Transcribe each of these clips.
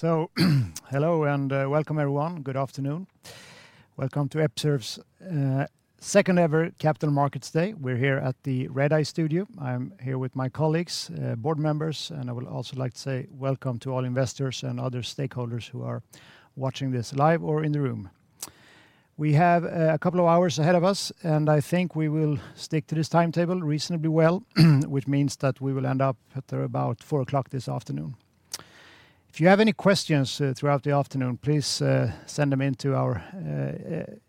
Hello and welcome everyone. Good afternoon. Welcome to Episurf's second ever Capital Markets Day. We're here at the Redeye Studio. I'm here with my colleagues, board members, and I would also like to say welcome to all investors and other stakeholders who are watching this live or in the room. We have a couple of hours ahead of us, and I think we will stick to this timetable reasonably well, which means that we will end up at about four o'clock this afternoon. If you have any questions throughout the afternoon, please send them to our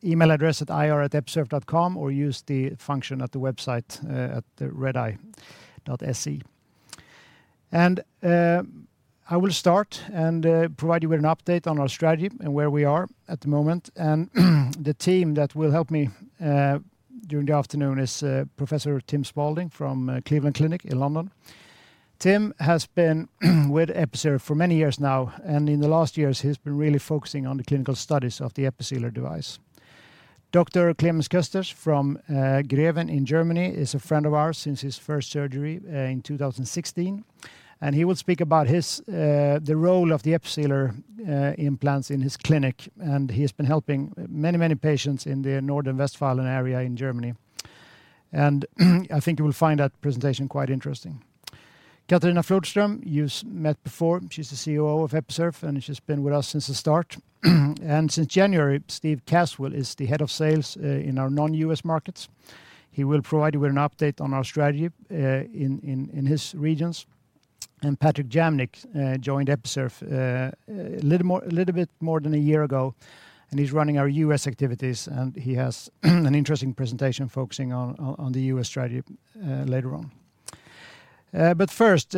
email address at ir@episurf.com or use the function at the website at the redeye.se. I will start and provide you with an update on our strategy and where we are at the moment, and the team that will help me during the afternoon is Professor Tim Spalding from Cleveland Clinic in London. Tim has been with Episurf for many years now, and in the last years he's been really focusing on the clinical studies of the Episealer device. Dr. Clemens Kösters from Greven in Germany is a friend of ours since his first surgery in 2016, and he will speak about the role of the Episealer implants in his clinic, and he has been helping many patients in the Nordrhein-Westfalen area in Germany, and I think you will find that presentation quite interesting. Katarina Flodström, you've met before. She's the COO of Episurf, and she's been with us since the start. Since January, Steve Caswell is the head of sales in our non-US markets. He will provide you with an update on our strategy in his regions. Patrick Jamnik joined Episurf Medical a little bit more than a year ago, and he's running our US activities, and he has an interesting presentation focusing on the US strategy later on. First,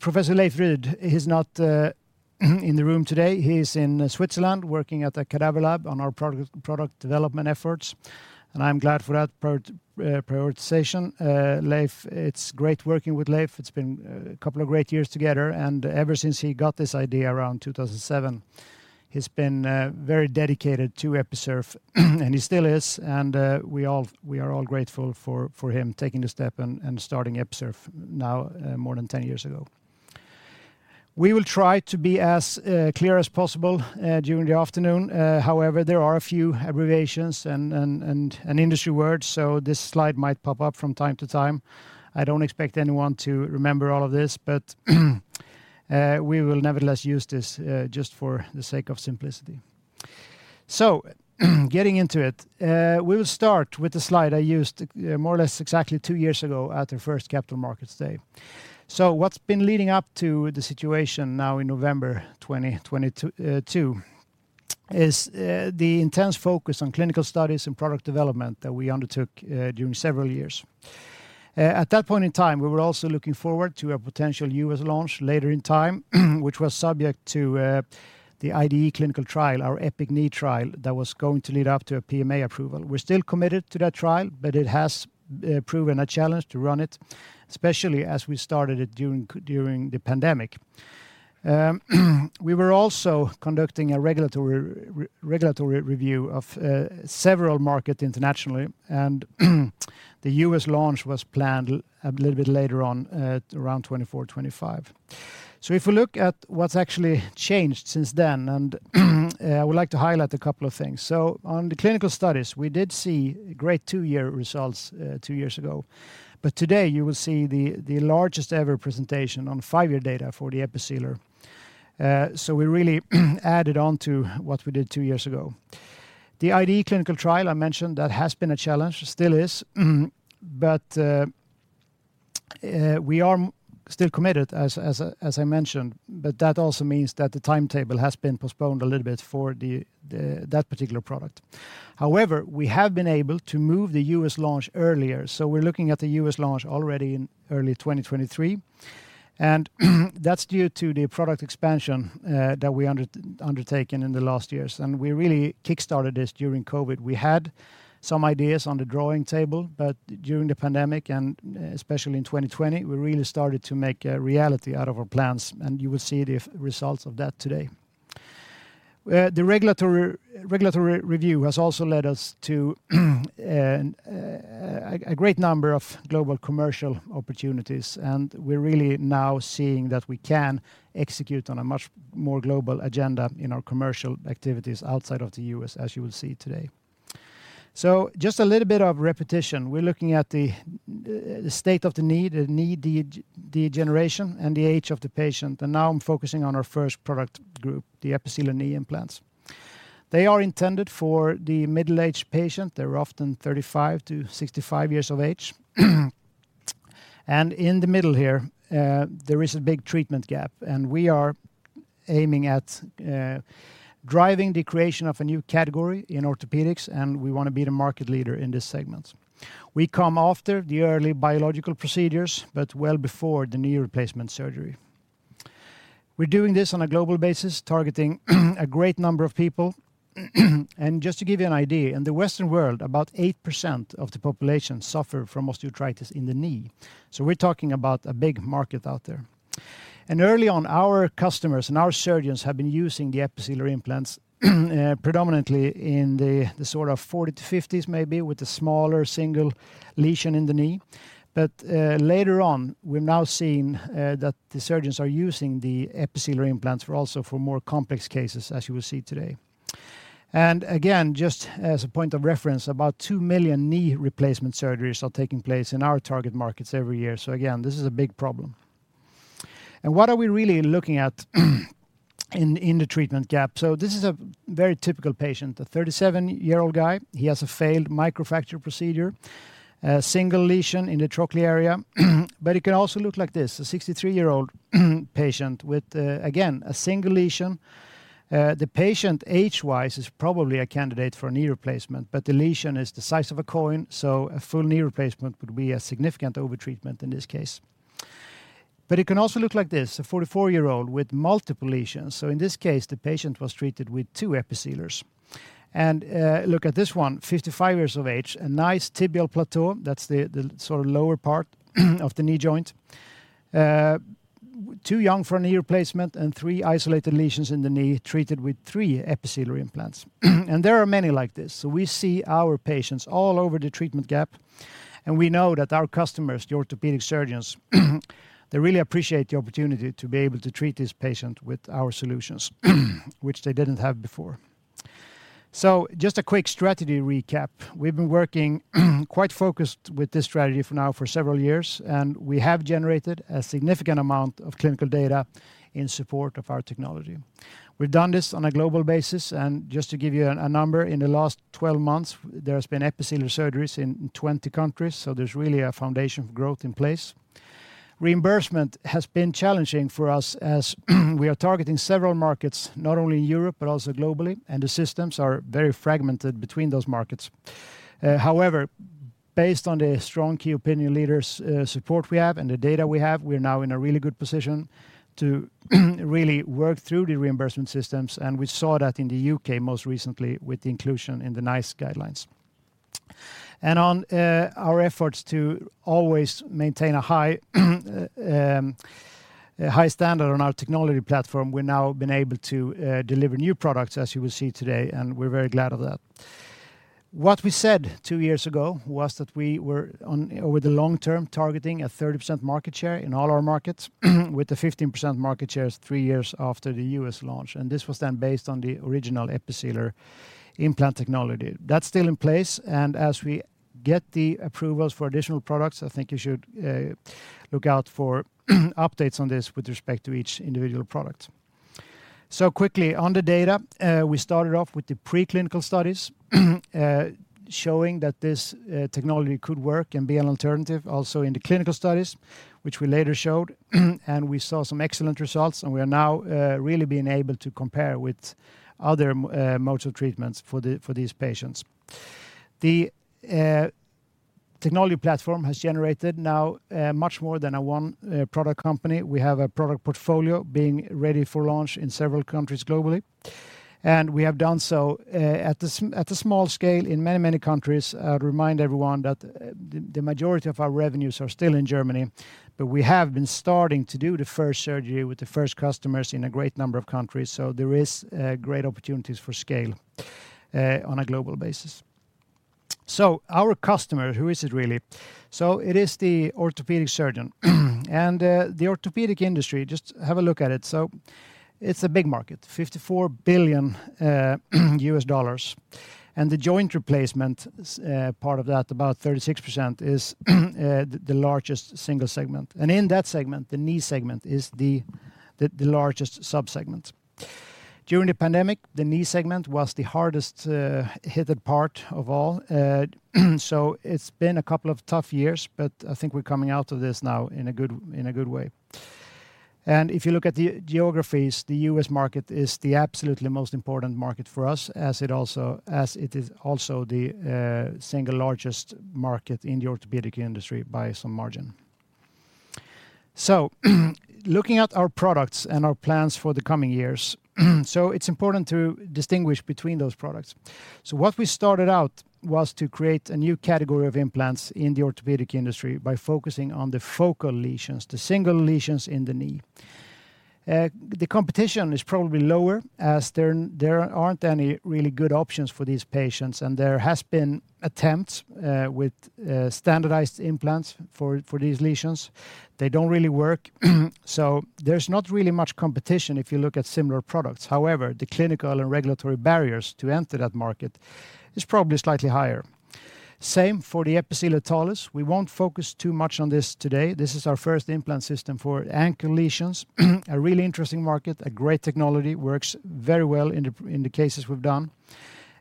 Professor Leif Ryd. He's not in the room today. He's in Switzerland working at a cadaver lab on our product development efforts, and I'm glad for that prioritization. Leif, it's great working with Leif. It's been a couple of great years together, and ever since he got this idea around 2017, he's been very dedicated to Episurf, and he still is, and we are all grateful for him taking the step and starting Episurf now more than 10 years ago. We will try to be as clear as possible during the afternoon. However, there are a few abbreviations and industry words, so this slide might pop up from time to time. I don't expect anyone to remember all of this, but we will nevertheless use this just for the sake of simplicity. Getting into it, we'll start with the slide I used more or less exactly 2 years ago at our first Capital Markets Day. What's been leading up to the situation now in November 2022 is the intense focus on clinical studies and product development that we undertook during several years. At that point in time, we were also looking forward to a potential U.S. launch later in time, which was subject to the IDE clinical trial, our EPIC-Knee trial, that was going to lead up to a PMA approval. We're still committed to that trial, but it has proven a challenge to run it, especially as we started it during the pandemic. We were also conducting a regulatory review of several markets internationally, and the U.S. launch was planned a little bit later on at around 2024, 2025. If we look at what's actually changed since then, and I would like to highlight a couple of things. On the clinical studies, we did see great two-year results two years ago. Today you will see the largest ever presentation on five-year data for the Episealer. We really added on to what we did two years ago. The IDE clinical trial I mentioned has been a challenge, still is, but we are still committed as I mentioned, but that also means that the timetable has been postponed a little bit for that particular product. However, we have been able to move the US launch earlier, so we're looking at the US launch already in early 2023, and that's due to the product expansion that we undertaken in the last years, and we really kickstarted this during COVID. We had some ideas on the drawing table, but during the pandemic, and especially in 2020, we really started to make a reality out of our plans, and you will see the results of that today. The regulatory review has also led us to a great number of global commercial opportunities, and we're really now seeing that we can execute on a much more global agenda in our commercial activities outside of the US, as you will see today. Just a little bit of repetition. We're looking at the state of the knee, the knee degeneration, and the age of the patient, and now I'm focusing on our first product group, the Episealer Knee implants. They are intended for the middle-aged patient. They're often 35-65 years of age. In the middle here, there is a big treatment gap, and we are aiming at, driving the creation of a new category in orthopedics, and we wanna be the market leader in this segment. We come after the early biological procedures but well before the knee replacement surgery. We're doing this on a global basis, targeting a great number of people. Just to give you an idea, in the Western world, about 8% of the population suffer from osteoarthritis in the knee, so we're talking about a big market out there. Early on, our customers and our surgeons have been using the Episealer implants predominantly in the sort of 40 to 50s maybe with a smaller single lesion in the knee. Later on, we're now seeing that the surgeons are using the Episealer implants also for more complex cases, as you will see today. Again, just as a point of reference, about 2 million knee replacement surgeries are taking place in our target markets every year. This is a big problem. What are we really looking at in the treatment gap? This is a very typical patient, a 37-year-old guy. He has a failed microfracture procedure, a single lesion in the trochlea area, but it can also look like this, a 63-year-old patient with again a single lesion. The patient age-wise is probably a candidate for a knee replacement, but the lesion is the size of a coin, so a full knee replacement would be a significant overtreatment in this case. It can also look like this, a 44-year-old with multiple lesions. In this case, the patient was treated with 2 Episealers. Look at this one, 55 years of age, a nice tibial plateau. That's the sort of lower part of the knee joint. Too young for a knee replacement and three isolated lesions in the knee treated with three Episealer implants. There are many like this. We see our patients all over the treatment gap, and we know that our customers, the orthopedic surgeons, they really appreciate the opportunity to be able to treat this patient with our solutions, which they didn't have before. Just a quick strategy recap. We've been working quite focused with this strategy for now for several years, and we have generated a significant amount of clinical data in support of our technology. We've done this on a global basis, and just to give you a number, in the last 12 months, there has been Episealer surgeries in 20 countries, so there's really a foundation for growth in place. Reimbursement has been challenging for us as we are targeting several markets, not only in Europe, but also globally, and the systems are very fragmented between those markets. However, based on the strong key opinion leaders support we have and the data we have, we are now in a really good position to really work through the reimbursement systems, and we saw that in the U.K. most recently with the inclusion in the NICE guidelines. On our efforts to always maintain a high standard on our technology platform, we're now been able to deliver new products, as you will see today, and we're very glad of that. What we said two years ago was that we were over the long term, targeting a 30% market share in all our markets with the 15% market shares three years after the US launch, and this was then based on the original Episealer implant technology. That's still in place, and as we get the approvals for additional products, I think you should look out for updates on this with respect to each individual product. Quickly on the data, we started off with the preclinical studies showing that this technology could work and be an alternative also in the clinical studies, which we later showed. We saw some excellent results, and we are now really being able to compare with other modes of treatments for these patients. The technology platform has generated now much more than a one product company. We have a product portfolio being ready for launch in several countries globally, and we have done so at a small scale in many countries. I would remind everyone that the majority of our revenues are still in Germany, but we have been starting to do the first surgery with the first customers in a great number of countries, so there is great opportunities for scale on a global basis. Our customer, who is it really? It is the orthopedic surgeon. The orthopedic industry, just have a look at it. It's a big market, $54 billion. The joint replacement is part of that, about 36% is the largest single segment. In that segment, the knee segment is the largest sub-segment. During the pandemic, the knee segment was the hardest hit part of all. It's been a couple of tough years, but I think we're coming out of this now in a good way. If you look at the geographies, the US market is the absolutely most important market for us as it is also the single largest market in the orthopedic industry by some margin. Looking at our products and our plans for the coming years, it's important to distinguish between those products. What we started out was to create a new category of implants in the orthopedic industry by focusing on the focal lesions, the single lesions in the knee. The competition is probably lower as there aren't any really good options for these patients, and there has been attempts with standardized implants for these lesions. They don't really work, so there's not really much competition if you look at similar products. However, the clinical and regulatory barriers to enter that market is probably slightly higher. Same for the Episealer Talus. We won't focus too much on this today. This is our first implant system for ankle lesions, a really interesting market, a great technology, works very well in the cases we've done.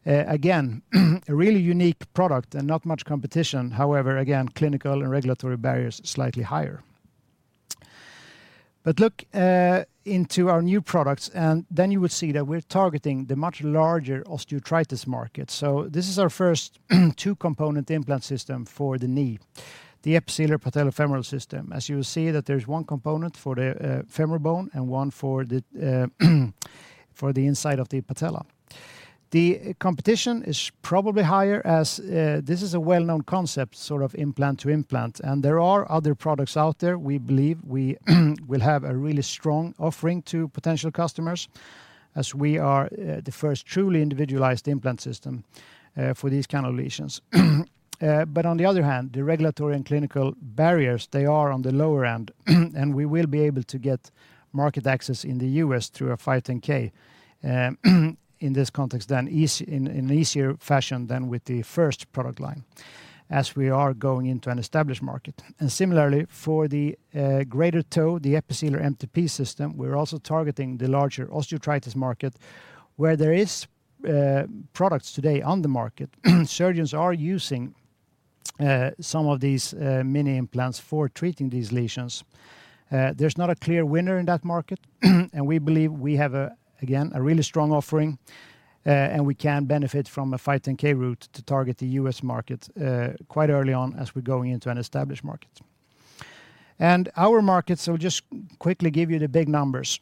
Again, a really unique product and not much competition. However, again, clinical and regulatory barriers slightly higher. Look into our new products, and then you would see that we're targeting the much larger osteoarthritis market. This is our first two-component implant system for the knee, the Episealer Patellofemoral System. As you will see that there's one component for the femoral bone and one for the inside of the patella. The competition is probably higher as this is a well-known concept, sort of implant to implant, and there are other products out there. We believe we will have a really strong offering to potential customers as we are the first truly individualized implant system for these kind of lesions. On the other hand, the regulatory and clinical barriers, they are on the lower end, and we will be able to get market access in the US through a 510(k), in this context then in easier fashion than with the first product line, as we are going into an established market. Similarly for the greater toe, the Episealer MTP system, we're also targeting the larger osteoarthritis market where there is products today on the market, surgeons are using some of these mini implants for treating these lesions. There's not a clear winner in that market, and we believe we have again a really strong offering, and we can benefit from a 510(k) route to target the US market quite early on as we're going into an established market. Our markets. Just quickly give you the big numbers.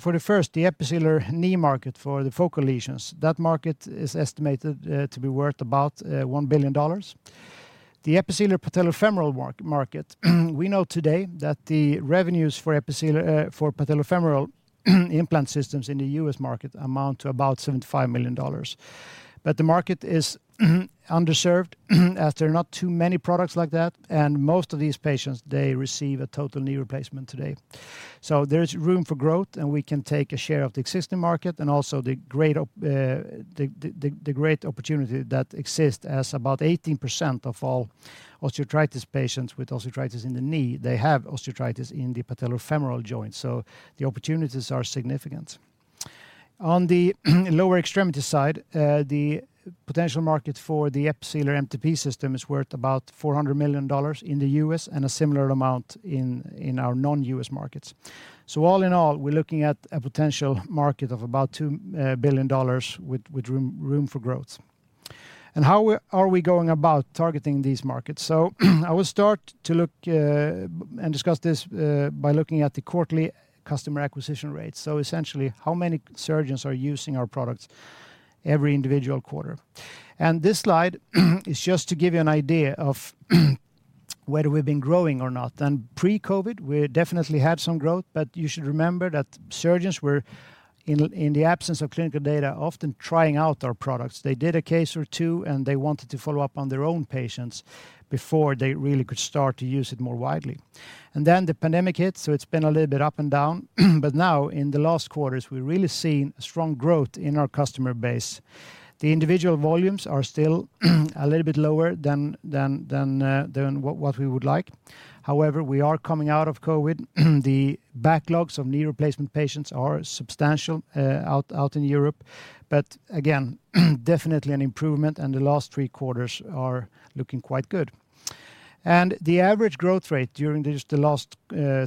For the first, the Episealer Knee market for the focal lesions, that market is estimated to be worth about $1 billion. The Episealer Patellofemoral market, we know today that the revenues for patellofemoral implant systems in the US market amount to about $75 million. The market is underserved, as there are not too many products like that, and most of these patients, they receive a total knee replacement today. There is room for growth, and we can take a share of the existing market and also the great opportunity that exists as about 18% of all osteoarthritis patients with osteoarthritis in the knee, they have osteoarthritis in the patellofemoral joint. The opportunities are significant. On the lower extremity side, the potential market for the Episealer MTP system is worth about $400 million in the US and a similar amount in our non-US markets. All in all, we're looking at a potential market of about $2 billion with room for growth. How are we going about targeting these markets? I will start to look and discuss this by looking at the quarterly customer acquisition rate. Essentially, how many surgeons are using our products every individual quarter. This slide is just to give you an idea of whether we've been growing or not. Pre-COVID, we definitely had some growth, but you should remember that surgeons were in the absence of clinical data, often trying out our products. They did a case or two, and they wanted to follow up on their own patients before they really could start to use it more widely. Then the pandemic hit, so it's been a little bit up and down. Now in the last quarters, we're really seeing strong growth in our customer base. The individual volumes are still a little bit lower than what we would like. However, we are coming out of COVID. The backlogs of knee replacement patients are substantial out in Europe. Again, definitely an improvement, and the last three quarters are looking quite good. The average growth rate during just the last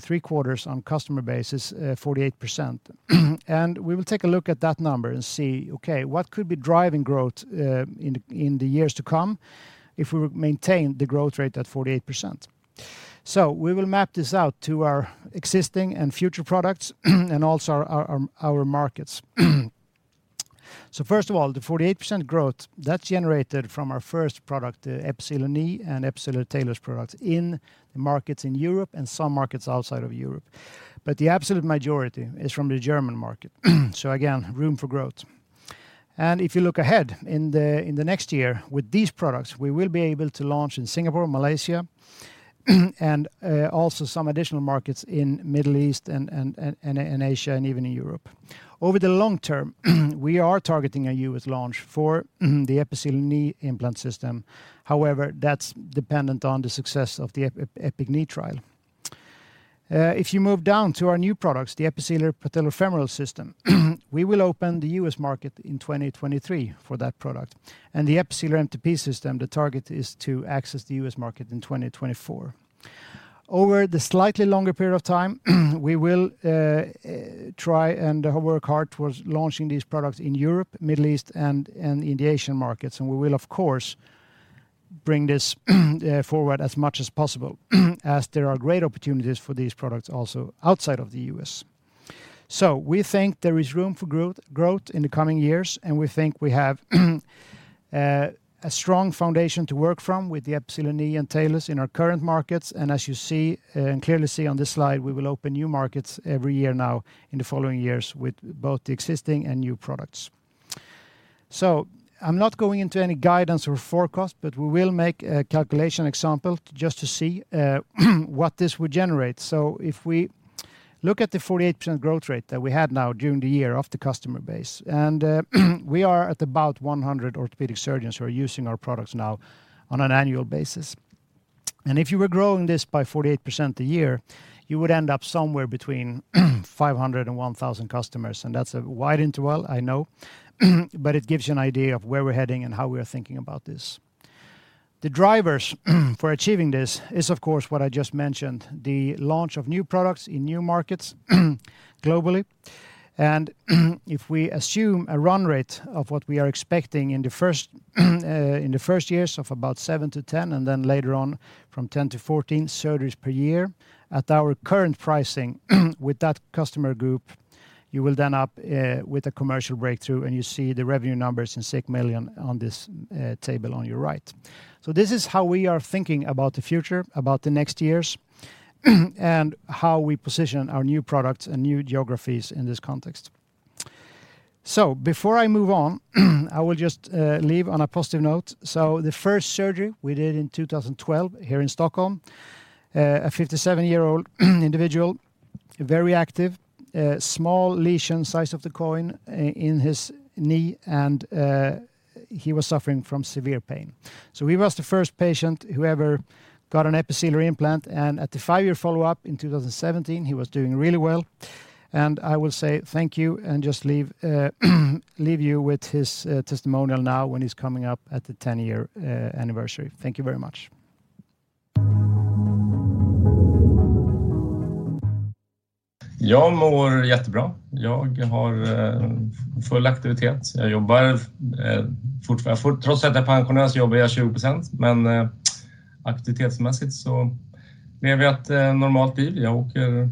three quarters on customer base is 48%. We will take a look at that number and see, okay, what could be driving growth in the years to come if we maintain the growth rate at 48%? We will map this out to our existing and future products and also our markets. First of all, the 48% growth, that's generated from our first product, the Episealer Knee and Episealer Talus products in the markets in Europe and some markets outside of Europe. The absolute majority is from the German market. Again, room for growth. If you look ahead in the next year with these products, we will be able to launch in Singapore, Malaysia, and also some additional markets in the Middle East and in Asia and even in Europe. Over the long term, we are targeting a US launch for the Episealer Knee implant system. However, that's dependent on the success of the EPIC-Knee trial. If you move down to our new products, the Episealer Patellofemoral System, we will open the US market in 2023 for that product. The Episealer MTP system, the target is to access the US market in 2024. Over the slightly longer period of time, we will try and work hard towards launching these products in Europe, Middle East and in the Asian markets. We will, of course, bring this forward as much as possible, as there are great opportunities for these products also outside of the US. We think there is room for growth in the coming years, and we think we have a strong foundation to work from with the Episealer Knee and Talus in our current markets. As you clearly see on this slide, we will open new markets every year now in the following years with both the existing and new products. I'm not going into any guidance or forecast, but we will make a calculation example just to see what this would generate. If we look at the 48% growth rate that we had now during the year of the customer base, and we are at about 100 orthopedic surgeons who are using our products now on an annual basis. If you were growing this by 48% a year, you would end up somewhere between 500-1,000 customers. That's a wide interval, I know, but it gives you an idea of where we're heading and how we are thinking about this. The drivers for achieving this is, of course, what I just mentioned, the launch of new products in new markets globally. If we assume a run rate of what we are expecting in the first years of about 7-10 and then later on from 10-14 surgeries per year, at our current pricing, with that customer group, you will then end up with a commercial breakthrough and you see the revenue numbers in million on this table on your right. This is how we are thinking about the future, about the next years, and how we position our new products and new geographies in this context. Before I move on, I will just leave on a positive note. The first surgery we did in 2012 here in Stockholm, a 57-year-old individual, very active, a small lesion size of a coin in his knee, and he was suffering from severe pain. He was the first patient who ever got an Episealer implant, and at the five-year follow-up in 2017, he was doing really well. I will say thank you and just leave you with his testimonial now when he's coming up at the 10-year anniversary. Thank you very much. Jag mår jättebra. Jag har full aktivitet. Jag jobbar fortfarande trots att jag är pensionär så jobbar jag 20 procent. Men aktivitetsmässigt så lever jag ett normalt liv. Jag åker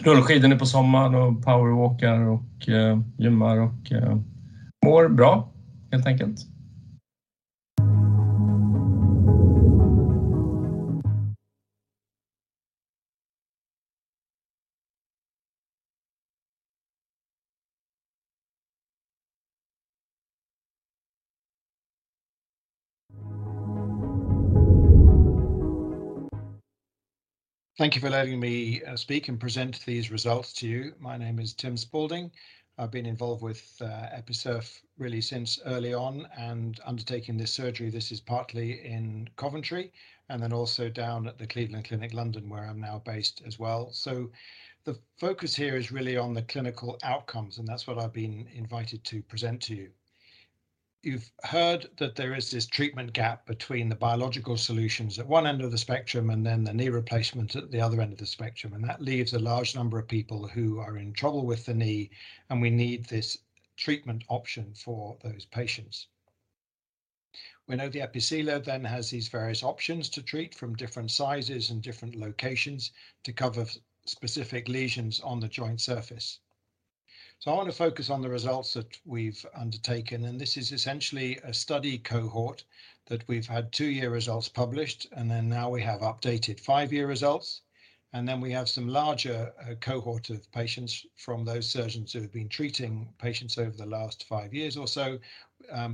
rullskidor nu på sommaren och powerwalkar och gymmar och mår bra, helt enkelt. Thank you for letting me speak and present these results to you. My name is Tim Spalding. I've been involved with Episurf really since early on, and undertaking this surgery. This is partly in Coventry, and then also down at the Cleveland Clinic London, where I'm now based as well. So the focus here is really on the clinical outcomes, and that's what I've been invited to present to you. You've heard that there is this treatment gap between the biological solutions at one end of the spectrum, and then the knee replacement at the other end of the spectrum. That leaves a large number of people who are in trouble with the knee, and we need this treatment option for those patients. We know the Episealer then has these various options to treat from different sizes and different locations to cover specific lesions on the joint surface. I want to focus on the results that we've undertaken, and this is essentially a study cohort that we've had two year results published, and then now we have updated 5-year results. We have some larger cohort of patients from those surgeons who have been treating patients over the last five years or so,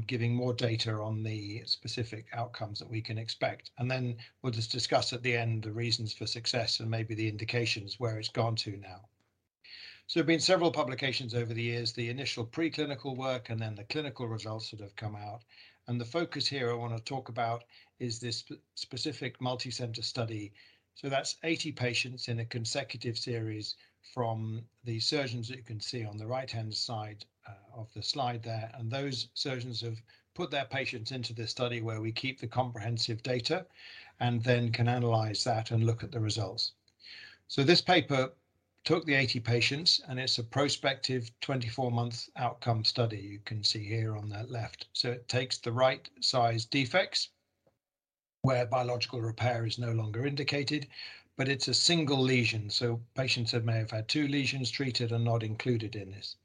giving more data on the specific outcomes that we can expect. We'll just discuss at the end the reasons for success and maybe the indications where it's gone to now. There have been several publications over the years, the initial preclinical work and then the clinical results that have come out. The focus here I want to talk about is this patient-specific multicenter study. That's 80 patients in a consecutive series from the surgeons that you can see on the right-hand side of the slide there. Those surgeons have put their patients into this study where we keep the comprehensive data and then can analyze that and look at the results. This paper took the 80 patients, and it's a prospective 24-month outcome study you can see here on that left. It takes the right size defects where biological repair is no longer indicated, but it's a single lesion. Patients that may have had two lesions treated are not included in this.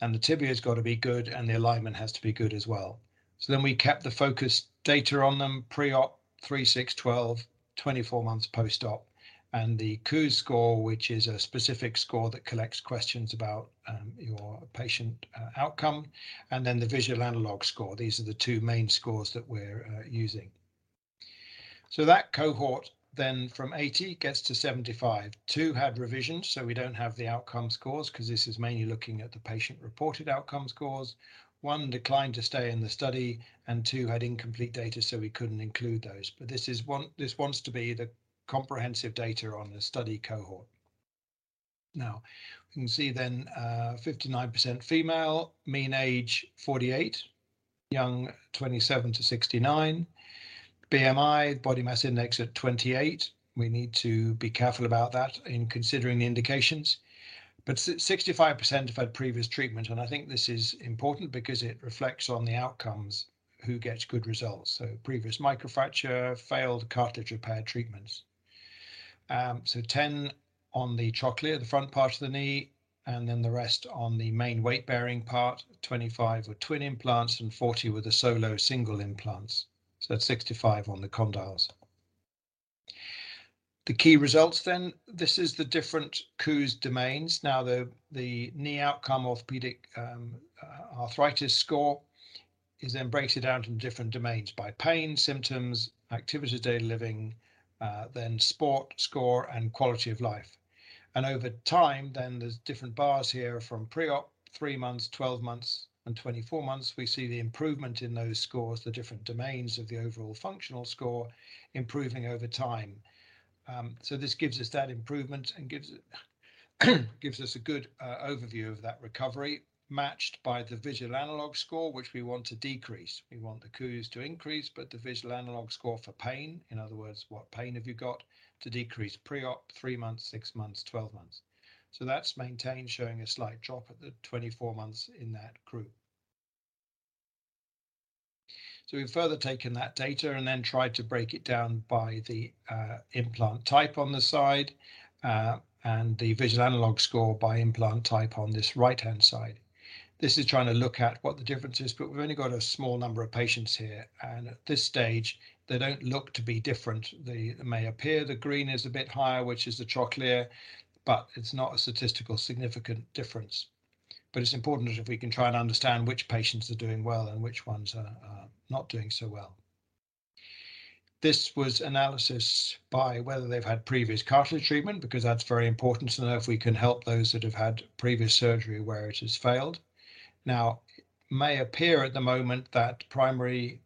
The tibia has got to be good, and the alignment has to be good as well. We kept the focus data on them pre-op, three, six, 12, 24 months post-op. The KOOS score, which is a specific score that collects questions about your patient outcome, and the visual analog score. These are the two main scores that we're using. That cohort then from 80 gets to 75. Two had revisions, so we don't have the outcome scores because this is mainly looking at the patient-reported outcomes scores. One declined to stay in the study, and two had incomplete data, so we couldn't include those. This wants to be the comprehensive data on the study cohort. Now, you can see then, 59% female, mean age 48, young 27-69. BMI, body mass index, at 28. We need to be careful about that in considering the indications. Sixty-five percent have had previous treatment, and I think this is important because it reflects on the outcomes, who gets good results. Previous microfracture, failed cartilage repair treatments. Ten on the trochlear, the front part of the knee, and then the rest on the main weight-bearing part. Twenty-five were twin implants, and forty were the solo single implants. That's sixty-five on the condyles. The key results then, this is the different KOOS domains. Now, the knee outcome orthopedic arthritis score is then breaks it down into different domains by pain, symptoms, activity of daily living, then sport score, and quality of life. Over time then, there's different bars here from pre-op, 3 months, 12 months, and 24 months. We see the improvement in those scores, the different domains of the overall functional score improving over time. This gives us that improvement and gives us a good overview of that recovery matched by the visual analog score, which we want to decrease. We want the KOOS to increase, but the visual analog score for pain, in other words, what pain have you got, to decrease pre-op, 3 months, 6 months, 12 months. That's maintained, showing a slight drop at the 24 months in that group. We've further taken that data and then tried to break it down by the implant type on the side, and the visual analog score by implant type on this right-hand side. This is trying to look at what the difference is, but we've only got a small number of patients here, and at this stage, they don't look to be different. They may appear the green is a bit higher, which is the trochlea, but it's not a statistically significant difference. It's important that if we can try and understand which patients are doing well and which ones are not doing so well. This was analysis by whether they've had previous cartilage treatment, because that's very important to know if we can help those that have had previous surgery where it has failed. Now, it may appear at the moment that primary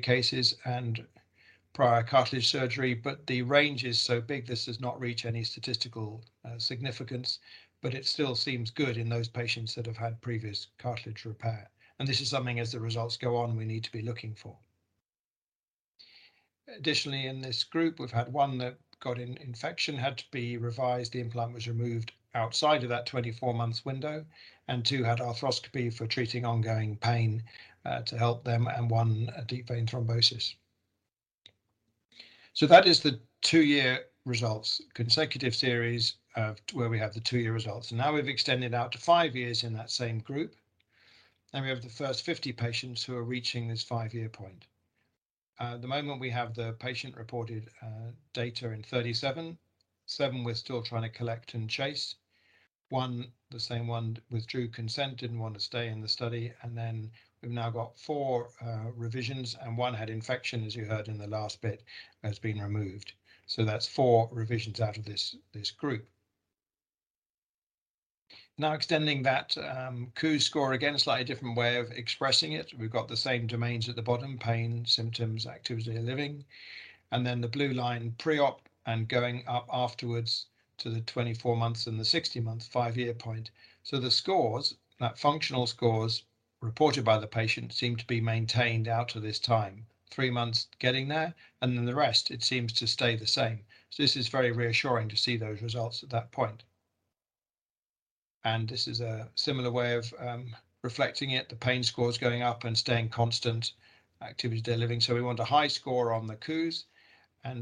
cases and prior cartilage surgery, but the range is so big, this does not reach any statistical significance, but it still seems good in those patients that have had previous cartilage repair. This is something, as the results go on, we need to be looking for. Additionally, in this group, we've had one that got an infection, had to be revised, the implant was removed outside of that 24-month window, and two had arthroscopy for treating ongoing pain, to help them, and one deep vein thrombosis. That is the 2-year results, consecutive series of where we have the 2-year results. Now we've extended out to 5 years in that same group, and we have the first 50 patients who are reaching this 5-year point. At the moment, we have the patient-reported data in 37. Seven we're still trying to collect and chase. One, the same one, withdrew consent, didn't want to stay in the study, and then we've now got four revisions and one had infection, as you heard in the last bit, that's been removed. That's four revisions out of this group. Now extending that, KOOS score, again, a slightly different way of expressing it. We've got the same domains at the bottom, pain, symptoms, activities of daily living. Then the blue line pre-op and going up afterwards to the 24 months and the 60-month, five-year point. The scores, that functional scores reported by the patient, seem to be maintained out to this time. 3 months getting there, and then the rest it seems to stay the same. This is very reassuring to see those results at that point. This is a similar way of reflecting it. The pain scores going up and staying constant. Activities of daily living. We want a high score on the KOOS.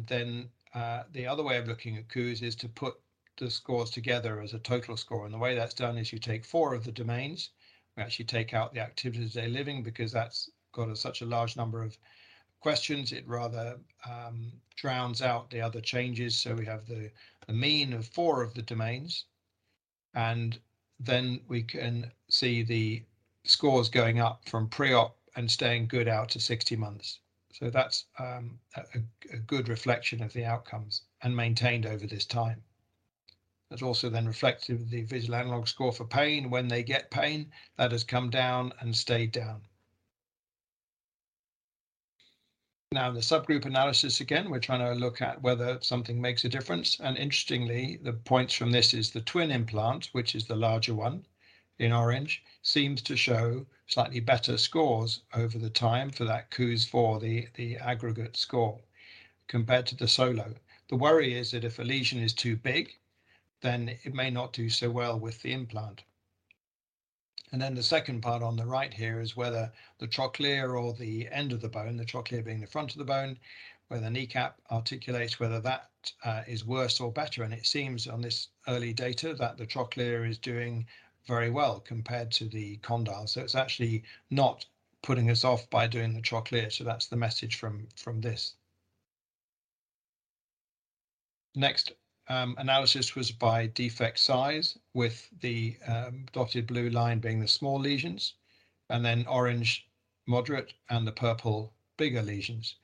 Then the other way of looking at KOOS is to put the scores together as a total score. The way that's done is you take four of the domains. We actually take out the activities of daily living because that's got such a large number of questions, it rather drowns out the other changes. We have the mean of four of the domains, and then we can see the scores going up from pre-op and staying good out to 60 months. That's a good reflection of the outcomes and maintained over this time. That's also then reflective of the visual analog score for pain. When they get pain, that has come down and stayed down. Now, the subgroup analysis. Again, we're trying to look at whether something makes a difference. Interestingly, the points from this is the twin implant, which is the larger one in orange, seems to show slightly better scores over the time for that KOOS-4, the aggregate score, compared to the solo. The worry is that if a lesion is too big, then it may not do so well with the implant. The second part on the right here is whether the trochlear or the end of the bone, the trochlear being the front of the bone where the kneecap articulates, whether that is worse or better. It seems on this early data that the trochlear is doing very well compared to the condyle. That's the message from this. Next, analysis was by defect size, with the dotted blue line being the small lesions, and then orange moderate, and the purple bigger lesions.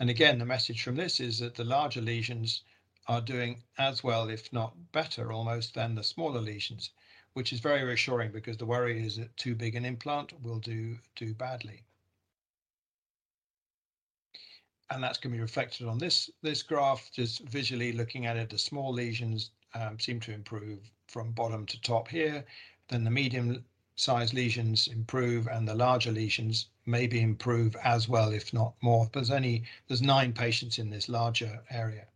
Again, the message from this is that the larger lesions are doing as well, if not better almost, than the smaller lesions, which is very reassuring because the worry is that too big an implant will do badly. That's gonna be reflected on this graph. Just visually looking at it, the small lesions seem to improve from bottom to top here. The medium-sized lesions improve and the larger lesions maybe improve as well, if not more. There's nine patients in this larger area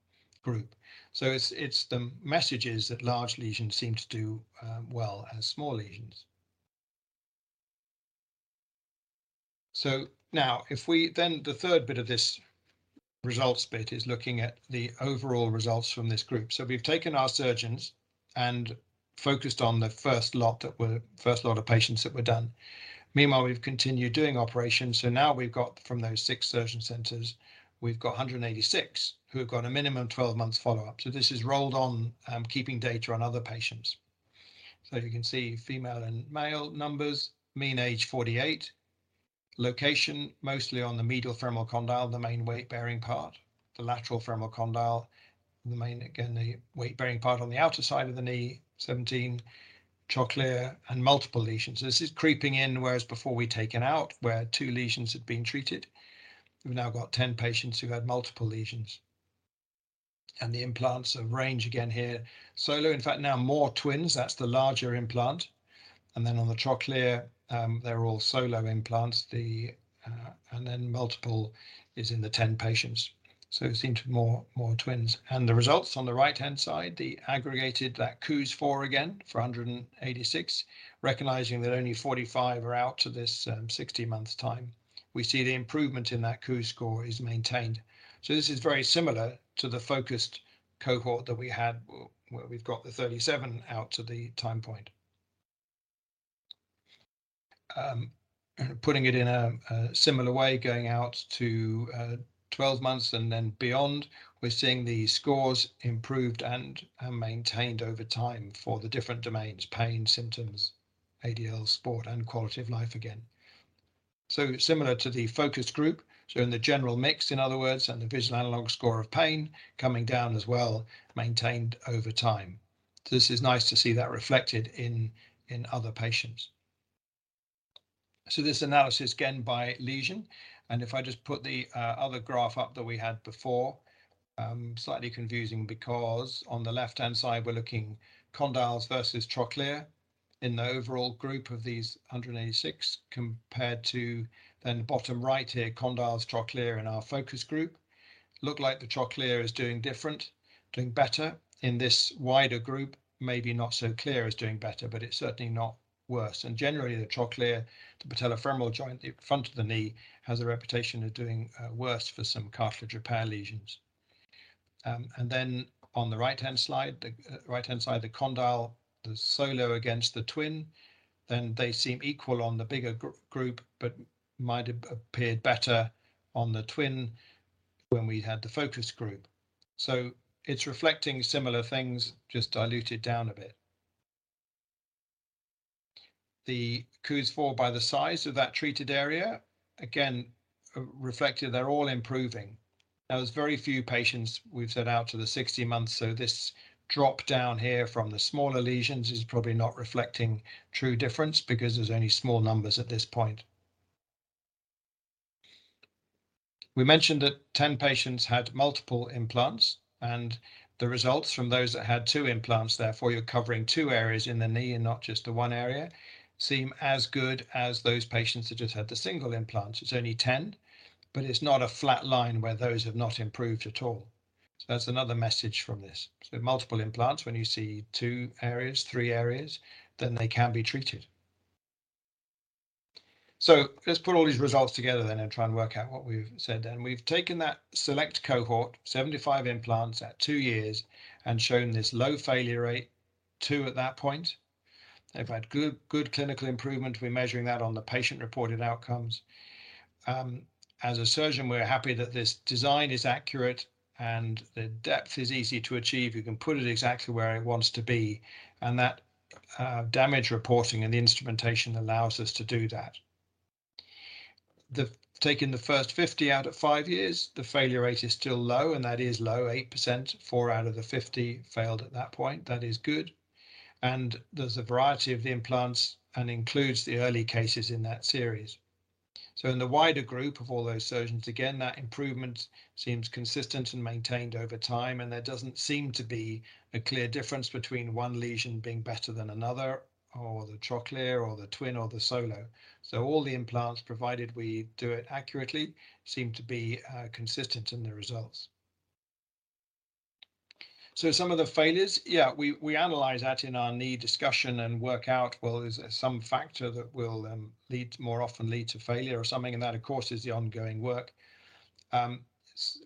group. It's the messages that large lesions seem to do well as small lesions. Now the third bit of this results bit is looking at the overall results from this group. We've taken our surgeons and focused on the first lot of patients that were done. Meanwhile, we've continued doing operations, so now we've got from those six surgeon centers, we've got 186 who have got a minimum 12 months follow-up. This is rolled on, keeping data on other patients. You can see female and male numbers. Mean age, 48. Location, mostly on the medial femoral condyle, the main weight-bearing part, the lateral femoral condyle, the main, again, the weight-bearing part on the outer side of the knee. 17 trochlear and multiple lesions. This is creeping in, whereas before we take it out, where two lesions had been treated. We've now got 10 patients who had multiple lesions. The implants in range again here. Solo, in fact now more twins, that's the larger implant. Then on the trochlear, they're all solo implants. Then multiple is in the 10 patients. It seemed more twins. The results on the right-hand side, the aggregated, that KOOS-4 again for 186, recognizing that only 45 are out to this 60-month time. We see the improvement in that KOOS score is maintained. This is very similar to the focused cohort that we had where we've got the 37 out to the time point. Putting it in a similar way, going out to 12 months and then beyond, we're seeing the scores improved and maintained over time for the different domains, pain, symptoms, ADL, sport, and quality of life again. Similar to the focus group, in the general mix, in other words, and the visual analog score of pain coming down as well, maintained over time. This is nice to see that reflected in other patients. This analysis again by lesion. If I just put the other graph up that we had before. Slightly confusing because on the left-hand side, we're looking condyles versus trochlear in the overall group of these 186 compared to then bottom right here, condyles, trochlear in our focus group. Look like the trochlear is doing different, doing better. In this wider group, maybe not so clear it's doing better, but it's certainly not worse. Generally, the trochlear, the patellofemoral joint, the front of the knee, has a reputation of doing worse for some cartilage repair lesions. On the right-hand slide, the right-hand side, the condyle, the smaller against the larger, they seem equal on the bigger group, but might have appeared better on the larger when we had the focus group. It's reflecting similar things, just diluted down a bit. The KOOS-4 by the size of that treated area, again, reflected they're all improving. Now, there's very few patients we've followed up to the 60 months, so this drop-down here from the smaller lesions is probably not reflecting true difference because there's only small numbers at this point. We mentioned that 10 patients had multiple implants, and the results from those that had 2 implants, therefore, you're covering two areas in the knee and not just the one area, seem as good as those patients that just had the single implants. It's only 10, but it's not a flat line where those have not improved at all. That's another message from this. Multiple implants, when you see two areas, three areas, then they can be treated. Let's put all these results together then and try and work out what we've said then. We've taken that select cohort, 75 implants at two years, and shown this low failure rate, two at that point. They've had good clinical improvement. We're measuring that on the patient-reported outcomes. As a surgeon, we're happy that this design is accurate and the depth is easy to achieve. You can put it exactly where it wants to be, and that damage reporting and the instrumentation allows us to do that. Taking the first 50 out of five years, the failure rate is still low, and that is low, 8%, four out of the 50 failed at that point. That is good. There's a variety of the implants and includes the early cases in that series. In the wider group of all those surgeons, again, that improvement seems consistent and maintained over time, and there doesn't seem to be a clear difference between one lesion being better than another or the trochlear or the twin or the solo. All the implants, provided we do it accurately, seem to be consistent in the results. Some of the failures, we analyze that in our knee discussion and work out, well, is there some factor that will lead more often lead to failure or something? That, of course, is the ongoing work.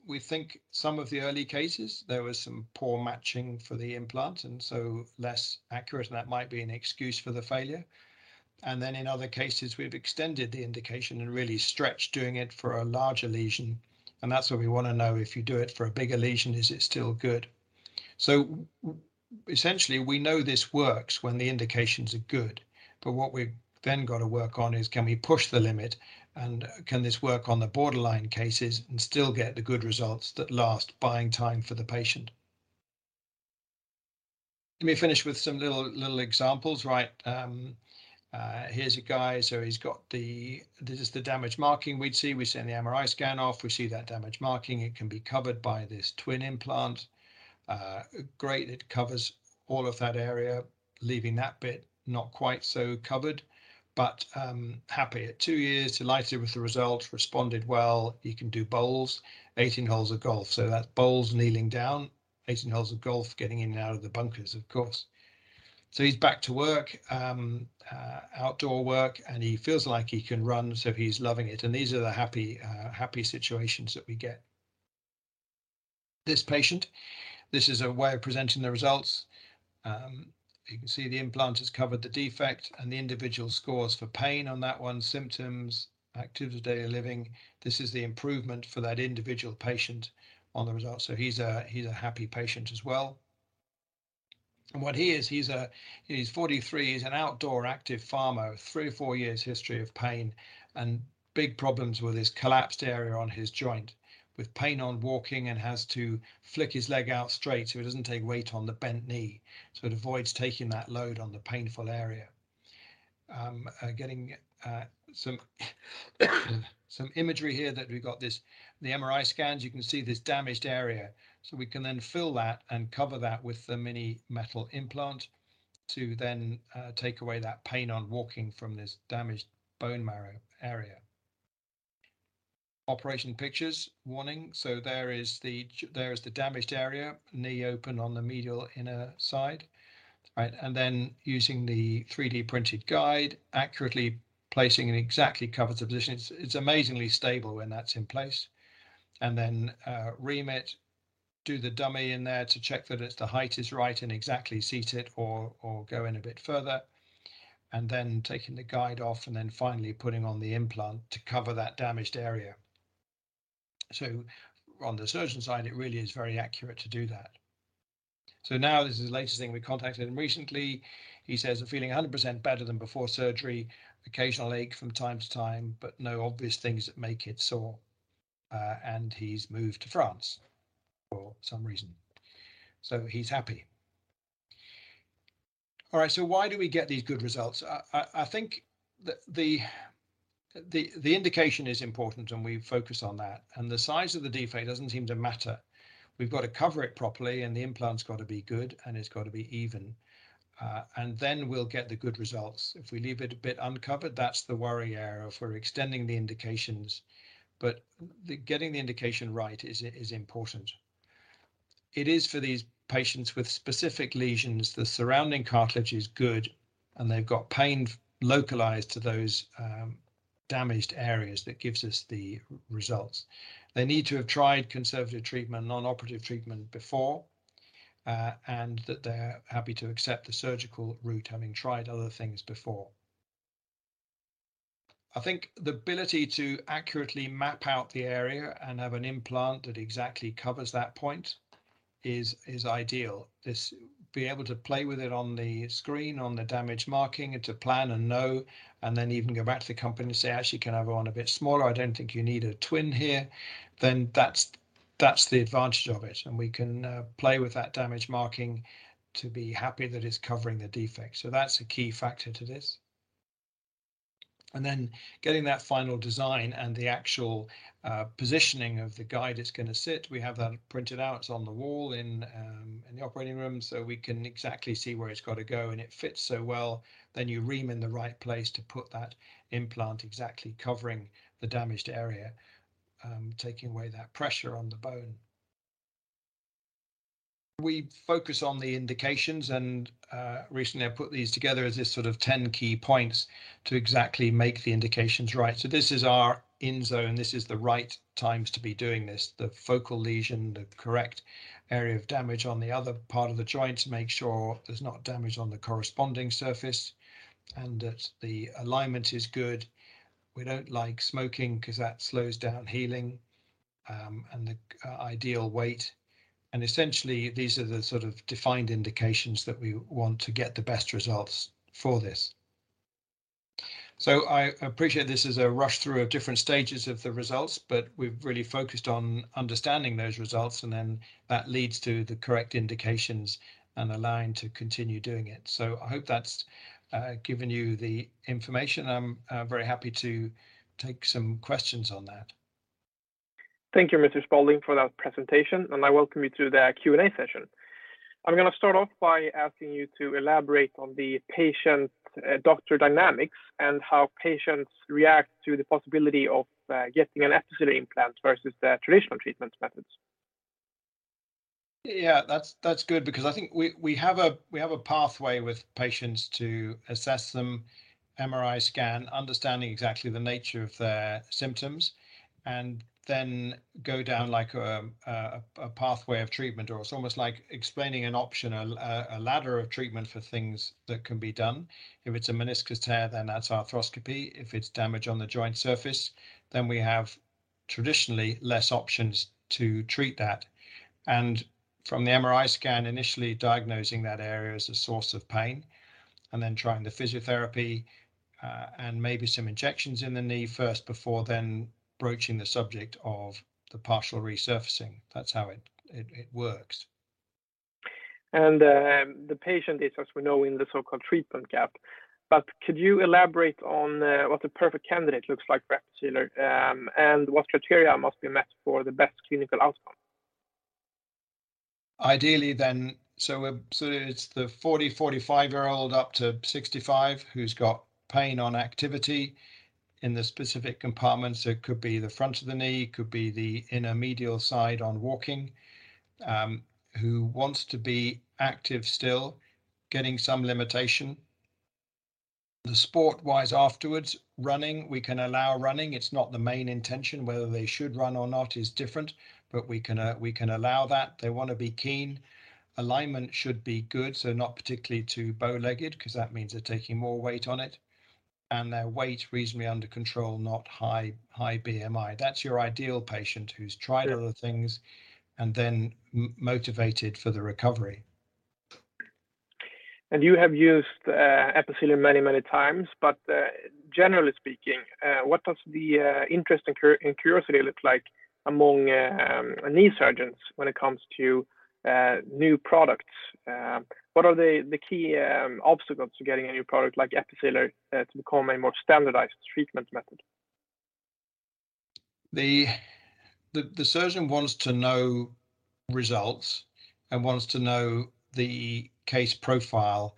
We think some of the early cases, there was some poor matching for the implant and so less accurate, and that might be an excuse for the failure. Then in other cases, we've extended the indication and really stretched doing it for a larger lesion, and that's what we wanna know. If you do it for a bigger lesion, is it still good? Essentially, we know this works when the indications are good, but what we've then gotta work on is can we push the limit, and can this work on the borderline cases and still get the good results that last, buying time for the patient? Let me finish with some little examples, right. Here's a guy. He's got the damage marking we'd see. We send the MRI scan off. We see that damage marking. It can be covered by this twin implant. Great. It covers all of that area, leaving that bit not quite so covered. Happy. At two years, delighted with the result, responded well. He can do bowls, 18 holes of golf. That's bowls, kneeling down, 18 holes of golf, getting in and out of the bunkers, of course. He's back to work, outdoor work, and he feels like he can run, so he's loving it, and these are the happy situations that we get. This patient, this is a way of presenting the results. You can see the implant has covered the defect and the individual scores for pain on that one, symptoms, activities of daily living. This is the improvement for that individual patient on the results. He's a happy patient as well. What he is, he's 43. He's an outdoor active farmer, three-four years history of pain and big problems with his collapsed area on his joint, with pain on walking and has to flick his leg out straight, so he doesn't take weight on the bent knee. It avoids taking that load on the painful area. Getting some imagery here that we've got this. The MRI scans, you can see this damaged area. We can then fill that and cover that with the mini metal implant to then take away that pain on walking from this damaged bone marrow area. Operation pictures, warning. There is the damaged area, knee open on the medial inner side, right? Then using the 3D printed guide, accurately placing in exactly covered position. It's amazingly stable when that's in place. Then ream it, do the dummy in there to check that the height is right and exactly seat it or go in a bit further. Then taking the guide off, then finally putting on the implant to cover that damaged area. On the surgeon side, it really is very accurate to do that. Now this is the latest thing. We contacted him recently. He says, "I'm feeling 100% better than before surgery. Occasional ache from time to time, but no obvious things that make it sore." He's moved to France for some reason. He's happy. All right, why do we get these good results? I think the indication is important, and we focus on that, and the size of the defect doesn't seem to matter. We've got to cover it properly, and the implant's got to be good, and it's got to be even. And then we'll get the good results. If we leave it a bit uncovered, that's the worry area for extending the indications. Getting the indication right is important. It is for these patients with specific lesions, the surrounding cartilage is good, and they've got pain localized to those damaged areas that gives us the results. They need to have tried conservative treatment, non-operative treatment before, and that they're happy to accept the surgical route, having tried other things before. I think the ability to accurately map out the area and have an implant that exactly covers that point is ideal. To be able to play with it on the screen on the damage marking and to plan and know and then even go back to the company and say, "Actually, can I have one a bit smaller? I don't think you need a twin here." That's the advantage of it, and we can play with that damage marking to be happy that it's covering the defect. That's a key factor to this. Getting that final design and the actual positioning of the guide it's gonna sit we have that printed out. It's on the wall in the operating room so we can exactly see where it's gotta go and it fits so well. You ream in the right place to put that implant, exactly covering the damaged area, taking away that pressure on the bone. We focus on the indications, and recently I've put these together as this sort of 10 key points to exactly make the indications right. This is our in zone. This is the right times to be doing this. The focal lesion, the correct area of damage on the other part of the joint to make sure there's not damage on the corresponding surface and that the alignment is good. We don't like smoking, 'cause that slows down healing, and the ideal weight. Essentially, these are the sort of defined indications that we want to get the best results for this. I appreciate this is a rush through of different stages of the results, but we've really focused on understanding those results, and then that leads to the correct indications and allowing to continue doing it. I hope that's given you the information. I'm very happy to take some questions on that. Thank you, Mr. Spalding, for that presentation, and I welcome you to the Q&A session. I'm gonna start off by asking you to elaborate on the patient-doctor dynamics and how patients react to the possibility of getting an Episealer implant versus the traditional treatment methods. Yeah, that's good because I think we have a pathway with patients to assess them, MRI scan, understanding exactly the nature of their symptoms, and then go down like a pathway of treatment. Or it's almost like explaining an option, a ladder of treatment for things that can be done. If it's a meniscus tear, then that's arthroscopy. If it's damage on the joint surface, then we have traditionally less options to treat that. From the MRI scan, initially diagnosing that area as a source of pain, and then trying the physiotherapy, and maybe some injections in the knee first before then broaching the subject of the partial resurfacing. That's how it works. The patient is, as we know, in the so-called treatment gap. Could you elaborate on what the perfect candidate looks like for Episealer, and what criteria must be met for the best clinical outcome? Ideally, it's the 40- to 45-year-old up to 65 who's got pain on activity in the specific compartments. It could be the front of the knee, it could be the inner medial side on walking, who wants to be active still, getting some limitation. The sport-wise afterwards, running, we can allow running. It's not the main intention. Whether they should run or not is different, but we can allow that. They wanna be keen. Alignment should be good, so not particularly too bow-legged, 'cause that means they're taking more weight on it. Their weight reasonably under control, not high BMI. That's your ideal patient who's tried other things and then motivated for the recovery. You have used Episealer many, many times, but generally speaking, what does the interest and curiosity look like among knee surgeons when it comes to new products? What are the key obstacles to getting a new product like Episealer to become a more standardized treatment method? The surgeon wants to know results and wants to know the case profile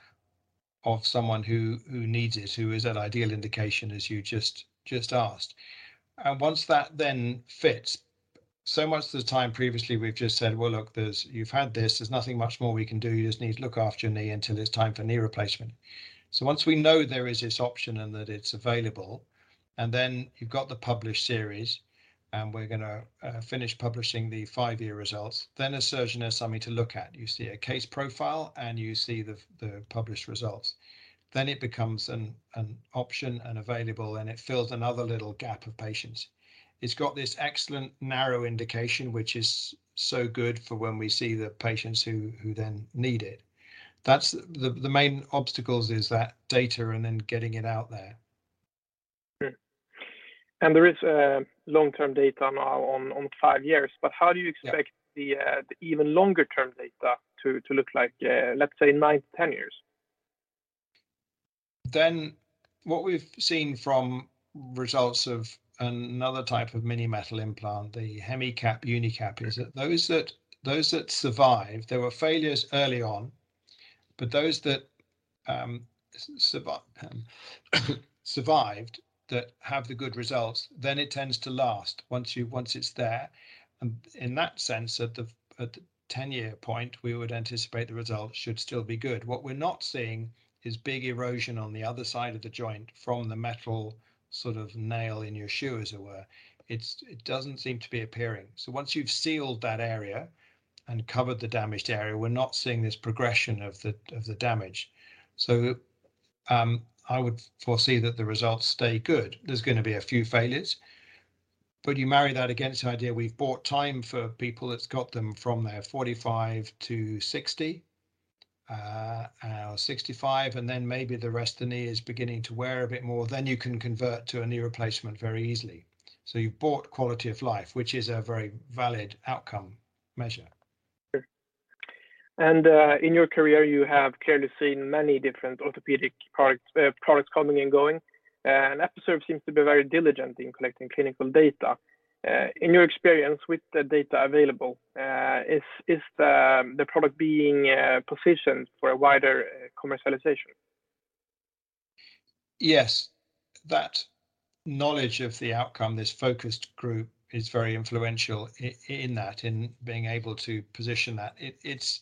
of someone who needs it, who is an ideal indication, as you just asked. Once that then fits, so much of the time previously, we've just said, "Well, look, there's. You've had this. There's nothing much more we can do. You just need to look after your knee until it's time for knee replacement." Once we know there is this option and that it's available, and then you've got the published series, and we're gonna finish publishing the five-year results, then a surgeon has something to look at. You see a case profile, and you see the published results. It becomes an option and available, and it fills another little gap of patients. It's got this excellent narrow indication, which is so good for when we see the patients who then need it. That's the main obstacles is that data and then getting it out there. There is long-term data now on five years. How do you- Yeah Expect the even longer-term data to look like, let's say in 9-10 years? What we've seen from results of another type of mini metal implant, the HemiCAP, UniCAP, is that those that survived, there were failures early on, but those that survived that have the good results, then it tends to last once it's there. In that sense, at the 10-year point, we would anticipate the results should still be good. What we're not seeing is big erosion on the other side of the joint from the metal sort of nail in your shoe, as it were. It doesn't seem to be appearing. Once you've sealed that area and covered the damaged area, we're not seeing this progression of the damage. I would foresee that the results stay good. There's gonna be a few failures, but you marry that against the idea we've bought time for people that's got them from their 45 to 60, or 65, and then maybe the rest of the knee is beginning to wear a bit more, then you can convert to a knee replacement very easily. You've bought quality of life, which is a very valid outcome measure. Sure. In your career, you have clearly seen many different orthopedic parts, products coming and going, and Episurf seems to be very diligent in collecting clinical data. In your experience with the data available, is the product being positioned for a wider commercialization? Yes. That knowledge of the outcome, this focused group, is very influential in that, in being able to position that. It's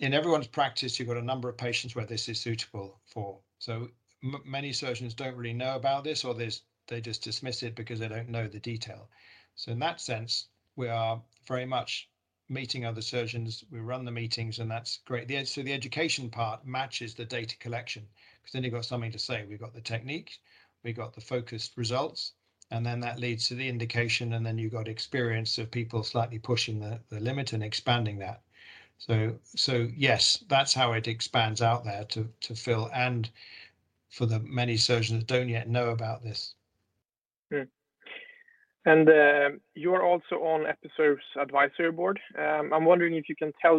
in everyone's practice, you've got a number of patients where this is suitable for. Many surgeons don't really know about this, or there's, they just dismiss it because they don't know the detail. In that sense, we are very much meeting other surgeons. We run the meetings, and that's great. The education part matches the data collection, 'cause then you've got something to say. We've got the technique, we've got the focused results, and then that leads to the indication, and then you've got experience of people slightly pushing the limit and expanding that. Yes, that's how it expands out there to Phil, and for the many surgeons that don't yet know about this. You're also on Episurf's advisory board. I'm wondering if you can tell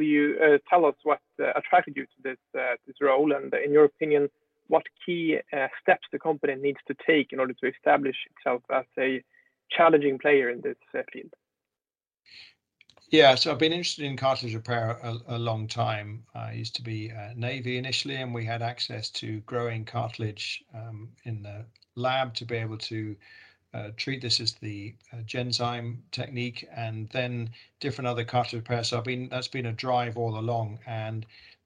us what attracted you to this role, and in your opinion, what key steps the company needs to take in order to establish itself as a challenging player in this field? Yeah. I've been interested in cartilage repair a long time. I used to be Navy initially, and we had access to growing cartilage in the lab to be able to treat this as the Genzyme technique, and then different other cartilage repairs. That's been a drive all along.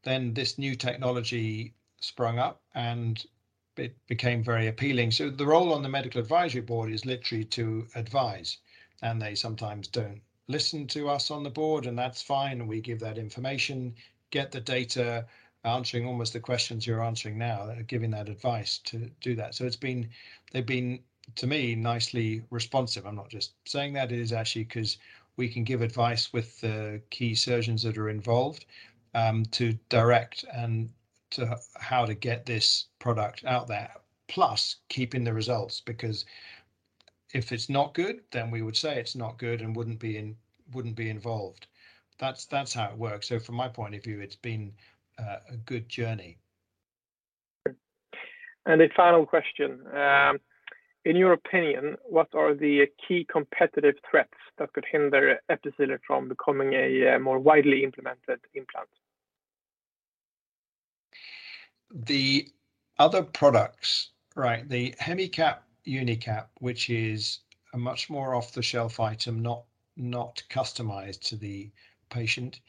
Then this new technology sprung up, and it became very appealing. The role on the medical advisory board is literally to advise, and they sometimes don't listen to us on the board, and that's fine. We give that information, get the data, answering almost the questions you're answering now, giving that advice to do that. It's been they've been, to me, nicely responsive. I'm not just saying that. It is actually, 'cause we can give advice with the key surgeons that are involved, to direct and to how to get this product out there. Plus keeping the results, because if it's not good, then we would say it's not good and wouldn't be involved. That's how it works. From my point of view, it's been a good journey. A final question. In your opinion, what are the key competitive threats that could hinder Episealer from becoming a more widely implemented implant? The other products, right? The HemiCAP, UniCAP, which is a much more off-the-shelf item, not customized to the patient,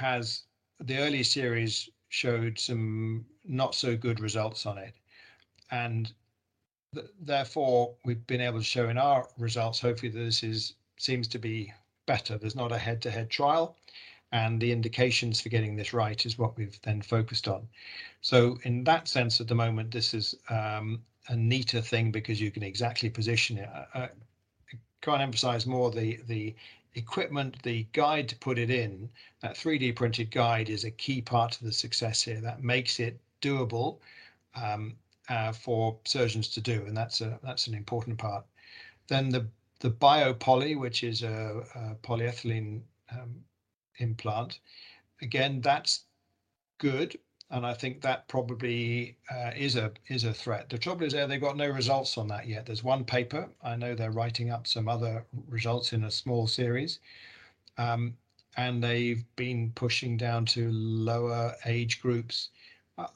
the early series showed some not so good results on it. Therefore, we've been able to show in our results, hopefully this seems to be better. There's not a head-to-head trial, and the indications for getting this right is what we've then focused on. In that sense, at the moment, this is a neater thing because you can exactly position it. I can't emphasize more the equipment, the guide to put it in. That 3D printed guide is a key part to the success here. That makes it doable for surgeons to do, and that's an important part. The BioPoly, which is a polyethylene implant. Again, that's good, and I think that probably is a threat. The trouble is there, they've got no results on that yet. There's one paper. I know they're writing up some other results in a small series. They've been pushing down to lower age groups.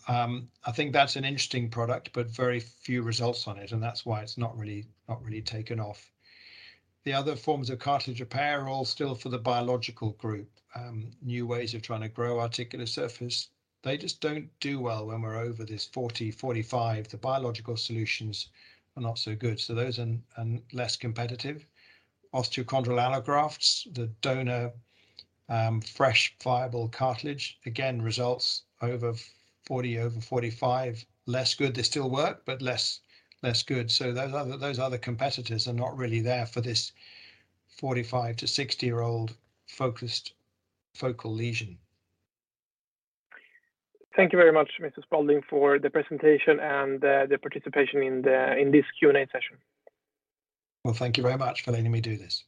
I think that's an interesting product, but very few results on it, and that's why it's not really taken off. The other forms of cartilage repair are all still for the biological group. New ways of trying to grow articular surface. They just don't do well when we're over this 45. The biological solutions are not so good, so those are less competitive. Osteochondral allografts, the donor fresh, viable cartilage, again, results over 45, less good. They still work, but less good. Those other competitors are not really there for this 45-60-year-old focused focal lesion. Thank you very much, Mr. Spalding, for the presentation and the participation in this Q&A session. Well, thank you very much for letting me do this.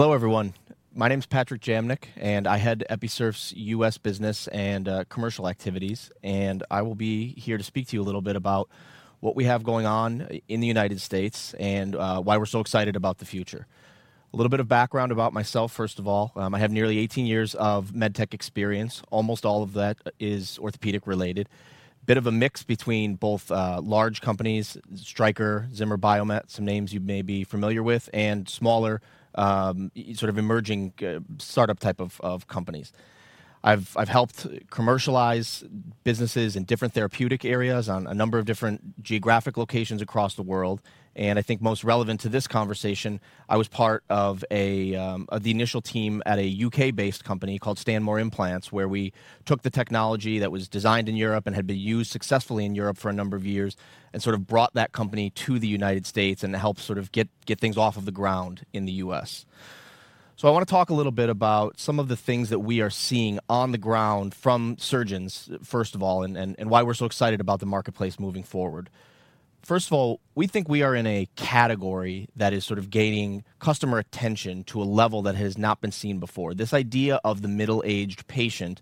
Hello, everyone. My name's Patrick Jamnik, and I head Episurf's US business and commercial activities, and I will be here to speak to you a little bit about what we have going on in the United States and why we're so excited about the future. A little bit of background about myself, first of all. I have nearly 18 years of med tech experience. Almost all of that is orthopedic-related. A bit of a mix between both large companies, Stryker, Zimmer Biomet, some names you may be familiar with, and smaller sort of emerging startup type of companies. I've helped commercialize businesses in different therapeutic areas on a number of different geographic locations across the world, and I think most relevant to this conversation, I was part of the initial team at a UK-based company called Stanmore Implants, where we took the technology that was designed in Europe and had been used successfully in Europe for a number of years and sort of brought that company to the United States and helped sort of get things off of the ground in the US. I wanna talk a little bit about some of the things that we are seeing on the ground from surgeons, first of all, and why we're so excited about the marketplace moving forward. First of all, we think we are in a category that is sort of gaining customer attention to a level that has not been seen before. This idea of the middle-aged patient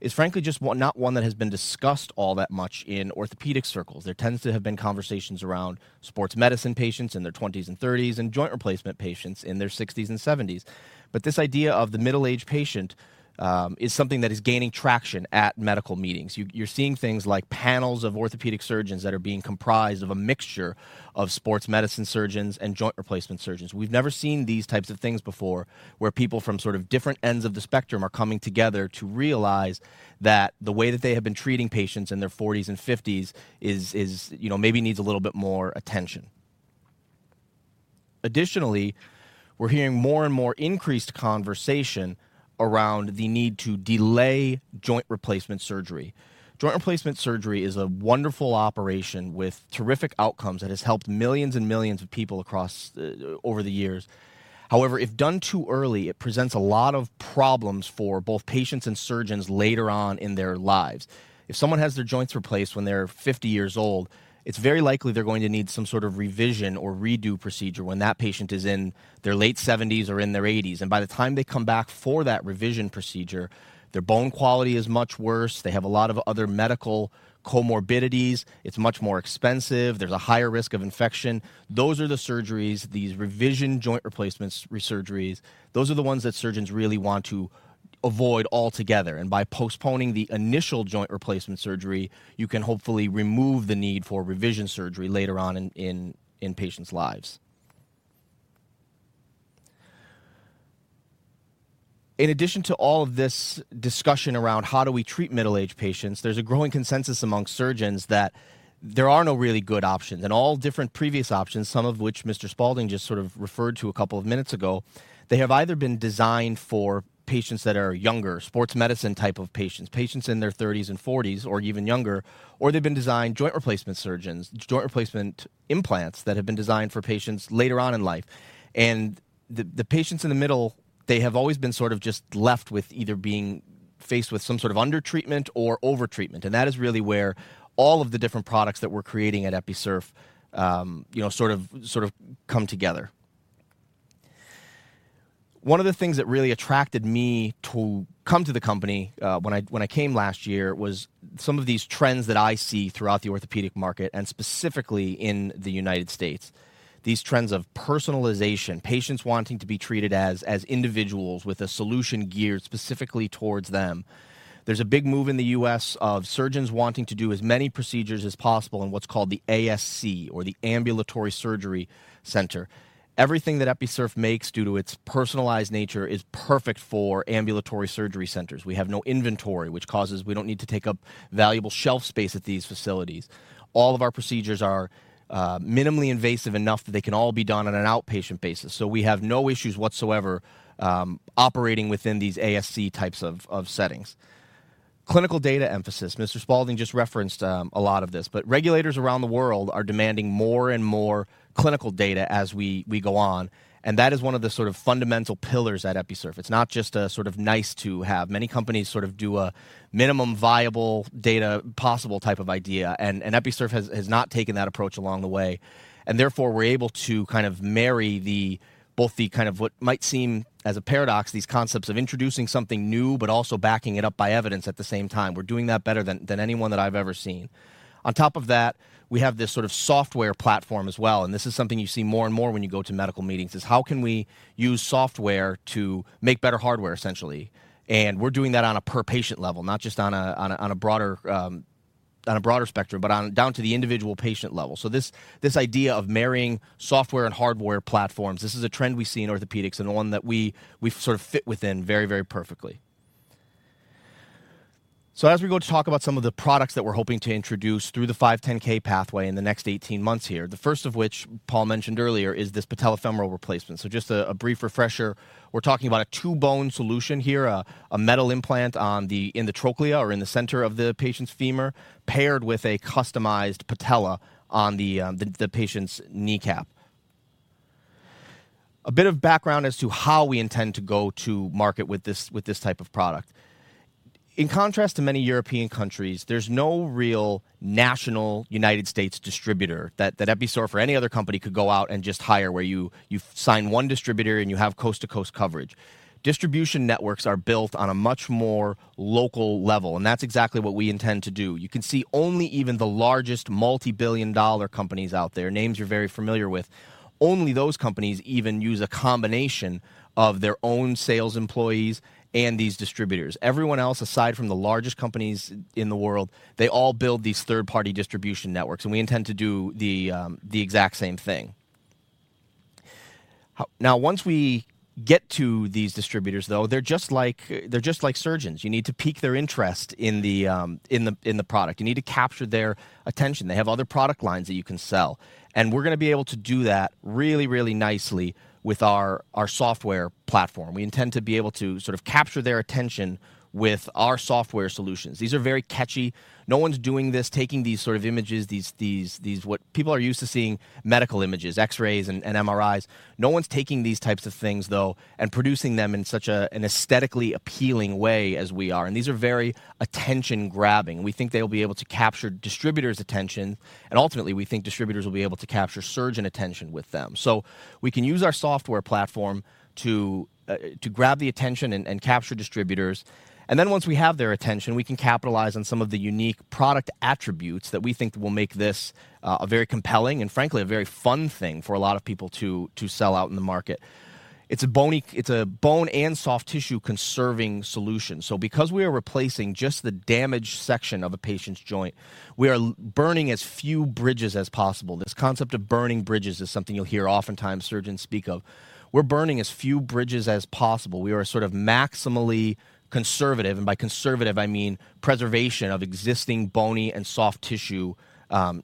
is frankly just one, not one that has been discussed all that much in orthopedic circles. There tends to have been conversations around sports medicine patients in their twenties and thirties and joint replacement patients in their sixties and seventies. This idea of the middle-aged patient is something that is gaining traction at medical meetings. You're seeing things like panels of orthopedic surgeons that are being comprised of a mixture of sports medicine surgeons and joint replacement surgeons. We've never seen these types of things before, where people from sort of different ends of the spectrum are coming together to realize that the way that they have been treating patients in their forties and fifties is, you know, maybe needs a little bit more attention. Additionally, we're hearing more and more increased conversation around the need to delay joint replacement surgery. Joint replacement surgery is a wonderful operation with terrific outcomes that has helped millions and millions of people across over the years. However, if done too early, it presents a lot of problems for both patients and surgeons later on in their lives. If someone has their joints replaced when they're 50 years old, it's very likely they're going to need some sort of revision or redo procedure when that patient is in their late 70s or in their 80s, and by the time they come back for that revision procedure, their bone quality is much worse. They have a lot of other medical comorbidities. It's much more expensive. There's a higher risk of infection. Those are the surgeries, these revision joint replacements resurgeries, those are the ones that surgeons really want to avoid altogether, and by postponing the initial joint replacement surgery, you can hopefully remove the need for revision surgery later on in patients' lives. In addition to all of this discussion around how do we treat middle-aged patients, there's a growing consensus among surgeons that there are no really good options, and all different previous options, some of which Professor Spalding just sort of referred to a couple of minutes ago, they have either been designed for patients that are younger, sports medicine type of patients in their thirties and forties or even younger, or joint replacement implants that have been designed for patients later on in life. The patients in the middle, they have always been sort of just left with either being faced with some sort of undertreatment or overtreatment, and that is really where all of the different products that we're creating at Episurf, you know, sort of, sort of come together. One of the things that really attracted me to come to the company, when I came last year, was some of these trends that I see throughout the orthopedic market and specifically in the United States, these trends of personalization, patients wanting to be treated as individuals with a solution geared specifically toward them. There's a big move in the U.S. of surgeons wanting to do as many procedures as possible in what's called the ASC or the ambulatory surgery center. Everything that Episurf makes, due to its personalized nature, is perfect for ambulatory surgery centers. We have no inventory, we don't need to take up valuable shelf space at these facilities. All of our procedures are minimally invasive enough that they can all be done on an outpatient basis, so we have no issues whatsoever operating within these ASC types of settings. Clinical data emphasis. Mr. Spalding just referenced a lot of this, but regulators around the world are demanding more and more clinical data as we go on, and that is one of the sort of fundamental pillars at Episurf. It's not just a sort of nice-to-have. Many companies sort of do a minimum viable data possible type of idea, and Episurf has not taken that approach along the way, and therefore, we're able to kind of marry the both the kind of what might seem as a paradox, these concepts of introducing something new but also backing it up by evidence at the same time. We're doing that better than anyone that I've ever seen. On top of that, we have this sort of software platform as well, and this is something you see more and more when you go to medical meetings, is how can we use software to make better hardware, essentially? We're doing that on a per-patient level, not just on a broader spectrum, but down to the individual patient level. This idea of marrying software and hardware platforms is a trend we see in orthopedics and one that we sort of fit within very, very perfectly. As we go to talk about some of the products that we're hoping to introduce through the 510K pathway in the next 18 months here, the first of which Paul mentioned earlier is this patellofemoral replacement. Just a brief refresher. We're talking about a two-bone solution here, a metal implant on the, in the trochlea or in the center of the patient's femur paired with a customized patella on the patient's kneecap. A bit of background as to how we intend to go to market with this type of product. In contrast to many European countries, there's no real national United States distributor that Episurf or any other company could go out and just hire where you sign one distributor and you have coast-to-coast coverage. Distribution networks are built on a much more local level, and that's exactly what we intend to do. You can see only even the largest multi-billion dollar companies out there, names you're very familiar with, only those companies even use a combination of their own sales employees and these distributors. Everyone else, aside from the largest companies in the world, they all build these third-party distribution networks, and we intend to do the exact same thing. Now, once we get to these distributors, though, they're just like surgeons. You need to pique their interest in the product. You need to capture their attention. They have other product lines that you can sell. We're going to be able to do that really, really nicely with our software platform. We intend to be able to sort of capture their attention with our software solutions. These are very catchy. No one's doing this, taking these sort of images, these what people are used to seeing medical images, X-rays and MRIs. No one's taking these types of things, though, and producing them in such an aesthetically appealing way as we are. These are very attention-grabbing. We think they'll be able to capture distributors' attention, and ultimately we think distributors will be able to capture surgeon attention with them. We can use our software platform to grab the attention and capture distributors. Once we have their attention, we can capitalize on some of the unique product attributes that we think will make this a very compelling and, frankly, a very fun thing for a lot of people to sell out in the market. It's a bone and soft tissue conserving solution. Because we are replacing just the damaged section of a patient's joint, we are burning as few bridges as possible. This concept of burning bridges is something you'll hear oftentimes surgeons speak of. We're burning as few bridges as possible. We are sort of maximally conservative. By conservative, I mean preservation of existing bony and soft tissue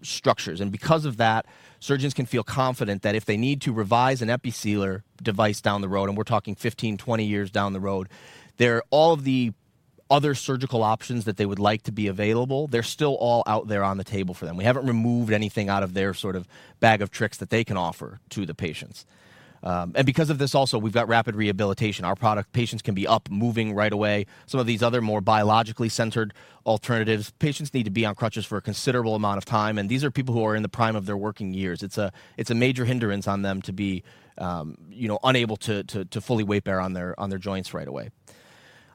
structures. Because of that, surgeons can feel confident that if they need to revise an Episealer device down the road, and we're talking 15, 20 years down the road, all of the other surgical options that they would like to be available, they're still all out there on the table for them. We haven't removed anything out of their sort of bag of tricks that they can offer to the patients. Because of this also, we've got rapid rehabilitation. Our product patients can be up moving right away. Some of these other more biologically centered alternatives, patients need to be on crutches for a considerable amount of time. These are people who are in the prime of their working years. It's a major hindrance on them to be unable to fully weight bear on their joints right away.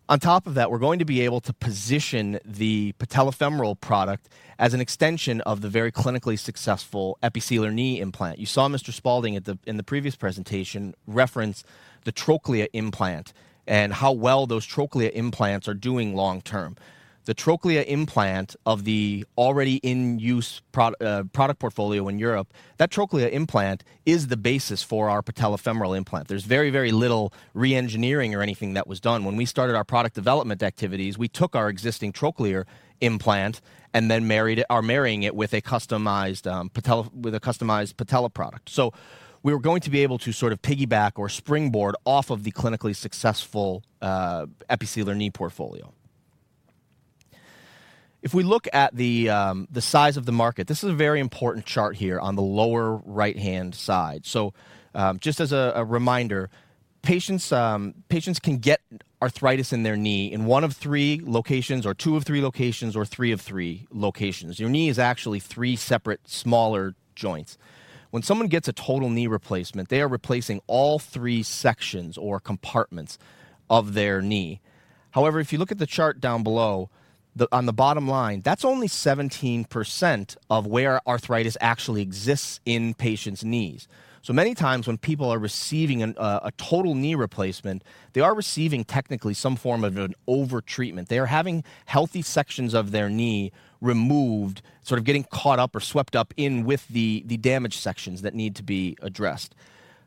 On top of that, we're going to be able to position the patellofemoral product as an extension of the very clinically successful Episealer knee implant. You saw Mr. Spalding in the previous presentation reference the trochlea implant and how well those trochlea implants are doing long term. The trochlea implant of the already in use product portfolio in Europe, that trochlea implant is the basis for our patellofemoral implant. There's very, very little re-engineering or anything that was done. When we started our product development activities, we took our existing trochlear implant and then are marrying it with a customized patella product. We were going to be able to sort of piggyback or springboard off of the clinically successful Episealer knee portfolio. If we look at the size of the market, this is a very important chart here on the lower right-hand side. Just as a reminder, patients can get arthritis in their knee in one of three locations or two of three locations or three of three locations. Your knee is actually three separate smaller joints. When someone gets a total knee replacement, they are replacing all three sections or compartments of their knee. However, if you look at the chart down below on the bottom line, that's only 17% of where arthritis actually exists in patients' knees. Many times when people are receiving a total knee replacement, they are receiving technically some form of an over-treatment. They are having healthy sections of their knee removed, sort of getting caught up or swept up in with the damaged sections that need to be addressed.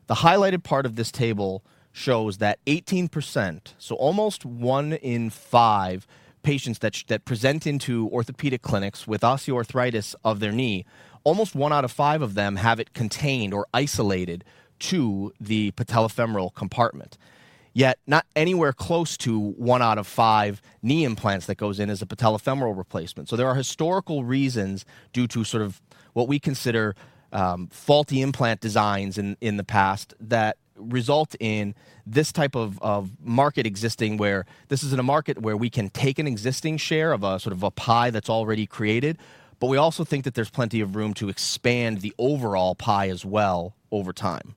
The highlighted part of this table shows that 18%, so almost one in five patients that present into orthopedic clinics with osteoarthritis of their knee, almost one out of five of them have it contained or isolated to the patellofemoral compartment. Yet not anywhere close to one out of five knee implants that goes in as a patellofemoral replacement. There are historical reasons due to sort of what we consider faulty implant designs in the past that result in this type of market existing where this is in a market where we can take an existing share of a sort of a pie that's already created, but we also think that there's plenty of room to expand the overall pie as well over time.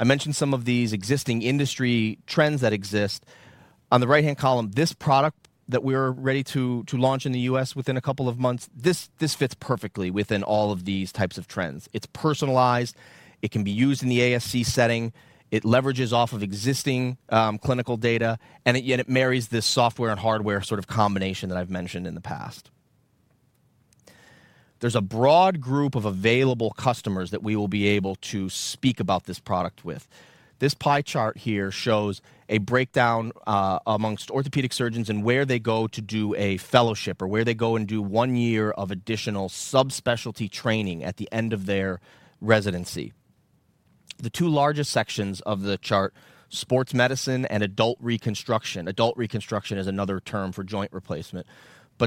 I mentioned some of these existing industry trends that exist. On the right-hand column, this product that we are ready to launch in the U.S. Within a couple of months, this fits perfectly within all of these types of trends. It's personalized. It can be used in the ASC setting. It leverages off of existing clinical data, and yet it marries this software and hardware sort of combination that I've mentioned in the past. There's a broad group of available customers that we will be able to speak about this product with. This pie chart here shows a breakdown among orthopedic surgeons and where they go to do a fellowship or where they go and do one year of additional subspecialty training at the end of their residency. The two largest sections of the chart, sports medicine and adult reconstruction. Adult reconstruction is another term for joint replacement.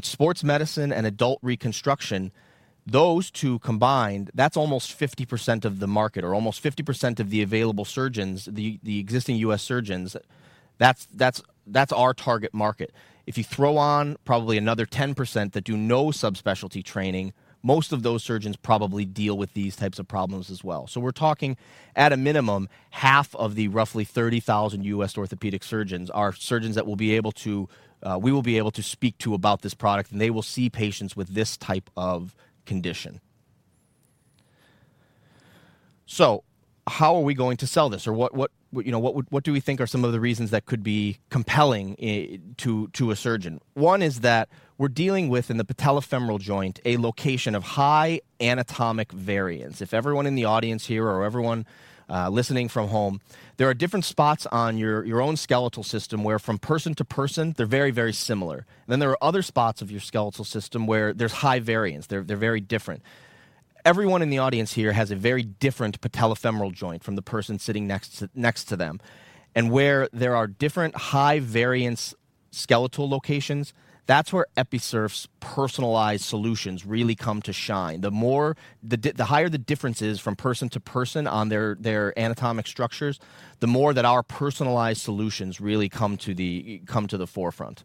Sports medicine and adult reconstruction, those two combined, that's almost 50% of the market or almost 50% of the available surgeons, the existing U.S. surgeons. That's our target market. If you throw on probably another 10% that do no subspecialty training, most of those surgeons probably deal with these types of problems as well. We're talking at a minimum half of the roughly 30,000 U.S. orthopedic surgeons are surgeons that we will be able to speak to about this product and they will see patients with this type of condition. How are we going to sell this or what do we think are some of the reasons that could be compelling to a surgeon? One is that we're dealing with in the patellofemoral joint a location of high anatomic variance. If everyone in the audience here or everyone listening from home, there are different spots on your own skeletal system where from person to person, they're very, very similar. Then there are other spots of your skeletal system where there's high variance. They're very different. Everyone in the audience here has a very different patellofemoral joint from the person sitting next to them. Where there are different high variance skeletal locations, that's where Episurf's personalized solutions really come to shine. The higher the difference is from person to person on their anatomic structures, the more that our personalized solutions really come to the forefront.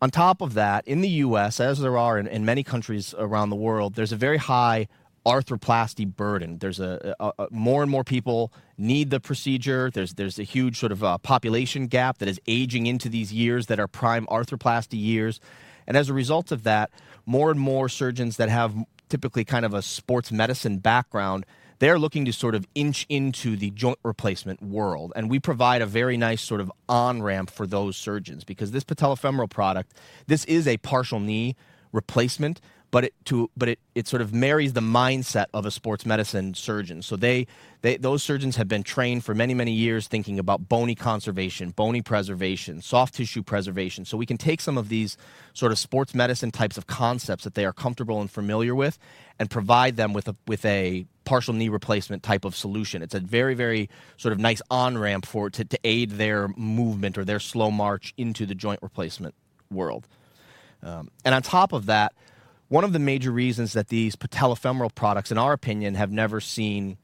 On top of that, in the U.S., as there are in many countries around the world, there's a very high arthroplasty burden. There's more and more people need the procedure. There's a huge sort of population gap that is aging into these years that are prime arthroplasty years. As a result of that, more and more surgeons that have typically kind of a sports medicine background, they're looking to sort of inch into the joint replacement world. We provide a very nice sort of on-ramp for those surgeons because this patellofemoral product, this is a partial knee replacement, but it sort of marries the mindset of a sports medicine surgeon. Those surgeons have been trained for many, many years thinking about bony conservation, bony preservation, soft tissue preservation. We can take some of these sort of sports medicine types of concepts that they are comfortable and familiar with and provide them with a partial knee replacement type of solution. It's a very, very sort of nice on-ramp to aid their movement or their slow march into the joint replacement world. On top of that, one of the major reasons that these patellofemoral products, in our opinion, have never seen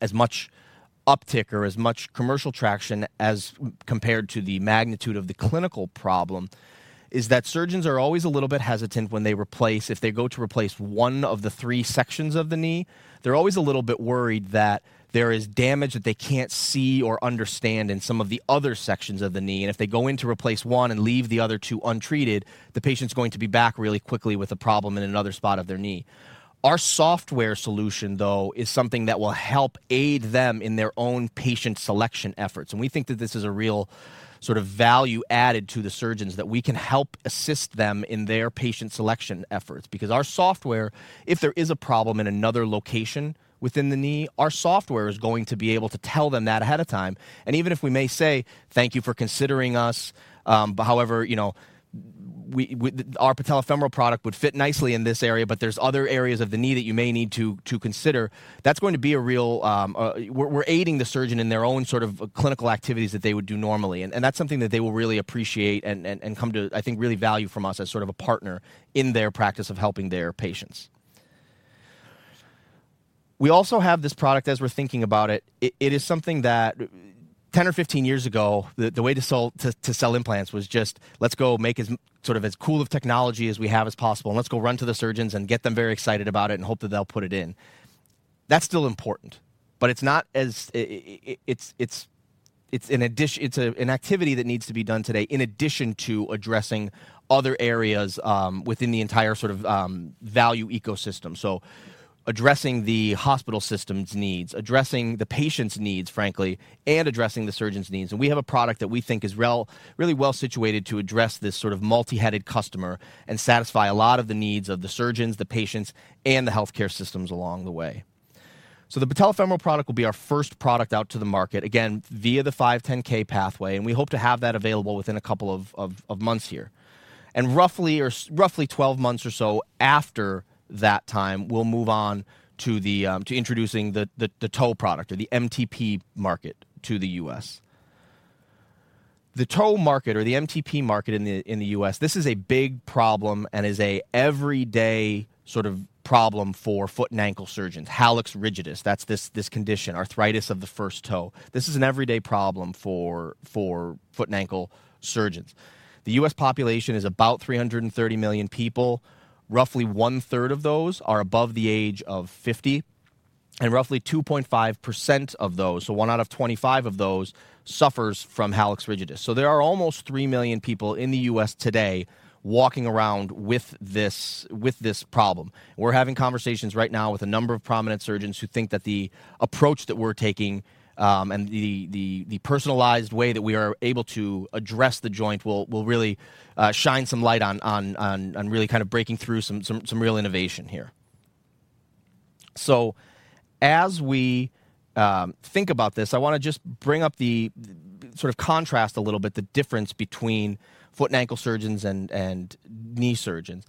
as much uptick or as much commercial traction as compared to the magnitude of the clinical problem is that surgeons are always a little bit hesitant when they replace, if they go to replace one of the three sections of the knee, they're always a little bit worried that there is damage that they can't see or understand in some of the other sections of the knee. If they go in to replace one and leave the other two untreated, the patient's going to be back really quickly with a problem in another spot of their knee. Our software solution, though, is something that will help aid them in their own patient selection efforts. We think that this is a real sort of value added to the surgeons that we can help assist them in their patient selection efforts. Because our software, if there is a problem in another location within the knee, our software is going to be able to tell them that ahead of time. Even if we may say, thank you for considering us, but however, you know, our patellofemoral product would fit nicely in this area, but there's other areas of the knee that you may need to consider, that's going to be a real, we're aiding the surgeon in their own sort of clinical activities that they would do normally. That's something that they will really appreciate and come to, I think, really value from us as sort of a partner in their practice of helping their patients. We also have this product as we're thinking about it. It is something that 10 or 15 years ago, the way to sell implants was just let's go make as sort of as cool of technology as we have as possible. Let's go run to the surgeons and get them very excited about it and hope that they'll put it in. That's still important, but it's not as, it's an activity that needs to be done today in addition to addressing other areas within the entire sort of value ecosystem. Addressing the hospital system's needs, addressing the patient's needs, frankly, and addressing the surgeon's needs. We have a product that we think is really well situated to address this sort of multi-headed customer and satisfy a lot of the needs of the surgeons, the patients, and the healthcare systems along the way. The patellofemoral product will be our first product out to the market, again, via the 510(k) pathway. We hope to have that available within a couple of months here. Roughly 12 months or so after that time, we'll move on to introducing the toe product or the MTP market to the U.S. The toe market or the MTP market in the U.S., this is a big problem and is an everyday sort of problem for foot and ankle surgeons. Hallux rigidus, that's this condition, arthritis of the first toe. This is an everyday problem for foot and ankle surgeons. The U.S. population is about 330 million people. Roughly one third of those are above the age of 50. Roughly 2.5% of those, so one out of 25 of those, suffers from hallux rigidus. There are almost three million people in the U.S. Today walking around with this problem. We're having conversations right now with a number of prominent surgeons who think that the approach that we're taking and the personalized way that we are able to address the joint will really shine some light on really kind of breaking through some real innovation here. As we think about this, I want to just bring up the sort of contrast a little bit, the difference between foot and ankle surgeons and knee surgeons.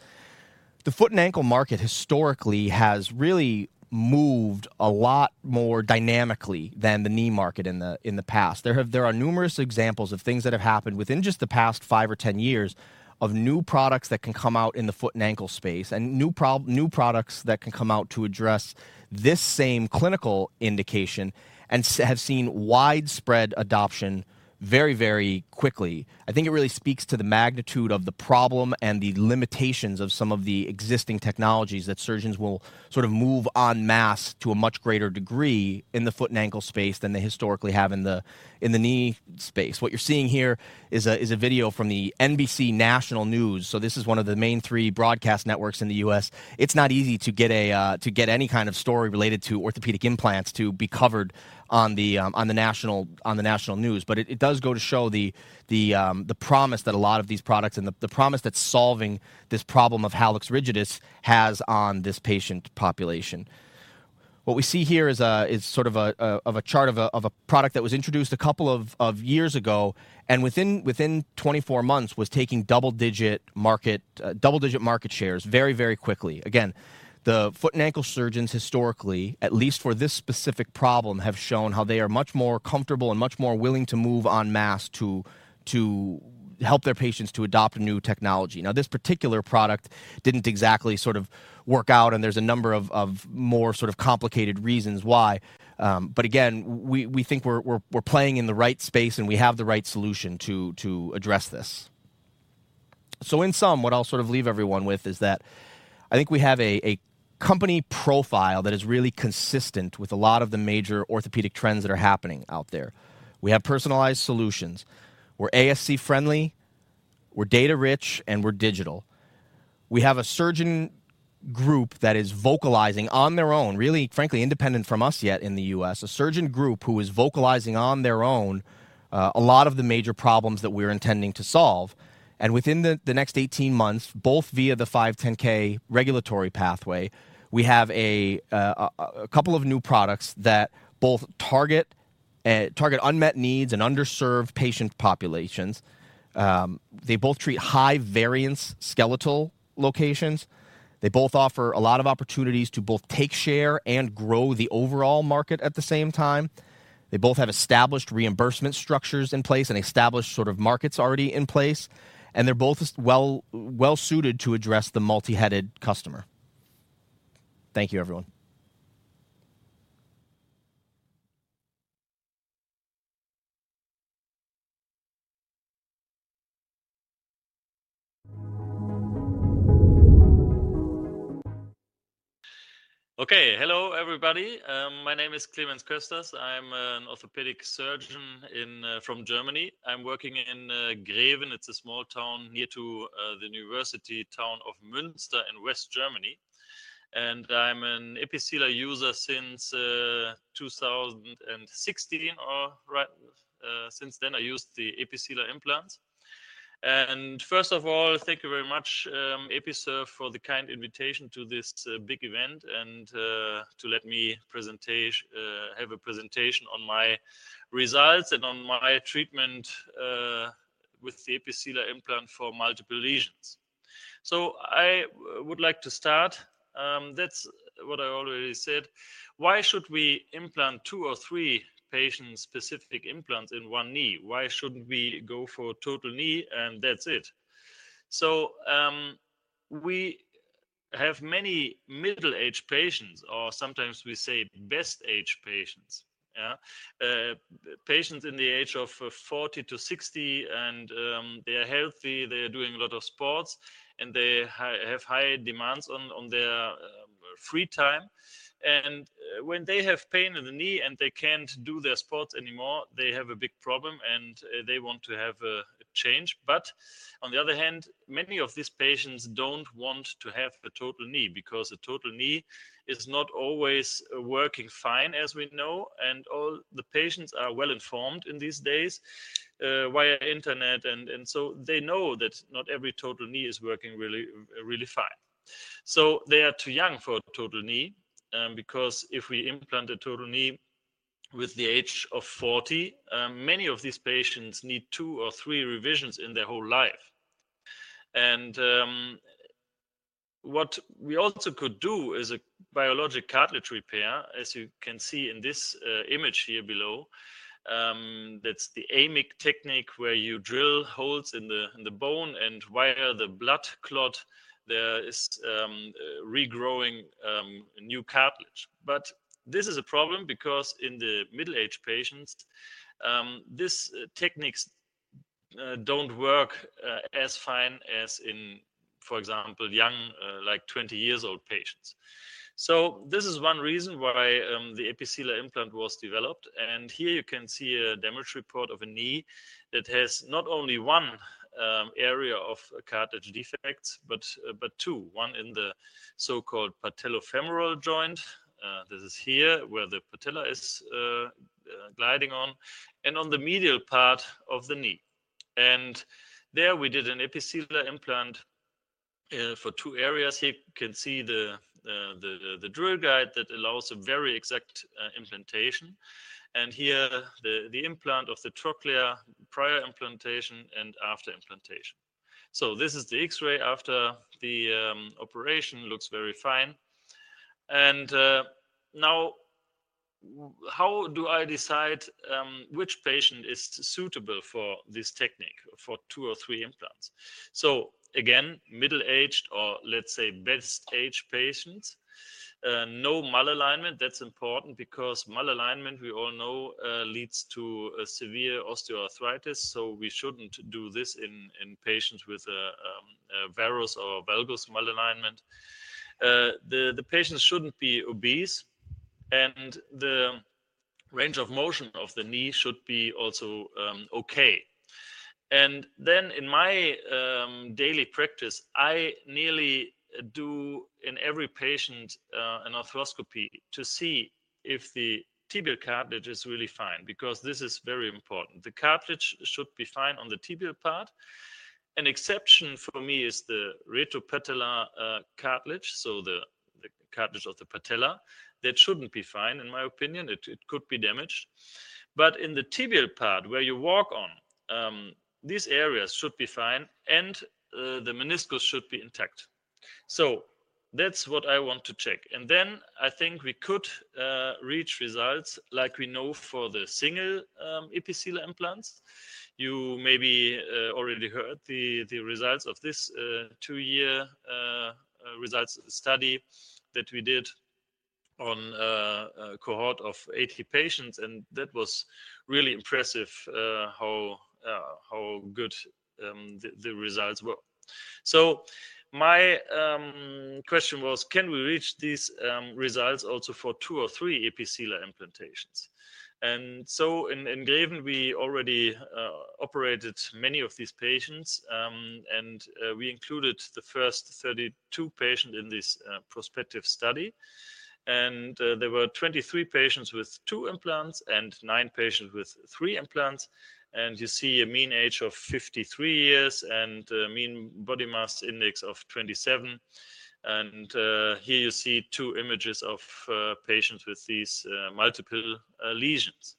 The foot and ankle market historically has really moved a lot more dynamically than the knee market in the, in the past. There are numerous examples of things that have happened within just the past five or 10 years of new products that can come out in the foot and ankle space and new products that can come out to address this same clinical indication and have seen widespread adoption very, very quickly. I think it really speaks to the magnitude of the problem and the limitations of some of the existing technologies that surgeons will sort of move en masse to a much greater degree in the foot and ankle space than they historically have in the knee space. What you're seeing here is a video from the NBC National News. So this is one of the main three broadcast networks in the US. It's not easy to get any kind of story related to orthopedic implants to be covered on the national news. It does go to show the promise that a lot of these products and solving this problem of hallux rigidus has on this patient population. What we see here is sort of a chart of a product that was introduced a couple of years ago, and within 24 months was taking double-digit market shares very quickly. Again, the foot and ankle surgeons historically, at least for this specific problem, have shown how they are much more comfortable and much more willing to move en masse to help their patients to adopt a new technology. Now, this particular product didn't exactly sort of work out, and there's a number of more sort of complicated reasons why. But again, we think we're playing in the right space, and we have the right solution to address this. In sum, what I'll sort of leave everyone with is that I think we have a company profile that is really consistent with a lot of the major orthopedic trends that are happening out there. We have personalized solutions. We're ASC-friendly, we're data-rich, and we're digital. We have a surgeon group that is vocalizing on their own, really, frankly, independent from us yet in the U.S. A surgeon group who is vocalizing on their own, a lot of the major problems that we're intending to solve. Within the next 18 months, both via the 510(k) regulatory pathway, we have a couple of new products that both target unmet needs and underserved patient populations. They both treat high-variance skeletal locations. They both offer a lot of opportunities to both take share and grow the overall market at the same time. They both have established reimbursement structures in place and established sort of markets already in place, and they're both well-suited to address the multi-headed customer. Thank you, everyone. Okay. Hello, everybody. My name is Clemens Kösters. I'm an orthopedic surgeon from Germany. I'm working in Greven. It's a small town near to the university town of Münster in West Germany. I'm an Episealer user since 2016, or right, since then I used the Episealer implants. First of all, thank you very much, Episurf, for the kind invitation to this big event and to let me have a presentation on my results and on my treatment with the Episealer implant for multiple lesions. I would like to start, that's what I already said. Why should we implant two or three patient-specific implants in one knee? Why shouldn't we go for total knee, and that's it? We have many middle-aged patients, or sometimes we say best age patients. Yeah. Patients in the age of 40-60, and they are healthy, they are doing a lot of sports, and they have high demands on their free time. When they have pain in the knee and they can't do their sports anymore, they have a big problem, and they want to have a change. On the other hand, many of these patients don't want to have a total knee because a total knee is not always working fine, as we know, and all the patients are well-informed in these days via internet and so they know that not every total knee is working really, really fine. They are too young for a total knee, because if we implant a total knee with the age of 40, many of these patients need two or three revisions in their whole life. What we also could do is a biologic cartilage repair, as you can see in this image here below. That's the AMIC technique where you drill holes in the bone, and via the blood clot, there is regrowing new cartilage. But this is a problem because in the middle-aged patients, these techniques don't work as fine as in, for example, young like 20 years old patients. This is one reason why the Episealer implant was developed. Here you can see a damage report of a knee that has not only one area of cartilage defects but two, one in the so-called patellofemoral joint. This is here where the patella is gliding on the medial part of the knee. There we did an Episealer implant for two areas. Here you can see the drill guide that allows a very exact implantation. Here the implant of the trochlea prior implantation and after implantation. This is the X-ray after the operation. Looks very fine. Now how do I decide which patient is suitable for this technique for two or three implants? Again, middle-aged or let's say best age patients, no malalignment. That's important because malalignment, we all know, leads to severe osteoarthritis, so we shouldn't do this in patients with a varus or valgus malalignment. The patients shouldn't be obese, and the range of motion of the knee should be also okay. Then in my daily practice, I nearly do in every patient an arthroscopy to see if the tibial cartilage is really fine because this is very important. The cartilage should be fine on the tibial part. An exception for me is the retropatellar cartilage, so the cartilage of the patella. That shouldn't be fine in my opinion. It could be damaged. In the tibial part where you walk on these areas should be fine, and the meniscus should be intact. That's what I want to check. I think we could reach results like we know for the single Episealer implants. You maybe already heard the results of this two-year results study that we did on a cohort of 80 patients, and that was really impressive, how good the results were. My question was, can we reach these results also for two or three Episealer implantations? In Greven, we already operated many of these patients, and we included the first 32 patient in this prospective study. There were 23 patients with two implants and nine patients with three implants. You see a mean age of 53 years and a mean body mass index of 27. Here you see two images of patients with these multiple lesions.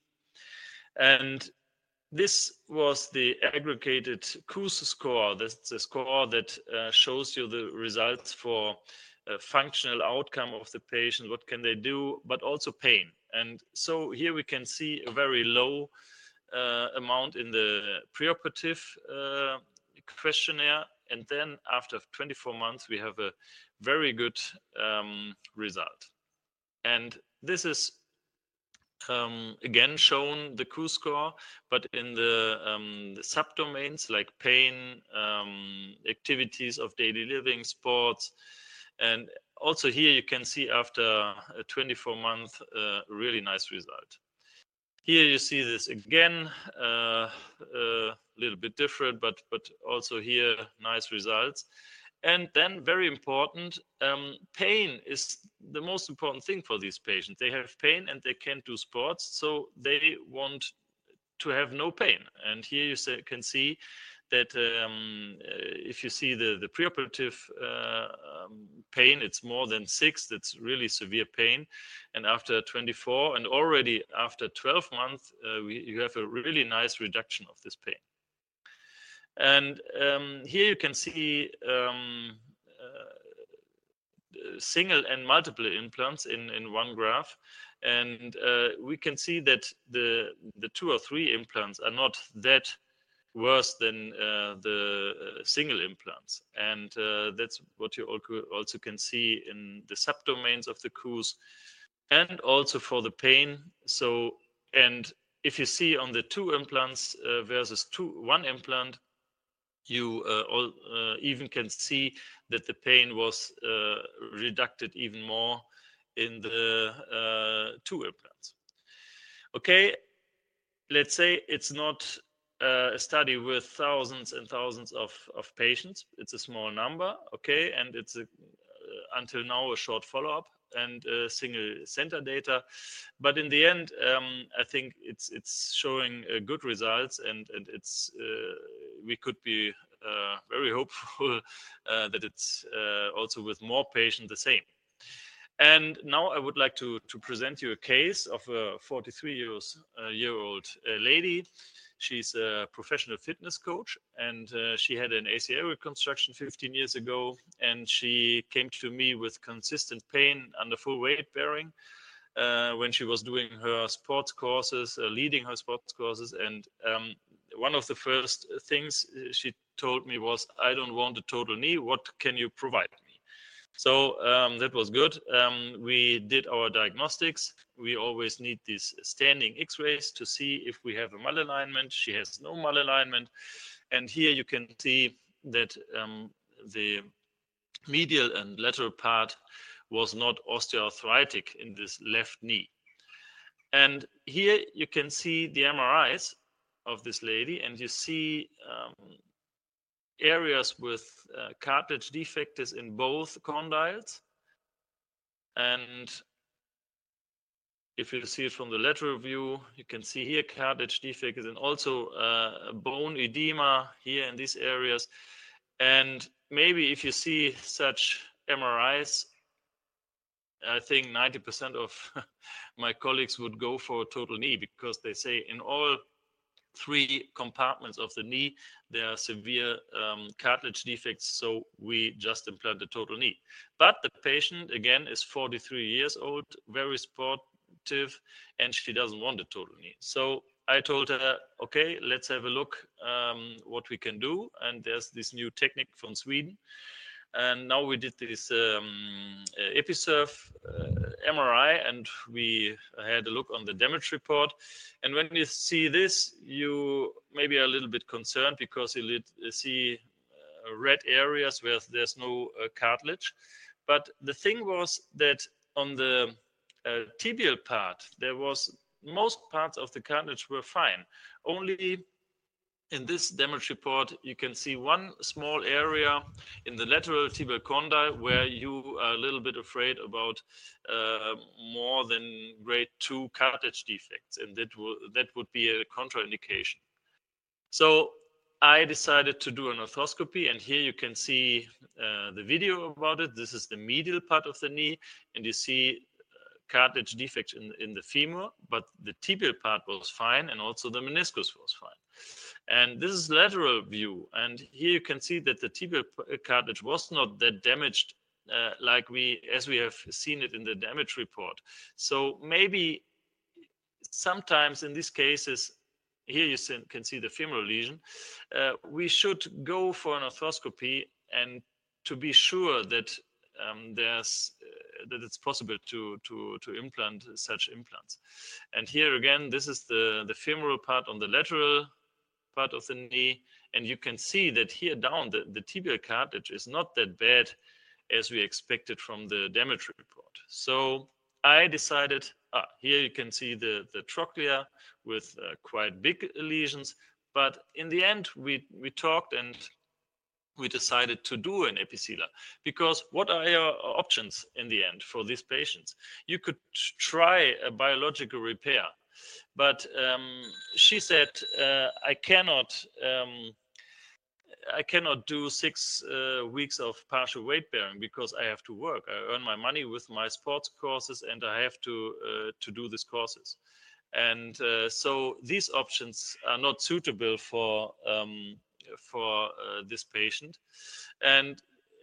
This was the aggregated KOOS score. That's the score that shows you the results for a functional outcome of the patient, what can they do, but also pain. Here we can see a very low amount in the preoperative questionnaire, and then after 24 months, we have a very good result. This is again shown the KOOS score, but in the subdomains like pain, activities of daily living, sports. Also here you can see after a 24-month, a really nice result. Here you see this again, little bit different, but also here nice results. Then very important, pain is the most important thing for these patients. They have pain, and they can't do sports, so they want to have no pain. Here you can see that, if you see the preoperative pain, it's more than six. That's really severe pain. After 24 and already after 12 months, you have a really nice reduction of this pain. Here you can see single and multiple implants in one graph. We can see that the two or three implants are not that worse than the single implants. That's what you also can see in the subdomains of the KOOS and also for the pain. If you see on the two implants versus one implant, you even can see that the pain was reduced even more in the two implants. Okay, let's say it's not a study with thousands and thousands of patients. It's a small number, okay? It's until now a short follow-up and single center data. In the end, I think it's showing good results, and it's we could be very hopeful that it's also with more patients the same. Now I would like to present you a case of a 43-year-old lady. She's a professional fitness coach, and she had an ACL reconstruction 15 years ago. She came to me with consistent pain under full weight bearing, when she was doing her sports courses, leading her sports courses. One of the first things she told me was, "I don't want a total knee. What can you provide me?" That was good. We did our diagnostics. We always need these standing X-rays to see if we have a malalignment. She has no malalignment. Here you can see that, the medial and lateral part was not osteoarthritic in this left knee. Here you can see the MRIs of this lady, and you see, areas with, cartilage defect is in both condyles. If you see it from the lateral view, you can see here cartilage defect is in also, a bone edema here in these areas. Maybe if you see such MRIs, I think 90% of my colleagues would go for a total knee because they say in all three compartments of the knee, there are severe cartilage defects, so we just implant the total knee. The patient, again, is 43 years old, very sportive, and she doesn't want a total knee. I told her, "Okay, let's have a look what we can do," and there's this new technique from Sweden. Now we did this Episurf MRI, and we had a look on the damage report. When you see this, you may be a little bit concerned because you see red areas where there's no cartilage. The thing was that on the tibial part, there was most parts of the cartilage were fine. Only in this damage report, you can see one small area in the lateral tibial condyle where you are a little bit afraid about more than grade two cartilage defects, and that would be a contraindication. I decided to do an arthroscopy, and here you can see the video about it. This is the medial part of the knee, and you see cartilage defects in the femur, but the tibial part was fine, and also the meniscus was fine. This is lateral view. Here you can see that the tibial cartilage was not that damaged, as we have seen it in the damage report. Maybe sometimes in these cases, here you can see the femoral lesion, we should go for an arthroscopy and to be sure that it's possible to implant such implants. Here again, this is the femoral part on the lateral part of the knee. You can see that here down the tibial cartilage is not that bad as we expected from the damage report. I decided. Here you can see the trochlea with quite big lesions. In the end, we talked and we decided to do an Episealer because what are our options in the end for these patients? You could try a biological repair, but she said, "I cannot do 6 weeks of partial weight bearing because I have to work. I earn my money with my sports courses, and I have to to do these courses." These options are not suitable for this patient.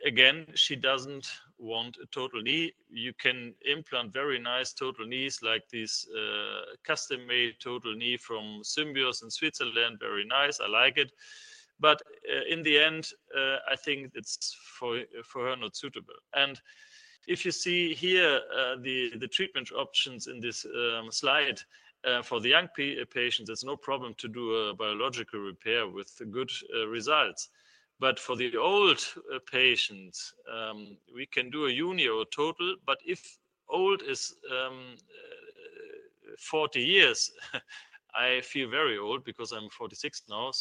Again, she doesn't want a total knee. You can implant very nice total knees like this, custom-made total knee from Symbios in Switzerland. Very nice. I like it. But in the end, I think it's for her not suitable. If you see here, the treatment options in this slide for the young patient, there's no problem to do a biological repair with good results. But for the old patients, we can do a unio total. If old is 40 years, I feel very old because I'm 46 now.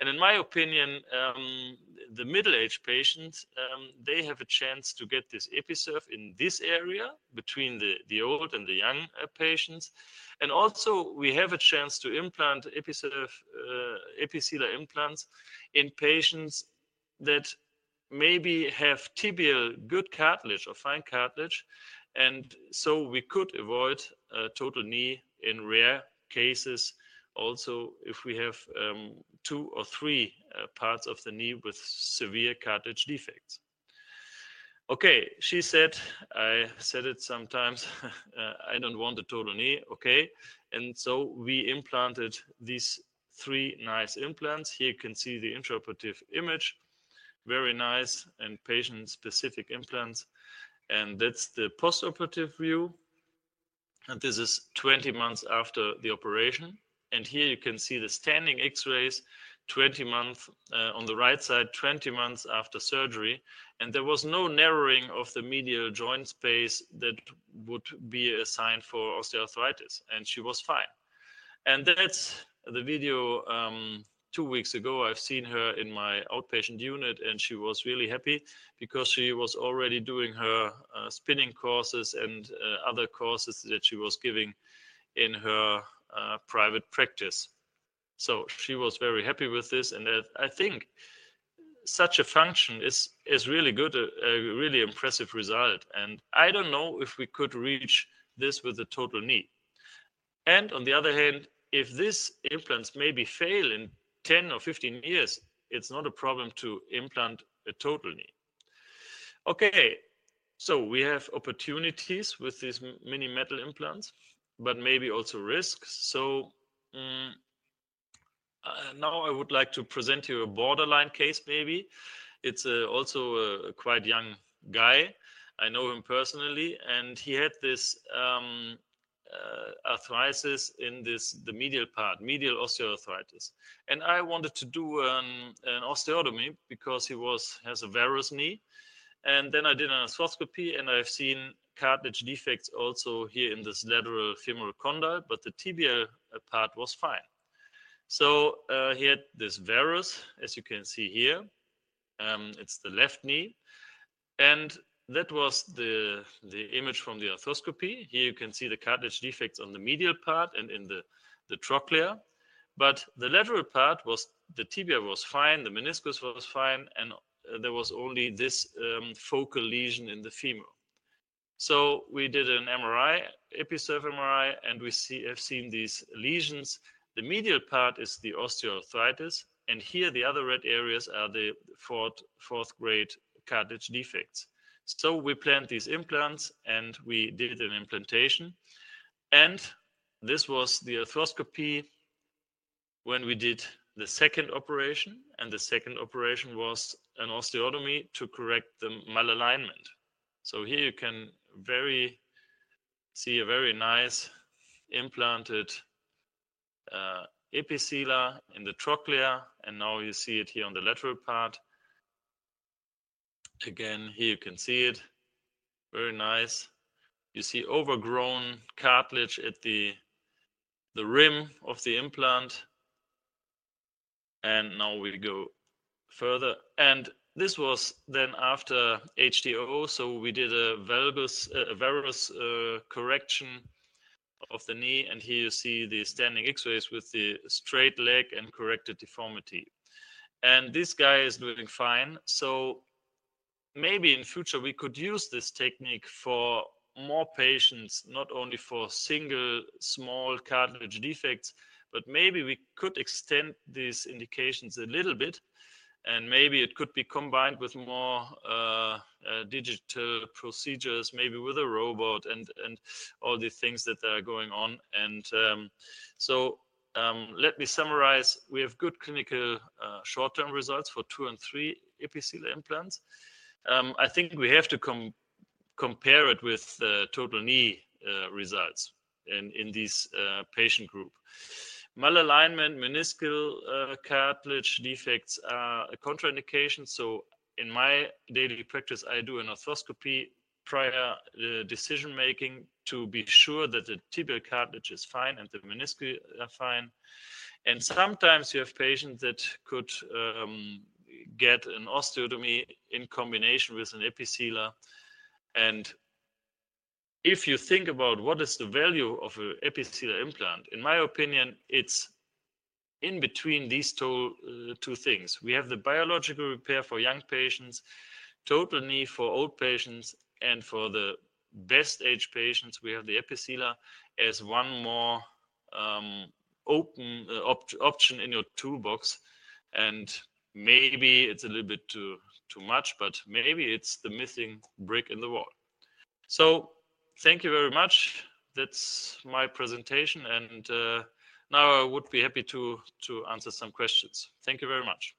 In my opinion, the middle-aged patients, they have a chance to get this Episealer in this area between the old and the young patients. Also, we have a chance to implant Episealer implants in patients that maybe have tibial good cartilage or fine cartilage. We could avoid a total knee in rare cases also if we have two or three parts of the knee with severe cartilage defects. Okay. She said, "I said it sometimes. I don't want the total knee." Okay. We implanted these three nice implants. Here you can see the intraoperative image, very nice and patient-specific implants. That's the postoperative view. This is 20 months after the operation. Here you can see the standing X-rays, 20 months on the right side after surgery. There was no narrowing of the medial joint space that would be a sign for osteoarthritis, and she was fine. That's the video 2 weeks ago. I've seen her in my outpatient unit, and she was really happy because she was already doing her spinning courses and other courses that she was giving in her private practice. She was very happy with this. I think such a function is really good, a really impressive result. I don't know if we could reach this with a total knee. On the other hand, if these implants maybe fail in 10 or 15 years, it's not a problem to implant a total knee. Okay. We have opportunities with these mini metal implants, but maybe also risks. Now I would like to present you a borderline case maybe. It's also a quite young guy. I know him personally, and he had this arthritis in the medial part, medial osteoarthritis. I wanted to do an osteotomy because he has a varus knee. Then I did an arthroscopy, and I've seen cartilage defects also here in this lateral femoral condyle, but the tibial part was fine. He had this varus, as you can see here. It's the left knee. That was the image from the arthroscopy. Here you can see the cartilage defects on the medial part and in the trochlea. The lateral part was the tibia was fine, the meniscus was fine, and there was only this focal lesion in the femur. We did an MRI, Episurf MRI, and we have seen these lesions. The medial part is the osteoarthritis, and here the other red areas are the fourth-grade cartilage defects. We plan these implants, and we did an implantation. This was the arthroscopy when we did the second operation, and the second operation was an osteotomy to correct the malalignment. Here you can see a very nice implanted Episealer in the trochlea, and now you see it here on the lateral part. Again, here you can see it, very nice. You see overgrown cartilage at the rim of the implant, and now we go further. This was then after HTO, we did a varus correction of the knee, and here you see the standing X-rays with the straight leg and corrected deformity. This guy is doing fine, maybe in future we could use this technique for more patients, not only for single small cartilage defects, but maybe we could extend these indications a little bit, and maybe it could be combined with more digital procedures, maybe with a robot and all the things that are going on. Let me summarize. We have good clinical short-term results for two and three Episealer implants. I think we have to compare it with the total knee results in this patient group. Malalignment, meniscal, cartilage defects are a contraindication, so in my daily practice, I do an arthroscopy prior decision-making to be sure that the tibial cartilage is fine and the menisci are fine. Sometimes you have patients that could get an osteotomy in combination with an Episealer. If you think about what is the value of a Episealer implant, in my opinion, it's in between these two things. We have the biological repair for young patients, total knee for old patients, and for the best age patients, we have the Episealer as one more open option in your toolbox. Maybe it's a little bit too much, but maybe it's the missing brick in the wall. Thank you very much. That's my presentation, and now I would be happy to answer some questions. Thank you very much.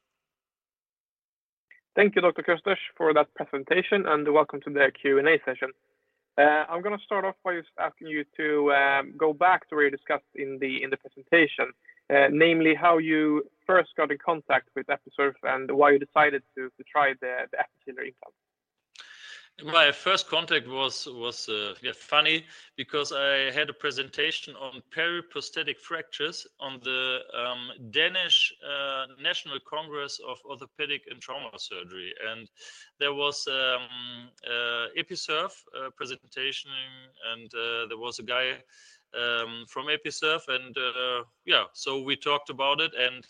Thank you, Dr. Kösters, for that presentation, and welcome to the Q&A session. I'm gonna start off by just asking you to go back to where you discussed in the presentation, namely how you first got in contact with Episurf and why you decided to try the Episealer implant. My first contact was funny because I had a presentation on periprosthetic fractures on the Danish National Congress of Orthopedic and Trauma Surgery. There was an Episurf presentation, and there was a guy from Episurf. We talked about it, and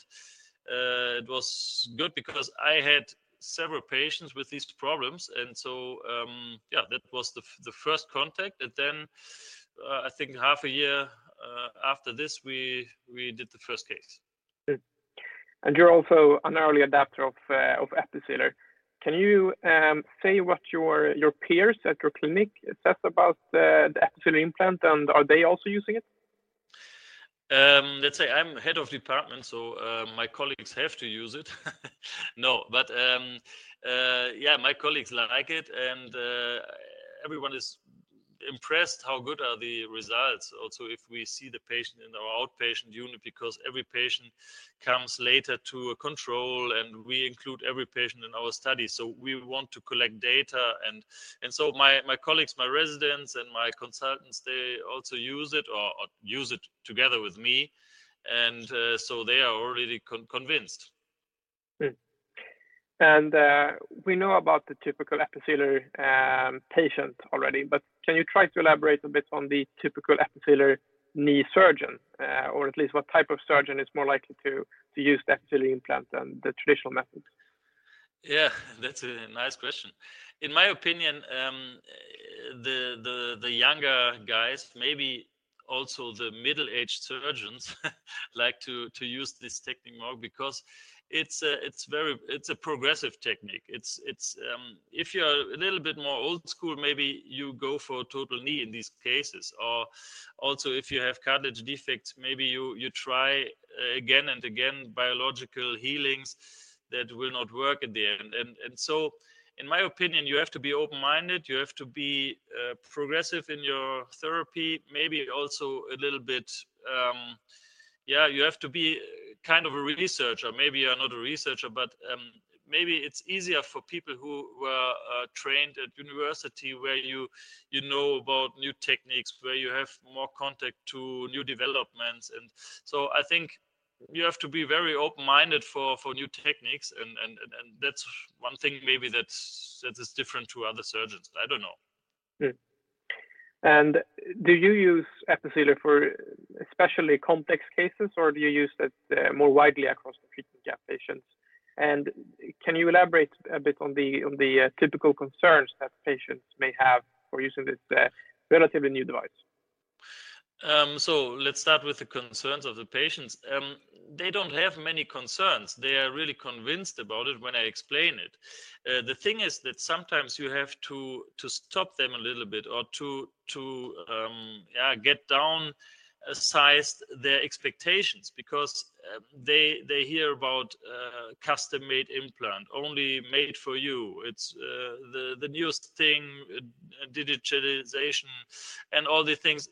it was good because I had several patients with these problems. That was the first contact. I think half a year after this, we did the first case. Good. You're also an early adopter of Episealer. Can you say what your peers at your clinic said about the Episealer implant, and are they also using it? Let's say I'm head of department, so my colleagues have to use it. No, but yeah, my colleagues like it, and everyone is impressed how good are the results. Also, if we see the patient in our outpatient unit because every patient comes later to a control, and we include every patient in our study, so we want to collect data. My colleagues, my residents, and my consultants, they also use it or use it together with me, and so they are already convinced. Good. We know about the typical Episealer patient already, but can you try to elaborate a bit on the typical Episealer Knee surgeon, or at least what type of surgeon is more likely to use the Episealer implant than the traditional methods? Yeah, that's a nice question. In my opinion, the younger guys, maybe also the middle-aged surgeons like to use this technique more because it's a progressive technique. It's if you're a little bit more old school, maybe you go for total knee in these cases, or also if you have cartilage defects, maybe you try again and again biological healings that will not work at the end. In my opinion, you have to be open-minded, you have to be progressive in your therapy, maybe also a little bit, you have to be kind of a researcher. Maybe you're not a researcher, but maybe it's easier for people who were trained at university where you know about new techniques, where you have more contact to new developments. I think you have to be very open-minded for new techniques, and that's one thing maybe that is different to other surgeons. I don't know. Good. Do you use Episealer for especially complex cases, or do you use it more widely across the treatment gap patients? Can you elaborate a bit on the typical concerns that patients may have for using this relatively new device? Let's start with the concerns of the patients. They don't have many concerns. They are really convinced about it when I explain it. The thing is that sometimes you have to stop them a little bit or to get downsized their expectations because they hear about custom-made implant only made for you. It's the newest thing, digitalization and all these things.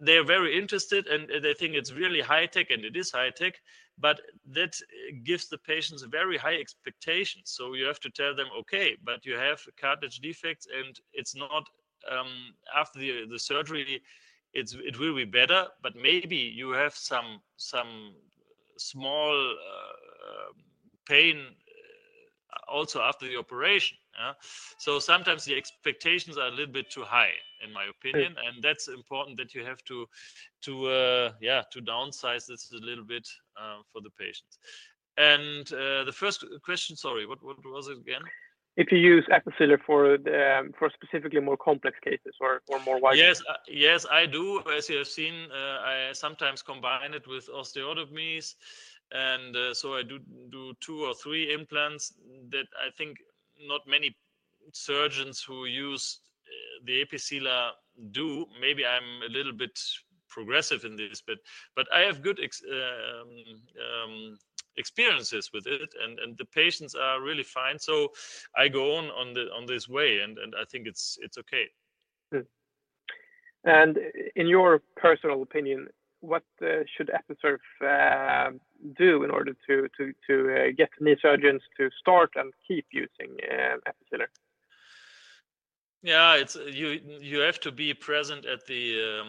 They're very interested, and they think it's really high tech, and it is high tech, but that gives the patients very high expectations. You have to tell them, "Okay, but you have cartilage defects, and it's not. After the surgery, it will be better, but maybe you have some small pain also after the operation. Sometimes the expectations are a little bit too high, in my opinion. Mm-hmm. That's important that you have to downsize this a little bit for the patients. The first question. Sorry, what was it again? If you use Episealer for specifically more complex cases or more widely? Yes. Yes, I do. As you have seen, I sometimes combine it with osteotomies, and so I do two or three implants that I think not many surgeons who use the Episealer do. Maybe I'm a little bit progressive in this, but I have good experiences with it, and the patients are really fine. I go on this way, and I think it's okay. Mm-hmm. In your personal opinion, what should Episurf Medical do in order to get knee surgeons to start and keep using Episealer? Yeah. You have to be present at the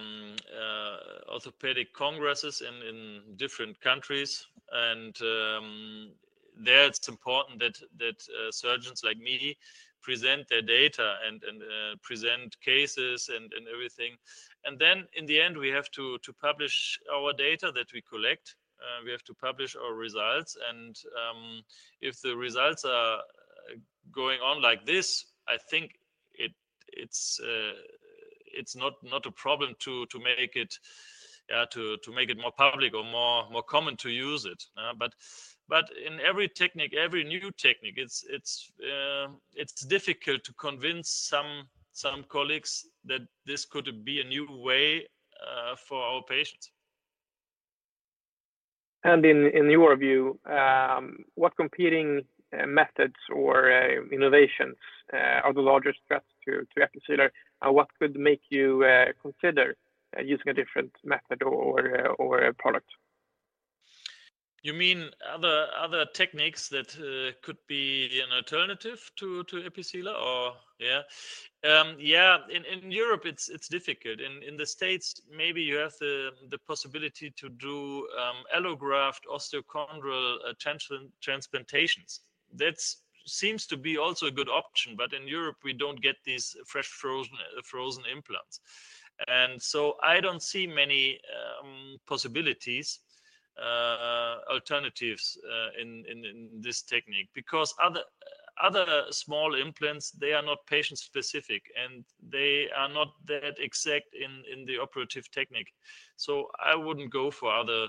orthopedic congresses in different countries. There it's important that surgeons like me present their data and present cases and everything. Then in the end, we have to publish our data that we collect. We have to publish our results. If the results are going on like this, I think it's not a problem to make it more public or more common to use it. But in every technique, every new technique, it's difficult to convince some colleagues that this could be a new way for our patients. In your view, what competing methods or innovations are the largest threats to Episurf? What could make you consider using a different method or a product? You mean other techniques that could be an alternative to Episealer or? Yeah. In Europe, it's difficult. In the States, maybe you have the possibility to do allograft osteochondral transplantations. That seems to be also a good option. In Europe, we don't get these fresh frozen implants. I don't see many possibilities, alternatives, in this technique because other small implants, they are not patient-specific, and they are not that exact in the operative technique. I wouldn't go for other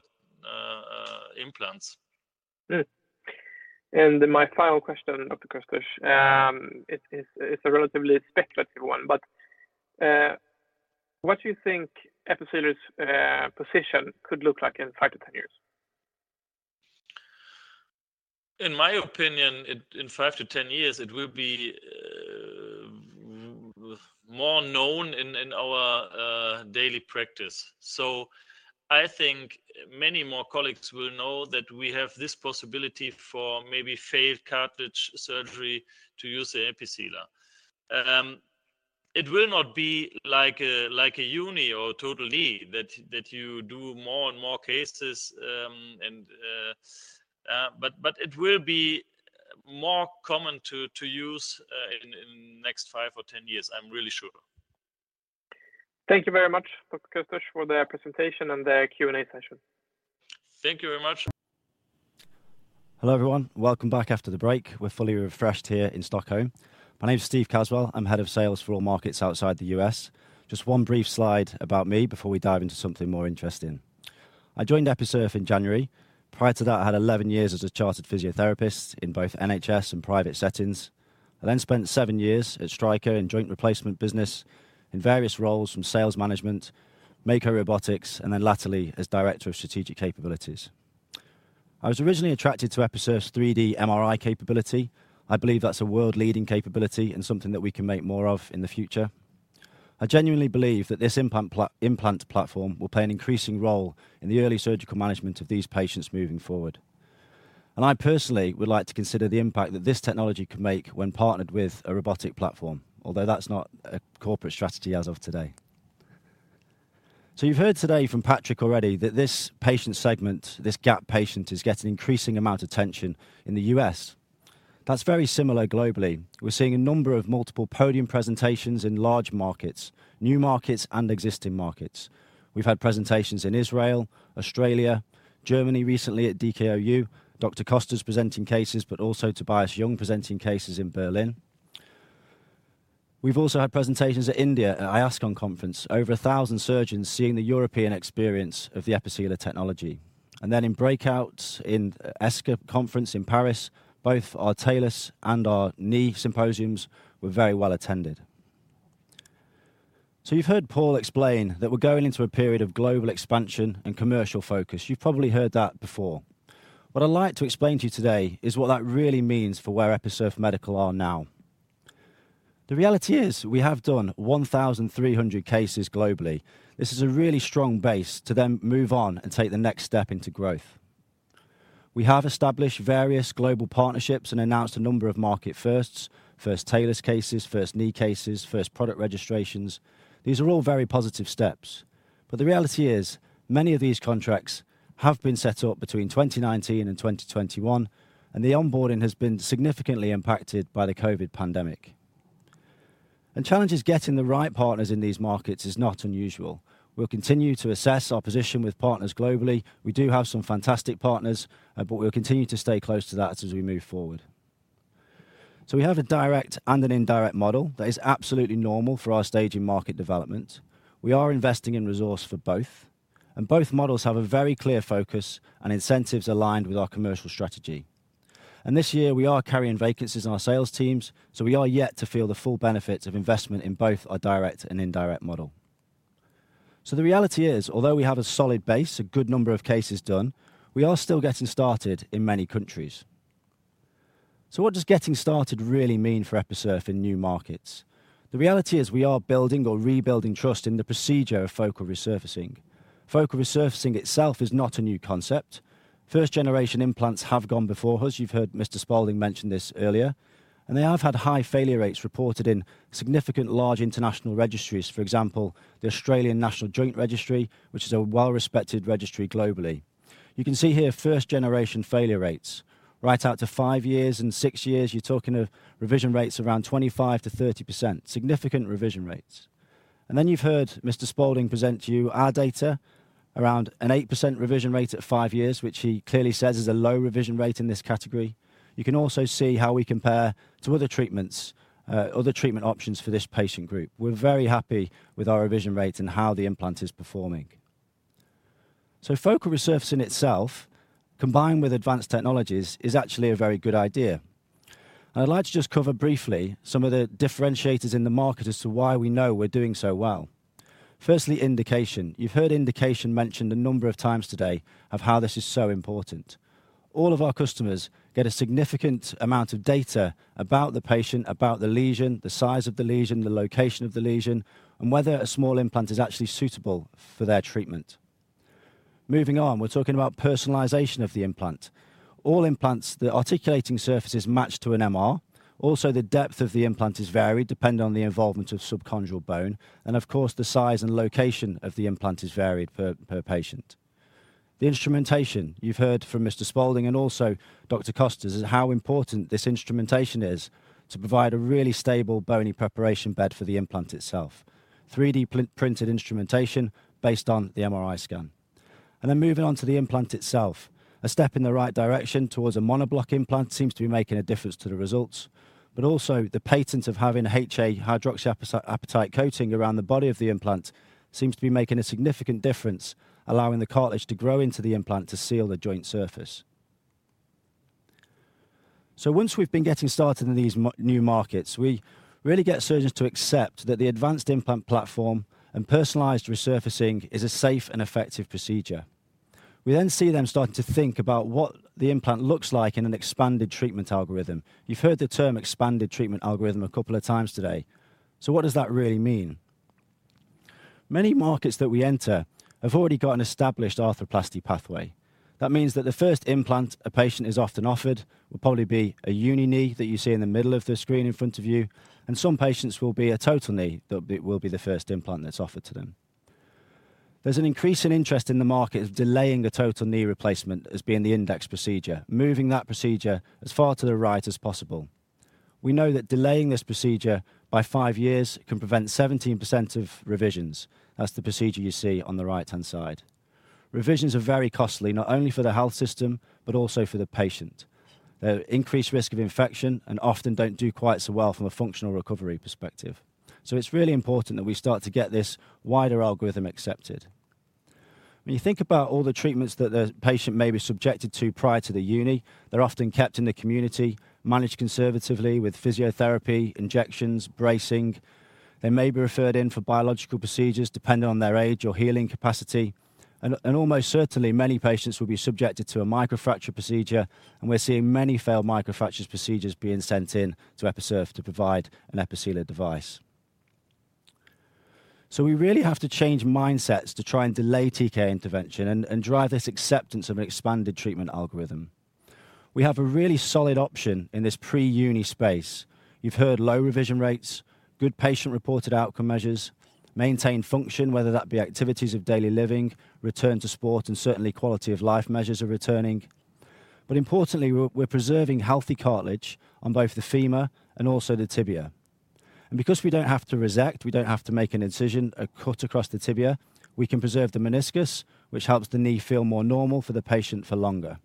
implants. Mm-hmm. My final question, Dr. Kösters, it's a relatively speculative one, but what do you think Episurf's position could look like in five-10 years? In my opinion, in five to 10 years, it will be more known in our daily practice. I think many more colleagues will know that we have this possibility for maybe failed cartilage surgery to use the Episealer. It will not be like a uni or total knee that you do more and more cases. It will be more common to use in next five or 10 years. I'm really sure. Thank you very much, Dr. Kösters, for the presentation and the Q&A session. Thank you very much. Hello, everyone. Welcome back after the break. We're fully refreshed here in Stockholm. My name is Stephen Caswell. I'm Head of Sales for all markets outside the U.S. Just one brief slide about me before we dive into something more interesting. I joined Episurf Medical in January. Prior to that, I had 11 years as a chartered physiotherapist in both NHS and private settings. I then spent seven years at Stryker in joint replacement business in various roles from sales management, Mako Robotics, and then latterly as Director of Strategic Capabilities. I was originally attracted to Episurf Medical's 3D MRI capability. I believe that's a world-leading capability and something that we can make more of in the future. I genuinely believe that this implant platform will play an increasing role in the early surgical management of these patients moving forward. I personally would like to consider the impact that this technology could make when partnered with a robotic platform, although that's not a corporate strategy as of today. You've heard today from Patrick already that this patient segment, this gap patient, is getting increasing amount of tension in the U.S. That's very similar globally. We're seeing a number of multiple podium presentations in large markets, new markets, and existing markets. We've had presentations in Israel, Australia, Germany, recently at DKOU, Dr. Kösters's presenting cases, but also Tobias Jung presenting cases in Berlin. We've also had presentations in India, at IASCON Conference, over 1,000 surgeons seeing the European experience of the Episealer technology. Then in breakouts in ESSKA Conference in Paris, both our Talus and our Knee symposiums were very well attended. You've heard Paul explain that we're going into a period of global expansion and commercial focus. You've probably heard that before. What I'd like to explain to you today is what that really means for where Episurf Medical are now. The reality is we have done 1,300 cases globally. This is a really strong base to then move on and take the next step into growth. We have established various global partnerships and announced a number of market firsts. First Talus cases, first knee cases, first product registrations. These are all very positive steps. The reality is, many of these contracts have been set up between 2019 and 2021, and the onboarding has been significantly impacted by the COVID pandemic. Challenges getting the right partners in these markets is not unusual. We'll continue to assess our position with partners globally. We do have some fantastic partners, but we'll continue to stay close to that as we move forward. We have a direct and an indirect model that is absolutely normal for our stage in market development. We are investing in resource for both, and both models have a very clear focus and incentives aligned with our commercial strategy. This year, we are carrying vacancies on our sales teams, so we are yet to feel the full benefits of investment in both our direct and indirect model. The reality is, although we have a solid base, a good number of cases done, we are still getting started in many countries. What does getting started really mean for Episurf in new markets? The reality is we are building or rebuilding trust in the procedure of focal resurfacing. Focal resurfacing itself is not a new concept. First-generation implants have gone before us. You've heard Mr. Spalding mention this earlier, and they have had high failure rates reported in significant large international registries. For example, the Australian National Joint Registry, which is a well-respected registry globally. You can see here first-generation failure rates. Right out to five years and six years, you're talking of revision rates around 25%-30%, significant revision rates. You've heard Mr. Spalding present to you our data around an 8% revision rate at five years, which he clearly says is a low revision rate in this category. You can also see how we compare to other treatments, other treatment options for this patient group. We're very happy with our revision rates and how the implant is performing. Focal resurfacing itself, combined with advanced technologies, is actually a very good idea. I'd like to just cover briefly some of the differentiators in the market as to why we know we're doing so well. Firstly, indication. You've heard indication mentioned a number of times today of how this is so important. All of our customers get a significant amount of data about the patient, about the lesion, the size of the lesion, the location of the lesion, and whether a small implant is actually suitable for their treatment. Moving on, we're talking about personalization of the implant. All implants, the articulating surface is matched to an MRI. Also, the depth of the implant is varied depending on the involvement of subchondral bone. Of course, the size and location of the implant is varied per patient. The instrumentation, you've heard from Mr. Spalding and also Dr. Dr. Kösters, this is how important this instrumentation is to provide a really stable bony preparation bed for the implant itself. 3D printed instrumentation based on the MRI scan. Then moving on to the implant itself, a step in the right direction towards a monoblock implant seems to be making a difference to the results. Also, the benefit of having a HA, hydroxyapatite coating around the body of the implant seems to be making a significant difference, allowing the cartilage to grow into the implant to seal the joint surface. Once we've been getting started in these new markets, we really get surgeons to accept that the advanced implant platform and personalized resurfacing is a safe and effective procedure. We then see them starting to think about what the implant looks like in an expanded treatment algorithm. You've heard the term expanded treatment algorithm a couple of times today. What does that really mean? Many markets that we enter have already got an established arthroplasty pathway. That means that the first implant a patient is often offered will probably be a uni knee that you see in the middle of the screen in front of you, and some patients will be a total knee that will be the first implant that's offered to them. There's an increase in interest in the market of delaying the total knee replacement as being the index procedure, moving that procedure as far to the right as possible. We know that delaying this procedure by five years can prevent 17% of revisions. That's the procedure you see on the right-hand side. Revisions are very costly, not only for the health system, but also for the patient. There's increased risk of infection and often don't do quite so well from a functional recovery perspective. It's really important that we start to get this wider algorithm accepted. When you think about all the treatments that the patient may be subjected to prior to the uni, they're often kept in the community, managed conservatively with physiotherapy, injections, bracing. They may be referred in for biological procedures, depending on their age or healing capacity. And almost certainly, many patients will be subjected to a microfracture procedure, and we're seeing many failed microfracture procedures being sent in to Episurf to provide an Episealer device. We really have to change mindsets to try and delay TK intervention and drive this acceptance of an expanded treatment algorithm. We have a really solid option in this pre-uni space. You've heard low revision rates, good patient-reported outcome measures, maintained function, whether that be activities of daily living, return to sport, and certainly quality-of-life measures are returning. Importantly, we're preserving healthy cartilage on both the femur and also the tibia. Because we don't have to resect, we don't have to make an incision, a cut across the tibia, we can preserve the meniscus, which helps the knee feel more normal for the patient for longer.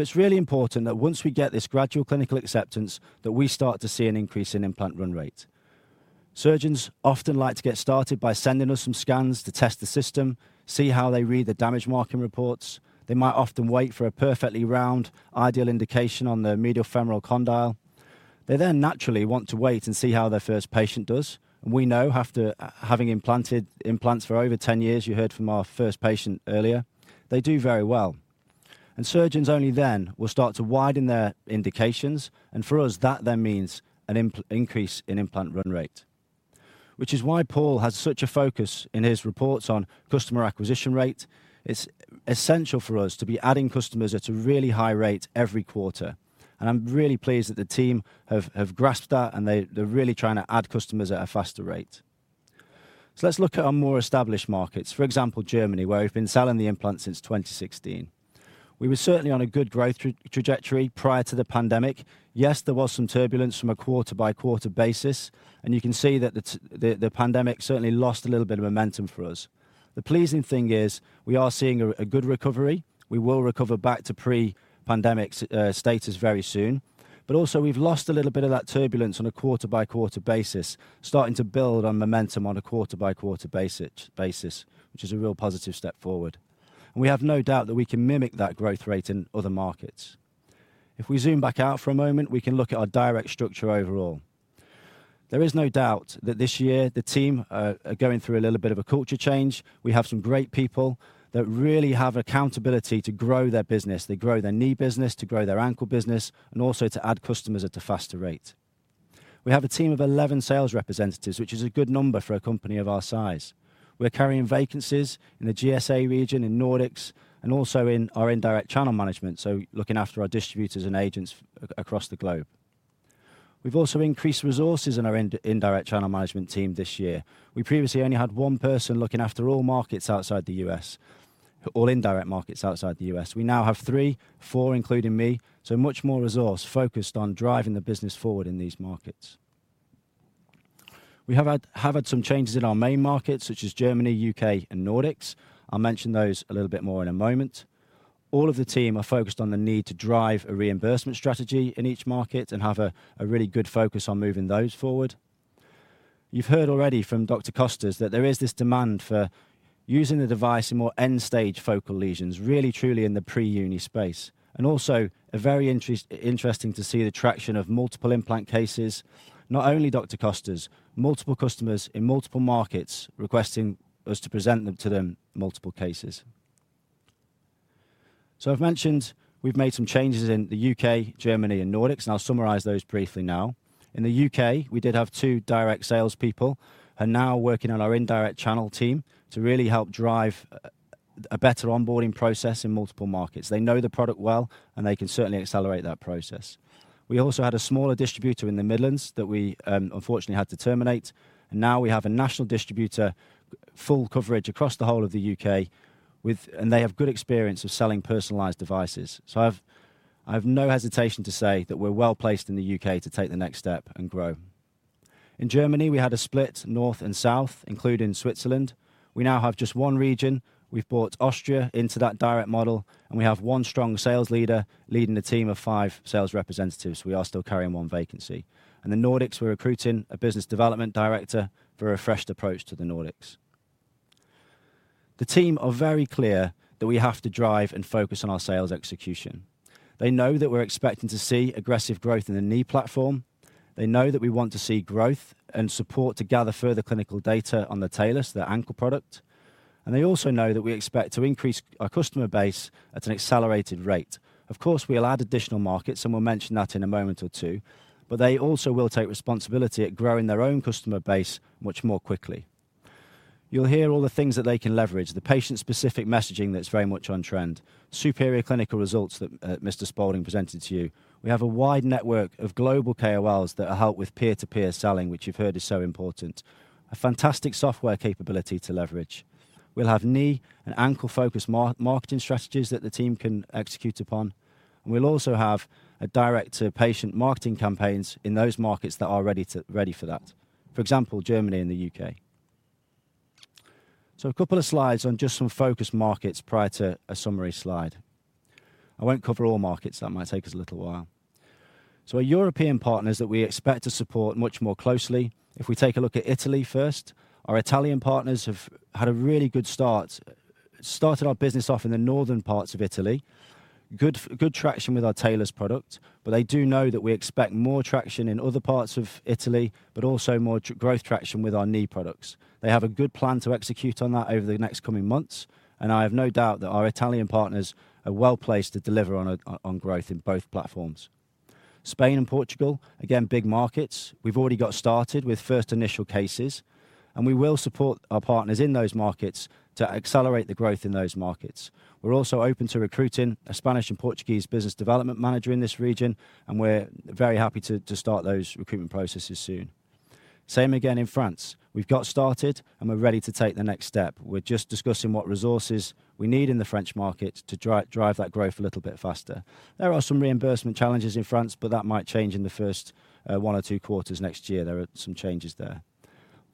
It's really important that once we get this gradual clinical acceptance, that we start to see an increase in implant run rate. Surgeons often like to get started by sending us some scans to test the system, see how they read the damage marking reports. They might often wait for a perfectly round, ideal indication on the medial femoral condyle. They then naturally want to wait and see how their first patient does. We know after having implanted implants for over 10 years, you heard from our first patient earlier, they do very well. Surgeons only then will start to widen their indications. For us, that then means an increase in implant run rate, which is why Paul has such a focus in his reports on customer acquisition rate. It's essential for us to be adding customers at a really high rate every quarter. I'm really pleased that the team have grasped that, and they're really trying to add customers at a faster rate. Let's look at our more established markets. For example, Germany, where we've been selling the implant since 2016. We were certainly on a good growth trajectory prior to the pandemic. Yes, there was some turbulence from a quarter-by-quarter basis. You can see that the pandemic certainly lost a little bit of momentum for us. The pleasing thing is we are seeing a good recovery. We will recover back to pre-pandemic status very soon. Also we've lost a little bit of that turbulence on a quarter-by-quarter basis, starting to build on momentum on a quarter-by-quarter basis, which is a real positive step forward. We have no doubt that we can mimic that growth rate in other markets. If we zoom back out for a moment, we can look at our direct structure overall. There is no doubt that this year the team are going through a little bit of a culture change. We have some great people that really have accountability to grow their business. They grow their knee business, to grow their ankle business, and also to add customers at a faster rate. We have a team of 11 sales representatives, which is a good number for a company of our size. We're carrying vacancies in the GSA region, in Nordics, and also in our indirect channel management. Looking after our distributors and agents across the globe. We've also increased resources in our indirect channel management team this year. We previously only had 1 person looking after all markets outside the U.S., all indirect markets outside the U.S. We now have three, 4four including me, so much more resource focused on driving the business forward in these markets. We have had some changes in our main markets, such as Germany, U.K., and Nordics. I'll mention those a little bit more in a moment. All of the team are focused on the need to drive a reimbursement strategy in each market and have a really good focus on moving those forward. You've heard already from Dr. Kösters that there is this demand for using the device in more end-stage focal lesions, really truly in the pre-uni space. Also, very interesting to see the traction of multiple implant cases. Not only Dr. Kösters, multiple customers in multiple markets requesting us to present them to them multiple cases. I've mentioned we've made some changes in the UK, Germany, and Nordics, and I'll summarize those briefly now. In the UK, we did have two direct salespeople who are now working on our indirect channel team to really help drive a better onboarding process in multiple markets. They know the product well, and they can certainly accelerate that process. We also had a smaller distributor in the Midlands that we unfortunately had to terminate, and now we have a national distributor, full coverage across the whole of the UK, and they have good experience of selling personalized devices. I have no hesitation to say that we're well-placed in the UK to take the next step and grow. In Germany, we had a split north and south, including Switzerland. We now have just one region. We've brought Austria into that direct model, and we have one strong sales leader leading a team of five sales representatives. We are still carrying one vacancy. In the Nordics, we're recruiting a business development director for a refreshed approach to the Nordics. The team are very clear that we have to drive and focus on our sales execution. They know that we're expecting to see aggressive growth in the knee platform. They know that we want to see growth and support to gather further clinical data on the Talus, the ankle product. They also know that we expect to increase our customer base at an accelerated rate. Of course, we'll add additional markets, and we'll mention that in a moment or two, but they also will take responsibility at growing their own customer base much more quickly. You'll hear all the things that they can leverage, the patient-specific messaging that's very much on trend, superior clinical results that Mr. Spalding presented to you. We have a wide network of global KOLs that will help with peer-to-peer selling, which you've heard is so important. A fantastic software capability to leverage. We'll have knee- and ankle-focused marketing strategies that the team can execute upon. We'll also have a direct-to-patient marketing campaigns in those markets that are ready for that. For example, Germany and the UK. A couple of slides on just some focused markets prior to a summary slide. I won't cover all markets. That might take us a little while. Our European partners that we expect to support much more closely. If we take a look at Italy first, our Italian partners have had a really good start. Started our business off in the northern parts of Italy. Good traction with our Talus product, but they do know that we expect more traction in other parts of Italy, but also more growth traction with our knee products. They have a good plan to execute on that over the next coming months, and I have no doubt that our Italian partners are well-placed to deliver on growth in both platforms. Spain and Portugal, again, big markets. We've already got started with first initial cases, and we will support our partners in those markets to accelerate the growth in those markets. We're also open to recruiting a Spanish and Portuguese business development manager in this region, and we're very happy to start those recruitment processes soon. Same again in France. We've got started, and we're ready to take the next step. We're just discussing what resources we need in the French market to drive that growth a little bit faster. There are some reimbursement challenges in France, but that might change in the first one or two quarters next year. There are some changes there.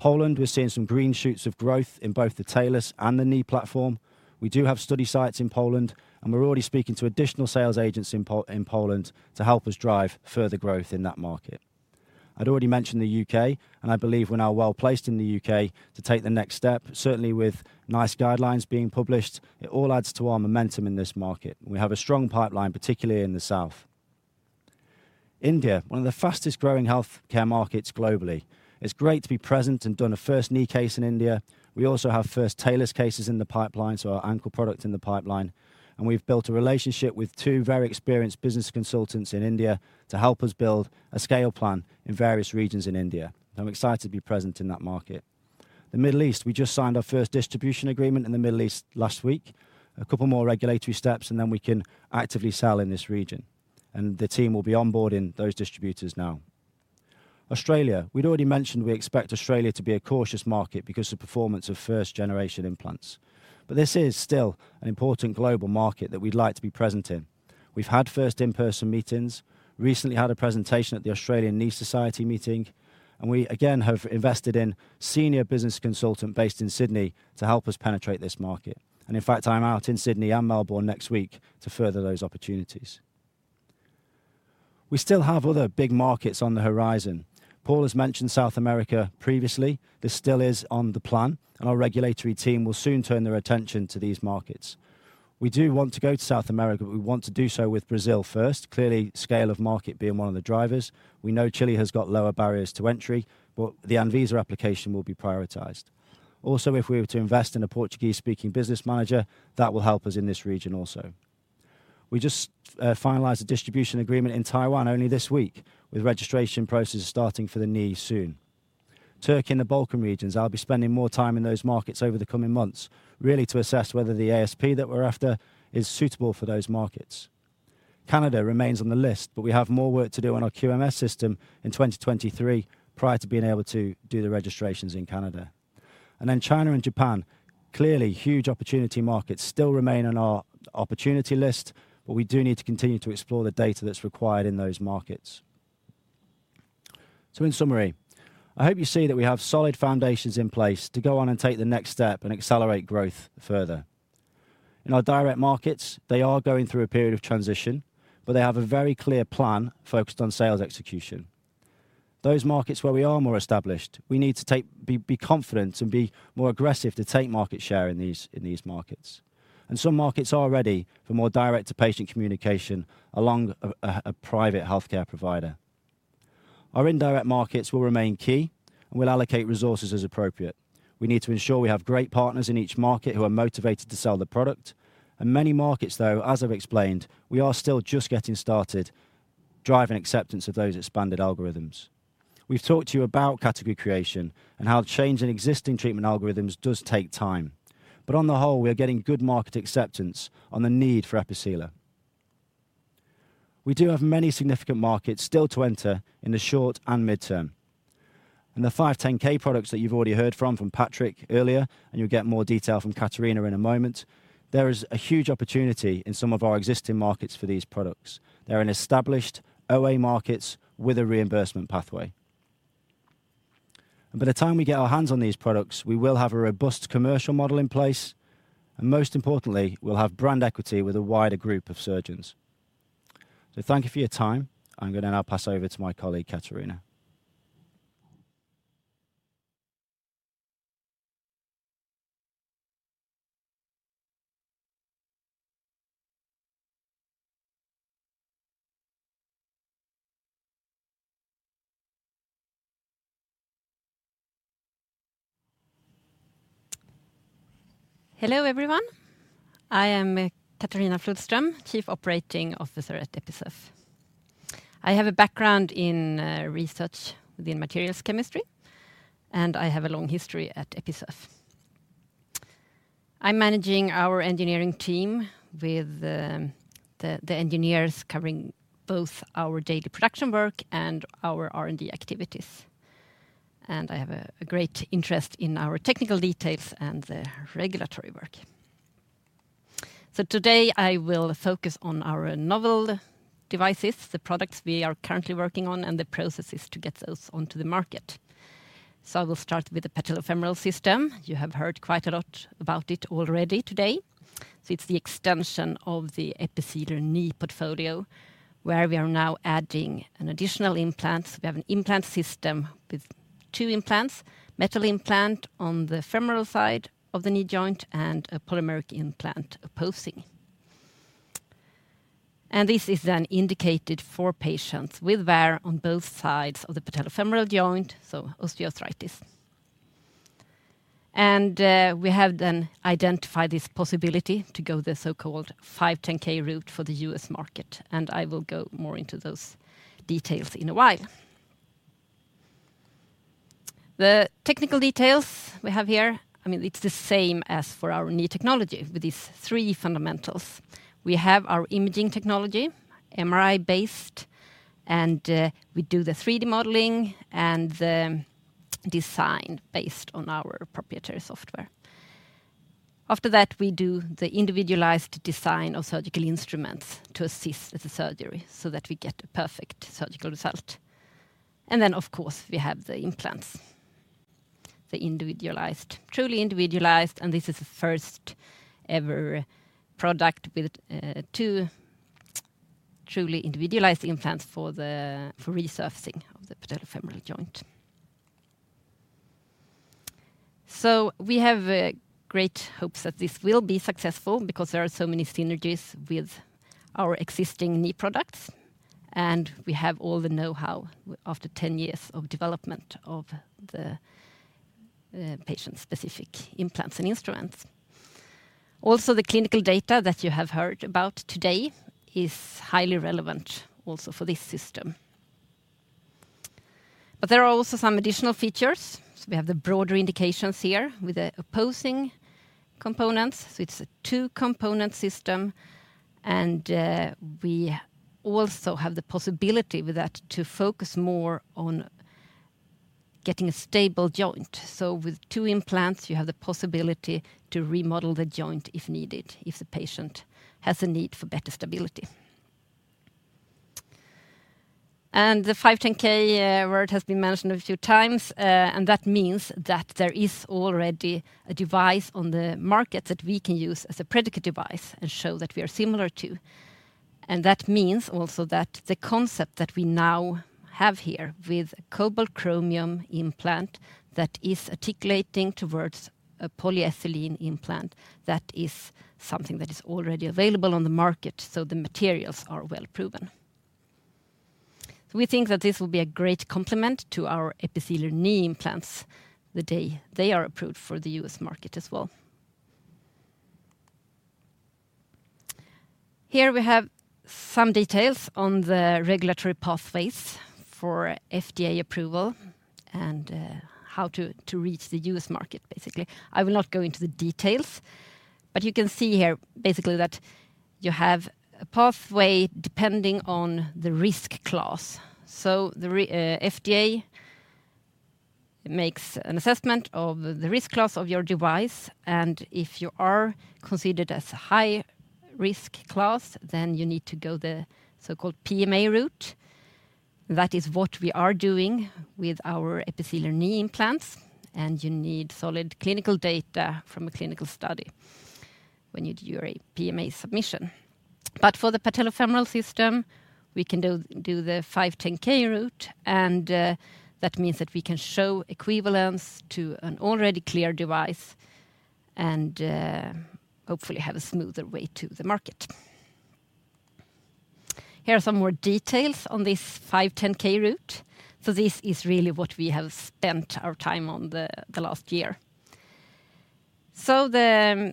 Poland, we're seeing some green shoots of growth in both the TALUS and the knee platform. We do have study sites in Poland, and we're already speaking to additional sales agents in Poland to help us drive further growth in that market. I'd already mentioned the UK, and I believe we are now well-placed in the UK to take the next step, certainly with NICE guidelines being published. It all adds to our momentum in this market. We have a strong pipeline, particularly in the south. India, one of the fastest-growing healthcare markets globally. It's great to be present and done a first knee case in India. We also have first Talus cases in the pipeline, so our ankle product in the pipeline, and we've built a relationship with two very experienced business consultants in India to help us build a scale plan in various regions in India. I'm excited to be present in that market. The Middle East, we just signed our first distribution agreement in the Middle East last week. A couple more regulatory steps, and then we can actively sell in this region, and the team will be onboarding those distributors now. Australia, we'd already mentioned we expect Australia to be a cautious market because of the performance of first-generation implants. This is still an important global market that we'd like to be present in. We've had first in-person meetings, recently had a presentation at the Australian Knee Society meeting, and we again have invested in senior business consultant based in Sydney to help us penetrate this market. In fact, I'm out in Sydney and Melbourne next week to further those opportunities. We still have other big markets on the horizon. Pål Ryfors has mentioned South America previously. This still is on the plan, and our regulatory team will soon turn their attention to these markets. We do want to go to South America, but we want to do so with Brazil first. Clearly, scale of market being one of the drivers. We know Chile has got lower barriers to entry, but the ANVISA application will be prioritized. Also, if we were to invest in a Portuguese-speaking business manager, that will help us in this region also. We just finalized a distribution agreement in Taiwan only this week, with registration processes starting for the knee soon. Turkey and the Balkan regions, I'll be spending more time in those markets over the coming months, really to assess whether the ASP that we're after is suitable for those markets. Canada remains on the list, but we have more work to do on our QMS system in 2023 prior to being able to do the registrations in Canada. China and Japan, clearly huge opportunity markets still remain on our opportunity list, but we do need to continue to explore the data that's required in those markets. In summary, I hope you see that we have solid foundations in place to go on and take the next step and accelerate growth further. In our direct markets, they are going through a period of transition, but they have a very clear plan focused on sales execution. Those markets where we are more established, we need to be confident and be more aggressive to take market share in these markets. Some markets are ready for more direct-to-patient communication along a private healthcare provider. Our indirect markets will remain key, and we'll allocate resources as appropriate. We need to ensure we have great partners in each market who are motivated to sell the product. In many markets, though, as I've explained, we are still just getting started driving acceptance of those expanded algorithms. We've talked to you about category creation and how change in existing treatment algorithms does take time. On the whole, we are getting good market acceptance on the need for Episealer. We do have many significant markets still to enter in the short and midterm. In the 510(k) products that you've already heard from Patrick earlier, and you'll get more detail from Katarina in a moment, there is a huge opportunity in some of our existing markets for these products. They're in established OA markets with a reimbursement pathway. By the time we get our hands on these products, we will have a robust commercial model in place, and most importantly, we'll have brand equity with a wider group of surgeons. Thank you for your time. I'm gonna now pass over to my colleague, Katarina. Hello, everyone. I am Katarina Flodström, Chief Operating Officer at Episurf Medical. I have a background in research within materials chemistry, and I have a long history at Episurf Medical. I'm managing our engineering team with the engineers covering both our daily production work and our R&D activities. I have a great interest in our technical details and the regulatory work. Today, I will focus on our novel devices, the products we are currently working on, and the processes to get those onto the market. I will start with the Patellofemoral System. You have heard quite a lot about it already today. It's the extension of the Episealer Knee portfolio, where we are now adding an additional implant. We have an implant system with two implants, metal implant on the femoral side of the knee joint and a polymeric implant opposing. This is then indicated for patients with wear on both sides of the patellofemoral joint, so osteoarthritis. We have then identified this possibility to go the so-called 510(k) route for the US market, and I will go more into those details in a while. The technical details we have here, I mean, it's the same as for our new technology with these three fundamentals. We have our imaging technology, MRI-based, and we do the 3D modeling and the design based on our proprietary software. After that, we do the individualized design of surgical instruments to assist with the surgery so that we get a perfect surgical result. Then of course, we have the implants, the individualized, truly individualized, and this is the first-ever product with two truly individualized implants for the resurfacing of the patellofemoral joint. We have great hopes that this will be successful because there are so many synergies with our existing knee products, and we have all the know-how after 10 years of development of the patient-specific implants and instruments. Also, the clinical data that you have heard about today is highly relevant also for this system. There are also some additional features. We have the broader indications here with the opposing components. It's a two-component system, and we also have the possibility with that to focus more on getting a stable joint. With two implants, you have the possibility to remodel the joint if needed, if the patient has a need for better stability. The 510(k) word has been mentioned a few times, and that means that there is already a device on the market that we can use as a predicate device and show that we are similar to. That means also that the concept that we now have here with a cobalt chromium implant that is articulating towards a polyethylene implant, that is something that is already available on the market, so the materials are well-proven. We think that this will be a great complement to our Episealer Knee implants the day they are approved for the US market as well. Here we have some details on the regulatory pathways for FDA approval and how to reach the US market, basically. I will not go into the details, but you can see here basically that you have a pathway depending on the risk class. The FDA makes an assessment of the risk class of your device, and if you are considered as high risk class, then you need to go the so-called PMA route. That is what we are doing with our Episealer Knee implants, and you need solid clinical data from a clinical study when you do your PMA submission. But for the Episealer Patellofemoral System, we can do the 510(k) route, and that means that we can show equivalence to an already cleared device and hopefully have a smoother way to the market. Here are some more details on this 510(k) route. This is really what we have spent our time on the last year. The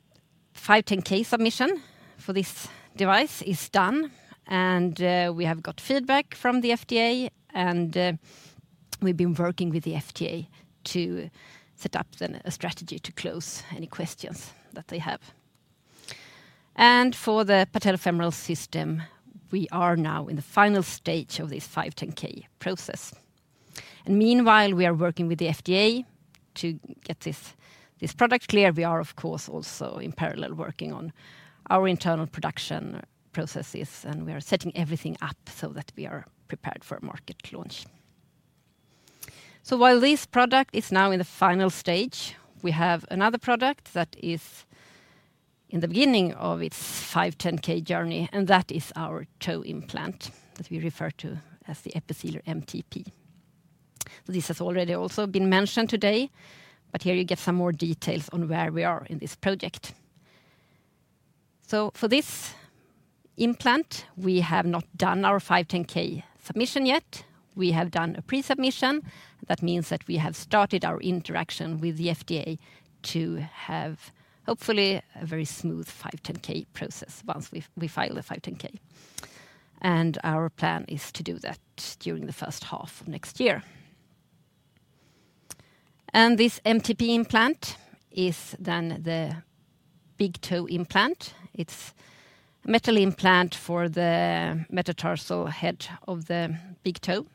510(k) submission for this device is done, and we have got feedback from the FDA, and we've been working with the FDA to set up then a strategy to close any questions that they have. For the Patellofemoral System, we are now in the final stage of this 510(k) process. Meanwhile, we are working with the FDA to get this product clear. We are of course also in parallel working on our internal production processes, and we are setting everything up so that we are prepared for a market launch. While this product is now in the final stage, we have another product that is in the beginning of its 510(k) journey, and that is our toe implant that we refer to as the Episealer MTP. This has already also been mentioned today, but here you get some more details on where we are in this project. For this implant, we have not done our 510(k) submission yet. We have done a pre-submission. That means that we have started our interaction with the FDA to have hopefully a very smooth 510(k) process once we file the 510(k). Our plan is to do that during the first half of next year. This MTP implant is then the big toe implant. It's a metal implant for the metatarsal head of the big toe,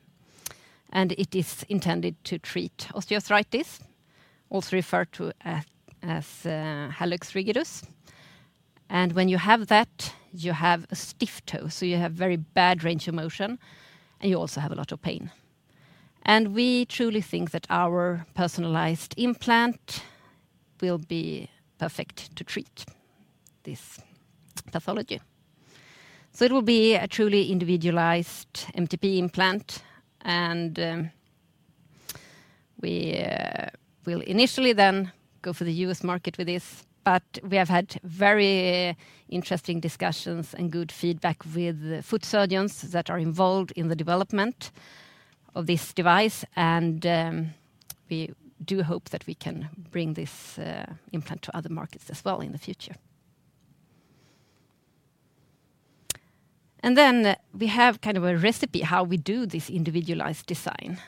and it is intended to treat osteoarthritis, also referred to as hallux rigidus. When you have that, you have a stiff toe, so you have very bad range of motion, and you also have a lot of pain. We truly think that our personalized implant will be perfect to treat this pathology. It will be a truly individualized MTP implant and we will initially then go for the US market with this. We have had very interesting discussions and good feedback with the foot surgeons that are involved in the development of this device, and we do hope that we can bring this implant to other markets as well in the future. We have kind of a recipe how we do this individualized design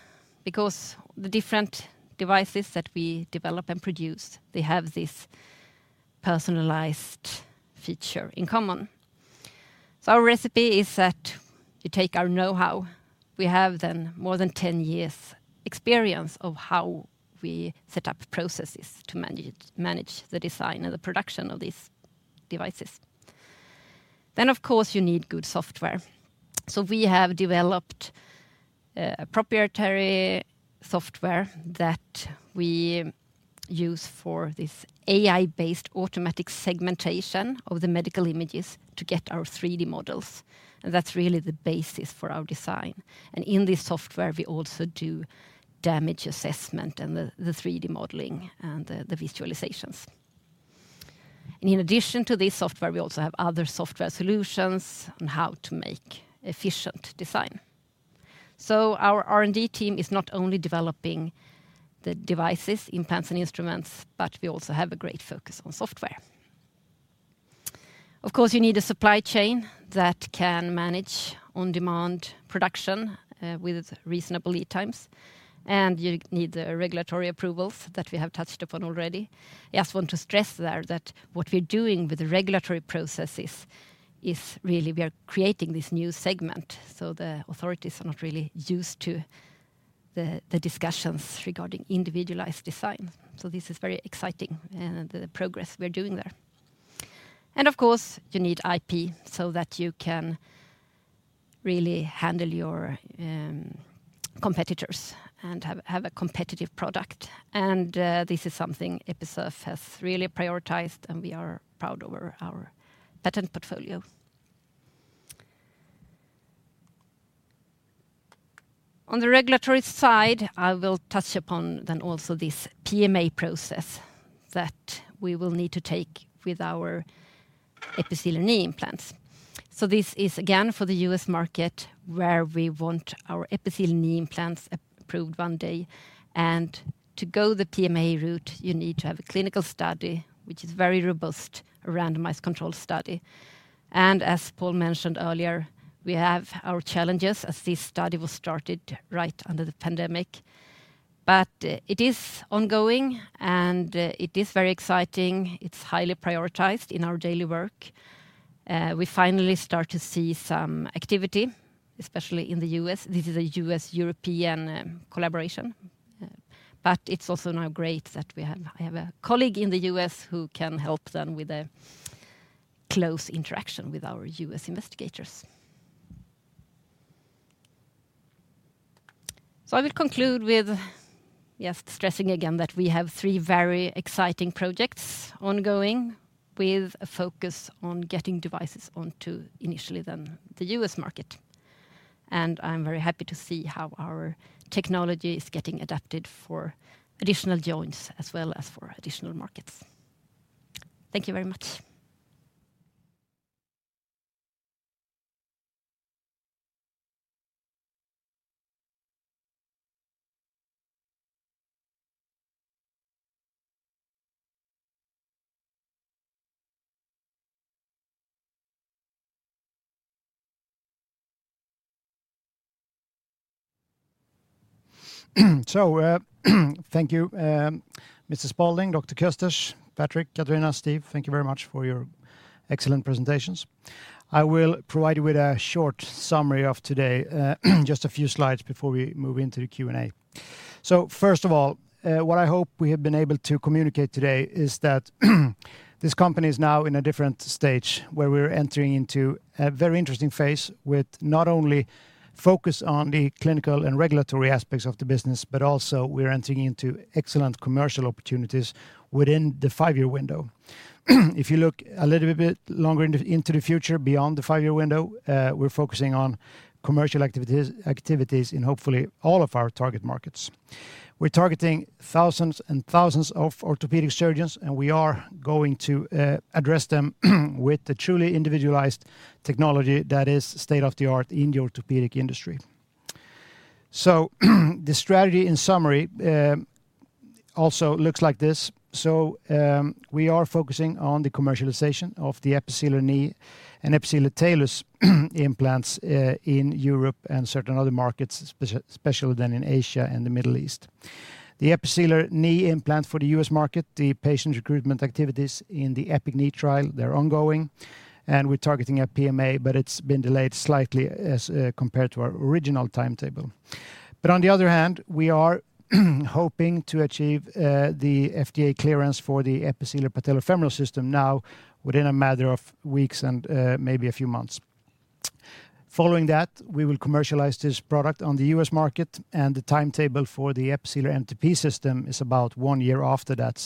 because the different devices that we develop and produce, they have this personalized feature in common. Our recipe is that you take our know-how. We have then more than 10 years experience of how we set up processes to manage the design and the production of these devices. Of course, you need good software. We have developed proprietary software that we use for this AI-based automatic segmentation of the medical images to get our 3-D models, and that's really the basis for our design. In this software, we also do damage assessment and the 3-D modeling and the visualizations. In addition to this software, we also have other software solutions on how to make efficient design. Our R&D team is not only developing the devices, implants, and instruments, but we also have a great focus on software. Of course, you need a supply chain that can manage on-demand production with reasonable lead times, and you need the regulatory approvals that we have touched upon already. I just want to stress there that what we're doing with the regulatory processes is really we are creating this new segment, so the authorities are not really used to the discussions regarding individualized design. This is very exciting, the progress we're doing there. Of course you need IP so that you can really handle your competitors and have a competitive product. This is something Episurf has really prioritized, and we are proud over our patent portfolio. On the regulatory side, I will touch upon then also this PMA process that we will need to take with our Episealer Knee implants. This is again for the U.S. market where we want our Episealer Knee implants approved one day. To go the PMA route, you need to have a clinical study, which is very robust, a randomized controlled study. As Paul mentioned earlier, we have our challenges as this study was started right under the pandemic. It is ongoing, and it is very exciting. It's highly prioritized in our daily work. We finally start to see some activity, especially in the U.S. This is a U.S.-European collaboration. But it's also now great that I have a colleague in the U.S. who can help them with a close interaction with our U.S. investigators. I will conclude with, yes, stressing again that we have three very exciting projects ongoing with a focus on getting devices onto initially then the U.S. market. I'm very happy to see how our technology is getting adapted for additional joints as well as for additional markets. Thank you very much. Thank you, Mr. Spalding, Dr. Kösters, Patrick, Katarina, Steve, thank you very much for your excellent presentations. I will provide you with a short summary of today, just a few slides before we move into the Q&A. First of all, what I hope we have been able to communicate today is that this company is now in a different stage, where we're entering into a very interesting phase with not only focus on the clinical and regulatory aspects of the business, but also we're entering into excellent commercial opportunities within the five-year window. If you look a little bit longer into the future beyond the five-year window, we're focusing on commercial activities in hopefully all of our target markets. We're targeting thousands and thousands of orthopedic surgeons, and we are going to address them with the truly individualized technology that is state-of-the-art in the orthopedic industry. The strategy in summary also looks like this. We are focusing on the commercialization of the Episealer Knee and Episealer Talus implants in Europe and certain other markets, especially then in Asia and the Middle East. The Episealer Knee implant for the US market, the patient recruitment activities in the EPIC-Knee Trial, they're ongoing, and we're targeting a PMA, but it's been delayed slightly as compared to our original timetable. On the other hand, we are hoping to achieve the FDA clearance for the Episealer Patellofemoral System now within a matter of weeks and maybe a few months. Following that, we will commercialize this product on the US market, and the timetable for the Episealer MTP system is about one year after that.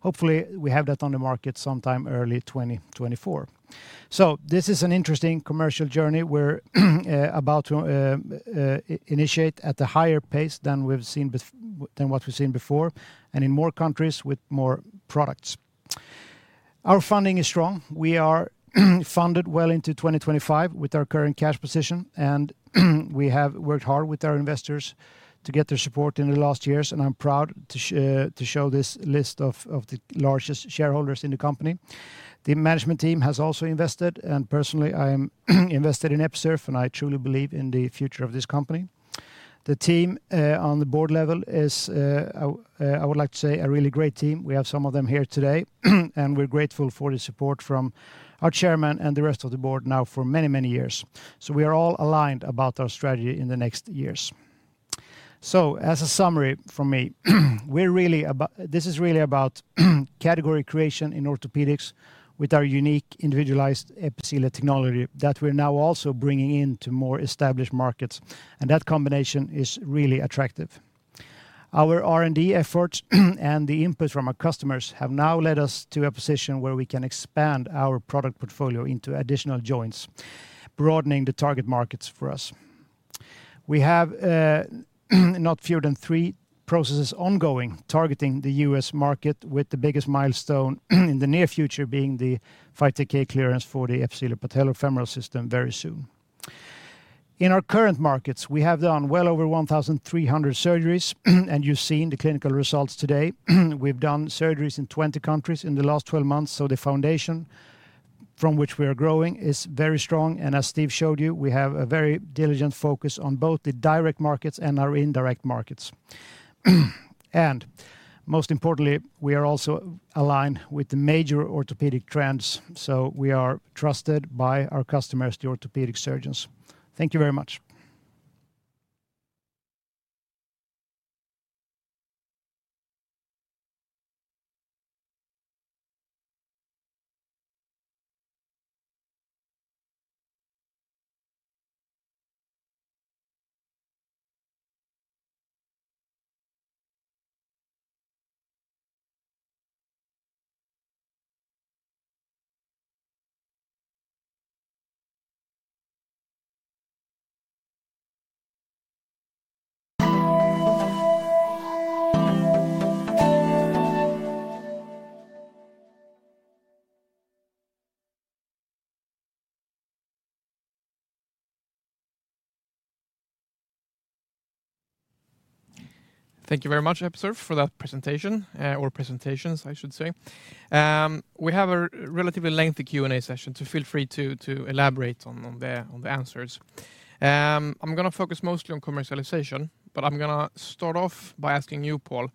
Hopefully we have that on the market sometime early 2024. This is an interesting commercial journey we're about to initiate at a higher pace than what we've seen before and in more countries with more products. Our funding is strong. We are funded well into 2025 with our current cash position, and we have worked hard with our investors to get their support in the last years, and I'm proud to show this list of the largest shareholders in the company. The management team has also invested, and personally, I am invested in Episurf, and I truly believe in the future of this company. The team on the board level is I would like to say a really great team. We have some of them here today, and we're grateful for the support from our chairman and the rest of the board now for many, many years. We are all aligned about our strategy in the next years. As a summary from me, this is really about category creation in orthopedics with our unique individualized Episealer technology that we're now also bringing into more established markets, and that combination is really attractive. Our R&D efforts and the input from our customers have now led us to a position where we can expand our product portfolio into additional joints, broadening the target markets for us. We have not fewer than three processes ongoing, targeting the US market with the biggest milestone in the near future being the 510(k) clearance for the Episealer Patellofemoral System very soon. In our current markets, we have done well over 1,300 surgeries, and you've seen the clinical results today. We've done surgeries in 20 countries in the last 12 months, so the foundation from which we are growing is very strong. As Steve showed you, we have a very diligent focus on both the direct markets and our indirect markets. Most importantly, we are also aligned with the major orthopedic trends, so we are trusted by our customers, the orthopedic surgeons. Thank you very much. Thank you very much, Episurf Medical, for that presentation, or presentations, I should say. We have a relatively lengthy Q&A session, so feel free to elaborate on the answers. I'm gonna focus mostly on commercialization, but I'm gonna start off by asking you, Paul.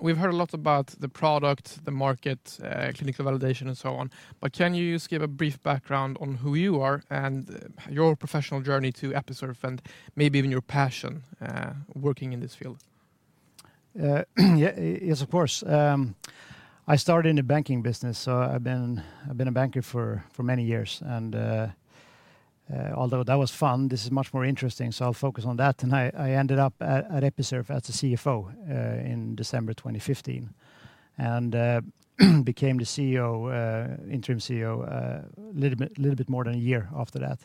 We've heard a lot about the product, the market, clinical validation, and so on. Can you just give a brief background on who you are and your professional journey to Episurf Medical and maybe even your passion working in this field? Yeah, yes, of course. I started in the banking business, so I've been a banker for many years. Although that was fun, this is much more interesting, so I'll focus on that. I ended up at Episurf Medical as a CFO in December 2015 and became the interim CEO a little bit more than a year after that.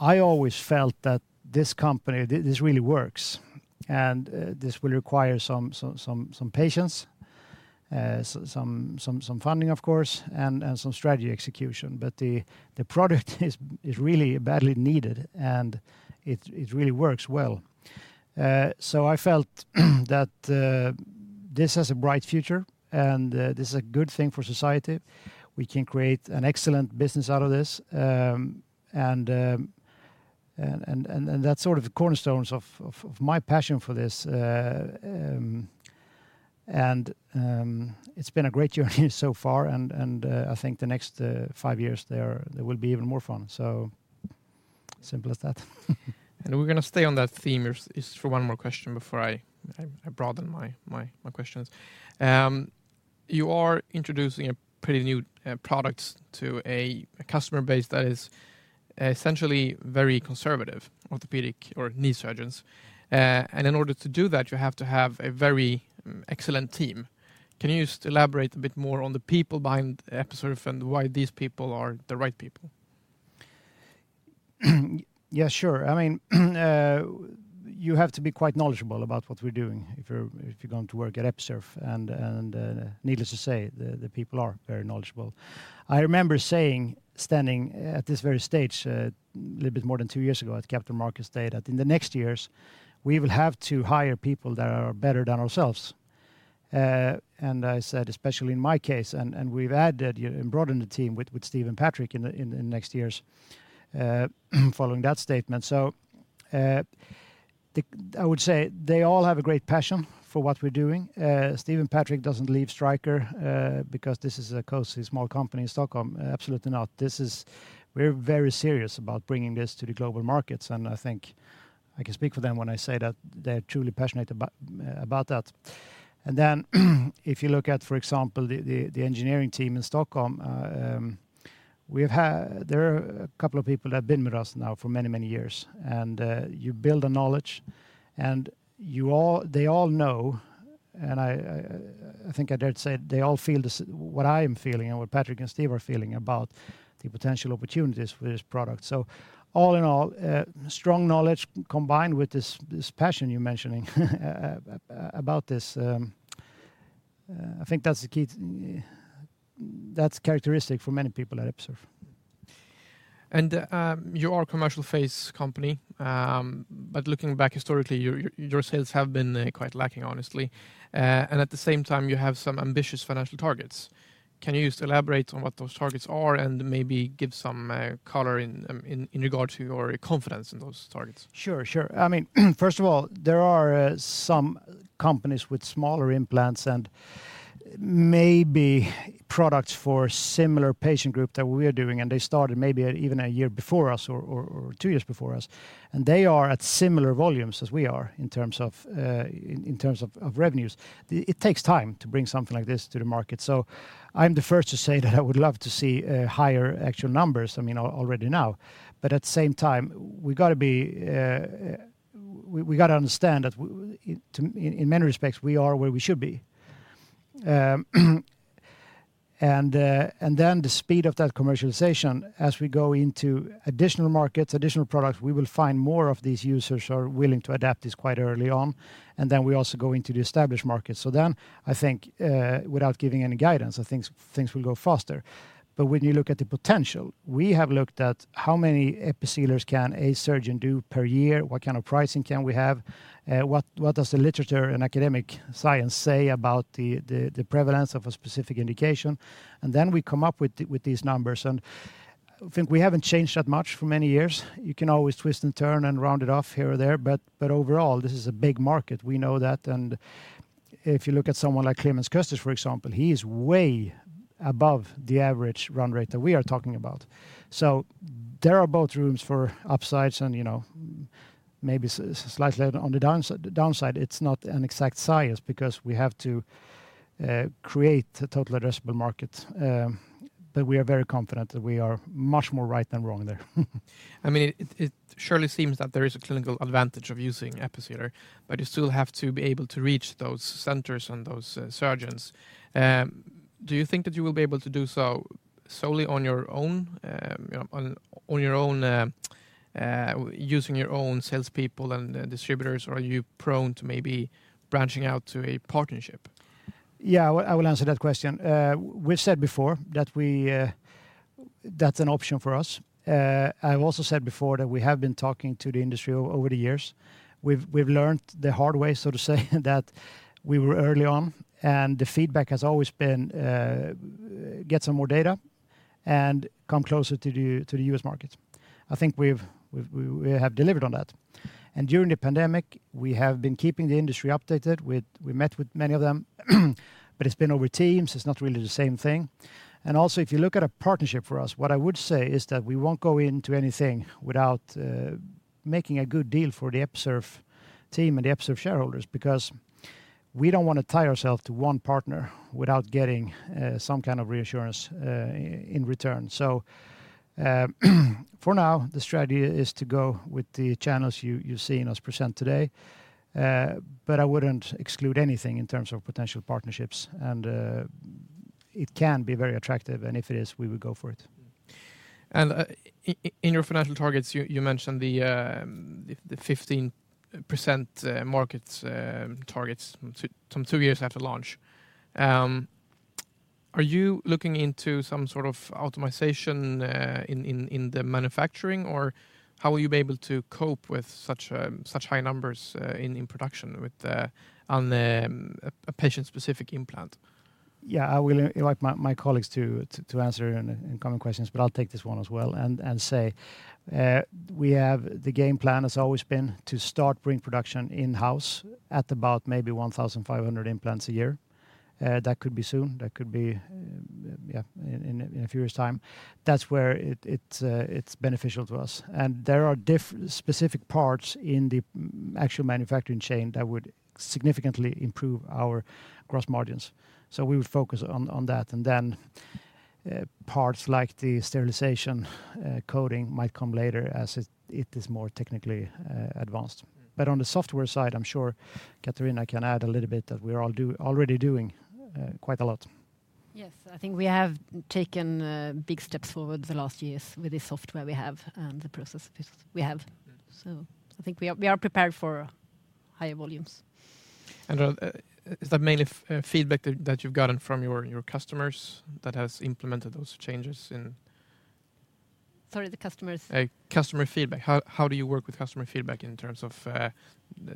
I always felt that this company, this really works, and this will require some patience, some funding, of course, and some strategy execution. The product is really badly needed, and it really works well. I felt that this has a bright future and this is a good thing for society. We can create an excellent business out of this, and that's sort of the cornerstones of my passion for this. It's been a great journey so far, and I think the next five years there, they will be even more fun, so simple as that. We're gonna stay on that theme just for one more question before I broaden my questions. You are introducing a pretty new product to a customer base that is essentially very conservative, orthopedic or knee surgeons. In order to do that, you have to have a very excellent team. Can you just elaborate a bit more on the people behind Episurf and why these people are the right people? Yeah, sure. I mean, you have to be quite knowledgeable about what we're doing if you're going to work at Episurf Medical, needless to say, the people are very knowledgeable. I remember saying, standing at this very stage, a little bit more than two years ago at Capital Markets Day that in the next years, we will have to hire people that are better than ourselves. I said, especially in my case, and we've added and broadened the team with Steve and Patrick in the next years, following that statement. I would say they all have a great passion for what we're doing. Steve and Patrick doesn't leave Stryker because this is a cozy small company in Stockholm. Absolutely not. We're very serious about bringing this to the global markets, and I think I can speak for them when I say that they're truly passionate about that. If you look at, for example, the engineering team in Stockholm, there are a couple of people that have been with us now for many years. You build a knowledge, and they all know, and I think I dare say they all feel what I am feeling and what Patrick and Steve are feeling about the potential opportunities for this product. All in all, a strong knowledge combined with this passion you're mentioning about this, I think that's the key. That's characteristic for many people at Episurf Medical. You are a commercial phase company, but looking back historically, your sales have been quite lacking, honestly. At the same time you have some ambitious financial targets. Can you just elaborate on what those targets are and maybe give some color in regard to your confidence in those targets? Sure. I mean, first of all, there are some companies with smaller implants and maybe products for similar patient group that we're doing, and they started maybe even a year before us or two years before us, and they are at similar volumes as we are in terms of revenues. It takes time to bring something like this to the market. I'm the first to say that I would love to see higher actual numbers, I mean, already now. At the same time, we've gotta understand that in many respects, we are where we should be. Then the speed of that commercialization as we go into additional markets, additional products, we will find more of these users are willing to adapt this quite early on. We also go into the established markets. I think, without giving any guidance, I think things will go faster. When you look at the potential, we have looked at how many Episealers can a surgeon do per year, what kind of pricing can we have, what does the literature and academic science say about the prevalence of a specific indication, and then we come up with these numbers. I think we haven't changed that much for many years. You can always twist and turn and round it off here or there, but overall, this is a big market. We know that. If you look at someone like Clemens Kösters, for example, he's way above the average run rate that we are talking about. There are both rooms for upsides and, you know, maybe slightly on the downside. It's not an exact science because we have to create the total addressable market, but we are very confident that we are much more right than wrong there. I mean, it surely seems that there is a clinical advantage of using Episealer, but you still have to be able to reach those centers and those surgeons. Do you think that you will be able to do so solely on your own, you know, on your own, using your own salespeople and distributors? Or are you prone to maybe branching out to a partnership? Yeah, I will answer that question. We've said before that we. That's an option for us. I've also said before that we have been talking to the industry over the years. We've learned the hard way, so to say, that we were early on, and the feedback has always been, get some more data and come closer to the US market. I think we have delivered on that. During the pandemic, we have been keeping the industry updated. We met with many of them, but it's been over Teams. It's not really the same thing. If you look at a partnership for us, what I would say is that we won't go into anything without making a good deal for the Episurf team and the Episurf shareholders because we don't wanna tie ourself to one partner without getting some kind of reassurance in return. For now, the strategy is to go with the channels you've seen us present today. I wouldn't exclude anything in terms of potential partnerships, and it can be very attractive, and if it is, we would go for it. In your financial targets, you mentioned the 15% markets targets from 2 years after launch. Are you looking into some sort of automation in the manufacturing, or how will you be able to cope with such high numbers in production with a patient-specific implant? Yeah. I will invite my colleagues to answer any incoming questions, but I'll take this one as well and say we have the game plan has always been to start pre-production in-house at about maybe 1,500 implants a year. That could be soon. That could be in a few years' time. That's where it's beneficial to us. There are specific parts in the actual manufacturing chain that would significantly improve our gross margins. We would focus on that. Parts like the sterilization coating might come later as it is more technically advanced. On the software side, I'm sure Katarina can add a little bit that we are all already doing quite a lot. Yes. I think we have taken big steps forward the last years with the software we have and the processes we have. I think we are prepared for higher volumes. Is that mainly feedback that you've gotten from your customers that has implemented those changes? Sorry, the customers? Customer feedback. How do you work with customer feedback in terms of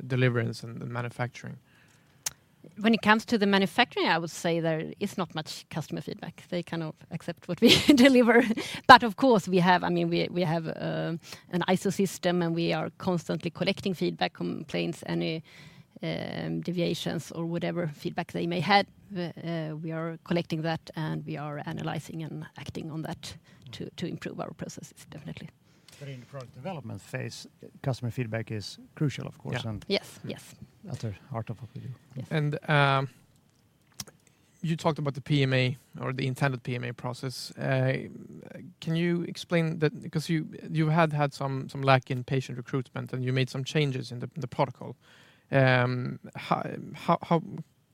delivery and the manufacturing? When it comes to the manufacturing, I would say there is not much customer feedback. They kind of accept what we deliver. Of course, we have an ISO system, and we are constantly collecting feedback, complaints, any deviations or whatever feedback they may have. We are collecting that, and we are analyzing and acting on that to improve our processes, definitely. In the product development phase, customer feedback is crucial, of course. Yeah. Yes. Yes. That's at the heart of what we do. Yes. You talked about the PMA or the intended PMA process. Can you explain that? Because you had had some lack in patient recruitment, and you made some changes in the protocol. How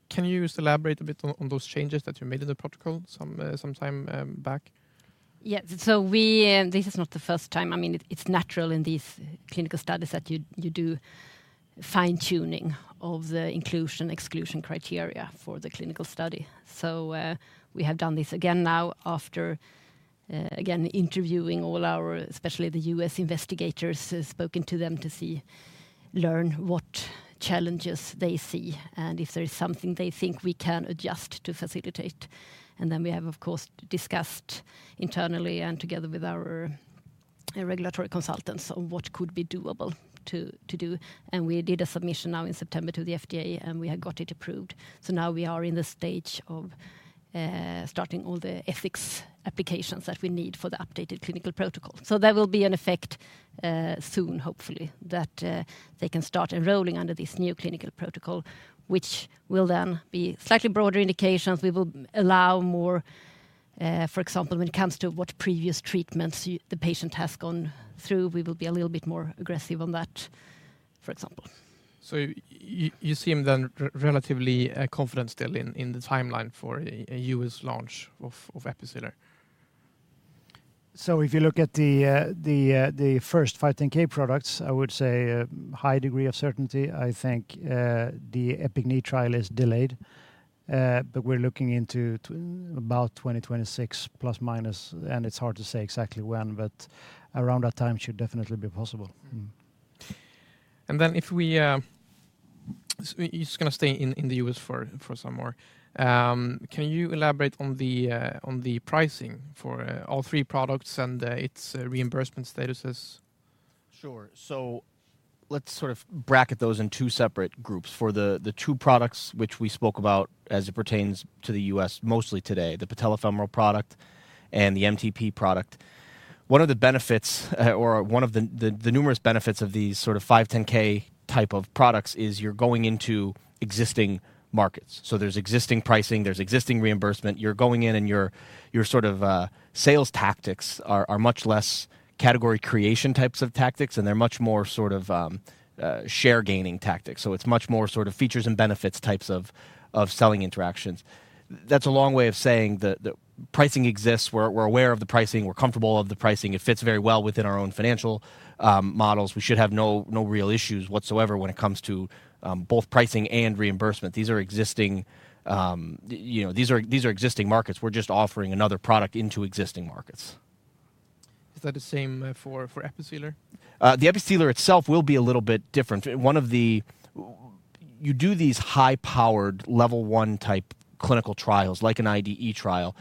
can you just elaborate a bit on those changes that you made in the protocol some time back? Yeah. This is not the first time. I mean, it's natural in these clinical studies that you do fine-tuning of the inclusion, exclusion criteria for the clinical study. We have done this again now after again interviewing all our especially the U.S. investigators, spoken to them to see, learn what challenges they see and if there is something they think we can adjust to facilitate. We have, of course, discussed internally and together with our regulatory consultants on what could be doable to do. We did a submission now in September to the FDA, and we have got it approved. Now we are in the stage of starting all the ethics applications that we need for the updated clinical protocol. There will be an effect soon, hopefully, that they can start enrolling under this new clinical protocol, which will then be slightly broader indications. We will allow more, for example, when it comes to what previous treatments the patient has gone through, we will be a little bit more aggressive on that, for example. You seem then relatively confident still in the timeline for a U.S. launch of Episealer. If you look at the first 510(k) products, I would say a high degree of certainty. I think the EPIC-Knee trial is delayed, but we're looking into about 2026 ±, and it's hard to say exactly when, but around that time should definitely be possible. Mm-hmm. You just gonna stay in the US for some more. Can you elaborate on the pricing for all three products and its reimbursement statuses? Sure. Let's sort of bracket those in two separate groups. For the two products which we spoke about as it pertains to the U.S. mostly today, the patellofemoral product and the MTP product. One of the benefits or one of the numerous benefits of these sort of 510(k) type of products is you're going into existing markets. There's existing pricing. There's existing reimbursement. You're going in and your sort of sales tactics are much less category creation types of tactics, and they're much more sort of share gaining tactics. It's much more sort of features and benefits types of selling interactions. That's a long way of saying the pricing exists. We're aware of the pricing. We're comfortable of the pricing. It fits very well within our own financial models. We should have no real issues whatsoever when it comes to both pricing and reimbursement. These are existing, you know, these are existing markets. We're just offering another product into existing markets. Is that the same for Episealer? The Episealer itself will be a little bit different. You do these high-powered level one type clinical trials like an IDE trial.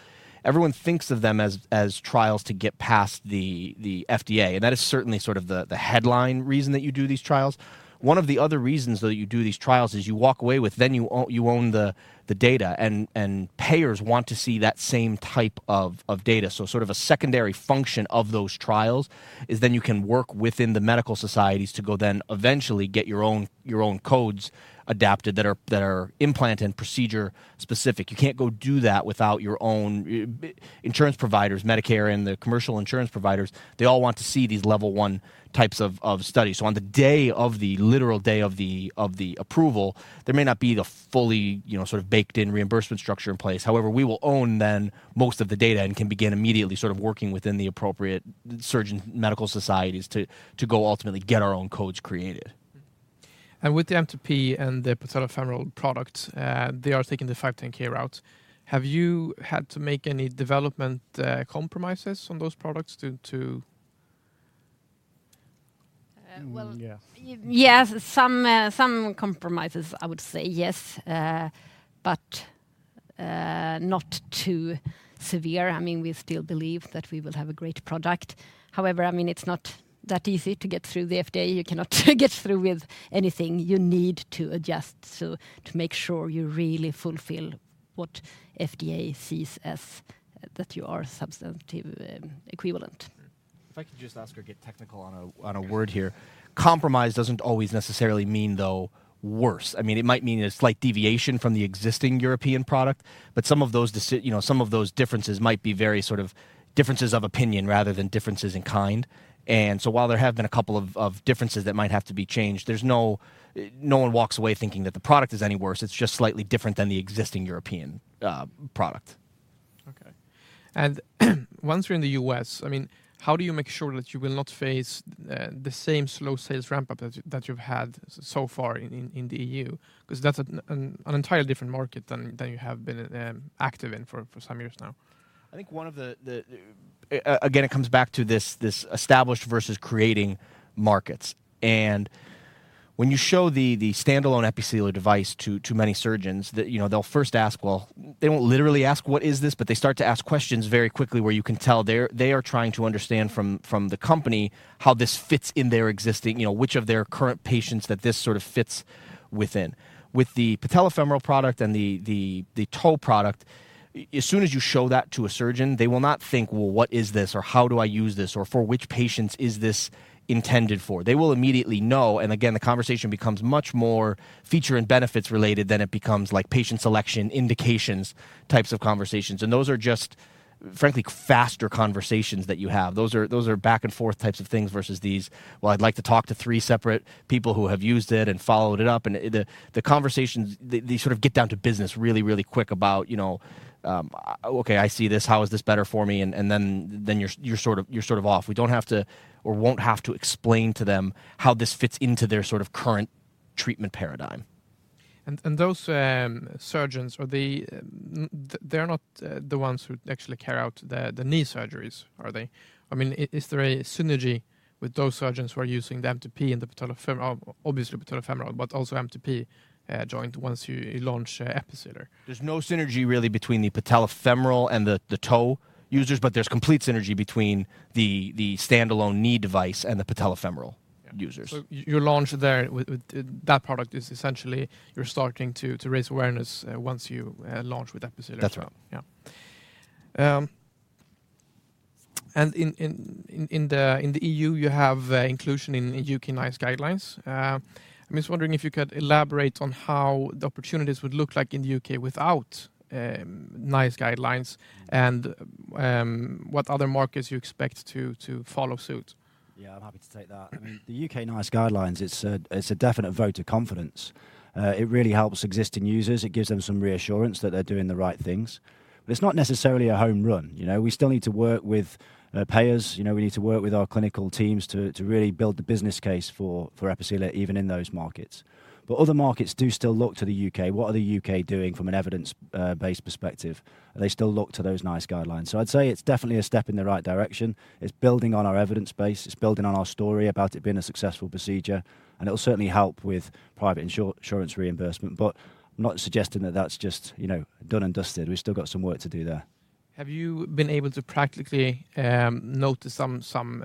Everyone thinks of them as trials to get past the FDA, and that is certainly sort of the headline reason that you do these trials. One of the other reasons that you do these trials is you walk away with you own the data and payers want to see that same type of data. Sort of a secondary function of those trials is then you can work within the medical societies to go then eventually get your own codes adapted that are implant and procedure specific. You can't go do that without your own insurance providers, Medicare, and the commercial insurance providers. They all want to see these level one types of studies. On the literal day of the approval, there may not be the fully, you know, sort of baked-in reimbursement structure in place. However, we will own then most of the data and can begin immediately sort of working within the appropriate surgeon medical societies to go ultimately get our own codes created. With the MTP and the patellofemoral product, they are taking the 510(k) route. Have you had to make any development compromises on those products to Uh, well- Yes Yes, some compromises, I would say, yes. Not too severe. I mean, we still believe that we will have a great product. However, I mean, it's not that easy to get through the FDA. You cannot get through with anything you need to adjust. To make sure you really fulfill what FDA sees as that you are substantially equivalent. If I could just ask or get technical on a word here. Compromise doesn't always necessarily mean, though, worse. I mean, it might mean a slight deviation from the existing European product, but some of those you know, some of those differences might be very sort of differences of opinion rather than differences in kind. While there have been a couple of differences that might have to be changed, there's no one walks away thinking that the product is any worse. It's just slightly different than the existing European product. Okay. Once you're in the US, I mean, how do you make sure that you will not face the same slow sales ramp-up that you've had so far in the EU? Because that's an entirely different market than you have been active in for some years now. I think one of the, it comes back to this established versus creating markets. When you show the standalone Episealer device to many surgeons, you know, they'll first ask, well, they won't literally ask, "What is this?" They start to ask questions very quickly where you can tell they're, they are trying to understand from the company how this fits in their existing, you know, which of their current patients that this sort of fits within. With the patellofemoral product and the toe product, as soon as you show that to a surgeon, they will not think, "Well, what is this?" or, "How do I use this?" or, "For which patients is this intended for?" They will immediately know, and again, the conversation becomes much more feature and benefits related than it becomes like patient selection, indications types of conversations. Those are just, frankly, faster conversations that you have. Those are back and forth types of things versus these, "Well, I'd like to talk to three separate people who have used it and followed it up." The conversations, they sort of get down to business really quick about, you know, "Okay, I see this. How is this better for me?" Then you're sort of off. We don't have to or won't have to explain to them how this fits into their sort of current treatment paradigm. Those surgeons, are they? They're not the ones who actually carry out the knee surgeries, are they? I mean, is there a synergy with those surgeons who are using the MTP and the patellofemoral, obviously patellofemoral, but also MTP joint once you launch Episealer? There's no synergy really between the patellofemoral and the toe users, but there's complete synergy between the standalone knee device and the patellofemoral users. Yeah. You launch there with that product. That product is essentially you're starting to raise awareness once you launch with Episealer. That's right. Yeah. In the EU, you have inclusion in UK NICE guidelines. I'm just wondering if you could elaborate on how the opportunities would look like in the UK without NICE guidelines and what other markets you expect to follow suit. Yeah. I'm happy to take that. I mean, the UK NICE guidelines, it's a definite vote of confidence. It really helps existing users. It gives them some reassurance that they're doing the right things, but it's not necessarily a home run, you know? We still need to work with payers. You know, we need to work with our clinical teams to really build the business case for Episealer even in those markets. Other markets do still look to the UK. What are the UK doing from an evidence-based perspective? They still look to those NICE guidelines. I'd say it's definitely a step in the right direction. It's building on our evidence base. It's building on our story about it being a successful procedure, and it'll certainly help with private insurance reimbursement. I'm not suggesting that that's just, you know, done and dusted. We've still got some work to do there. Have you been able to practically notice some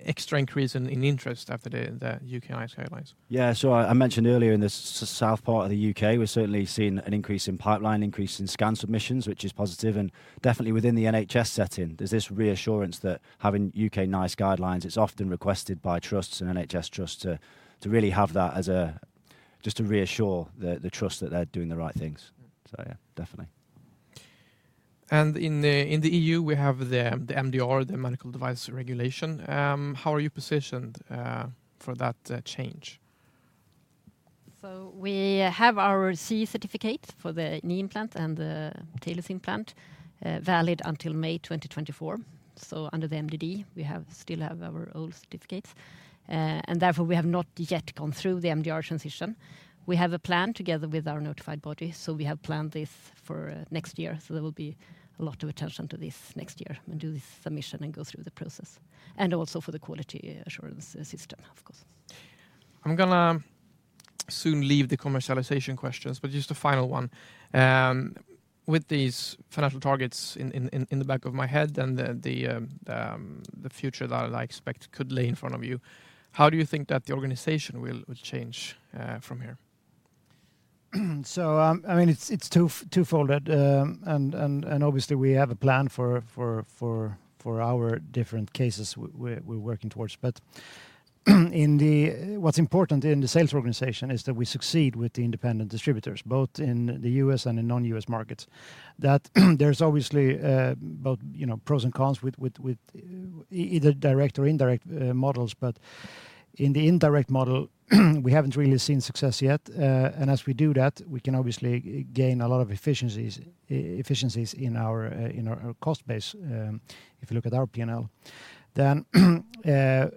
extra increase in interest after the UK NICE guidelines? Yeah. I mentioned earlier in the south part of the UK, we're certainly seeing an increase in pipeline, increase in scan submissions, which is positive. Definitely within the NHS setting, there's this reassurance that having UK NICE guidelines, it's often requested by trusts and NHS trusts to really have that as a just to reassure the trust that they're doing the right things. Yeah, definitely. In the EU, we have the MDR, the Medical Device Regulation. How are you positioned for that change? We have our CE certificate for the knee implant and the patella implant, valid until May 2024. Under the MDD, we still have our old certificates. And therefore, we have not yet gone through the MDR transition. We have a plan together with our notified body, so we have planned this for next year, so there will be a lot of attention to this next year and do the submission and go through the process, and also for the quality assurance system, of course. I'm gonna soon leave the commercialization questions, but just a final one. With these financial targets in the back of my head and the future that I expect could lay in front of you, how do you think that the organization will change from here? I mean, it's twofold. Obviously we have a plan for our different cases we're working towards. What's important in the sales organization is that we succeed with the independent distributors, both in the US and in non-US markets. That there's obviously both, you know, pros and cons with either direct or indirect models. In the indirect model, we haven't really seen success yet. As we do that, we can obviously gain a lot of efficiencies in our cost base, if you look at our P&L. The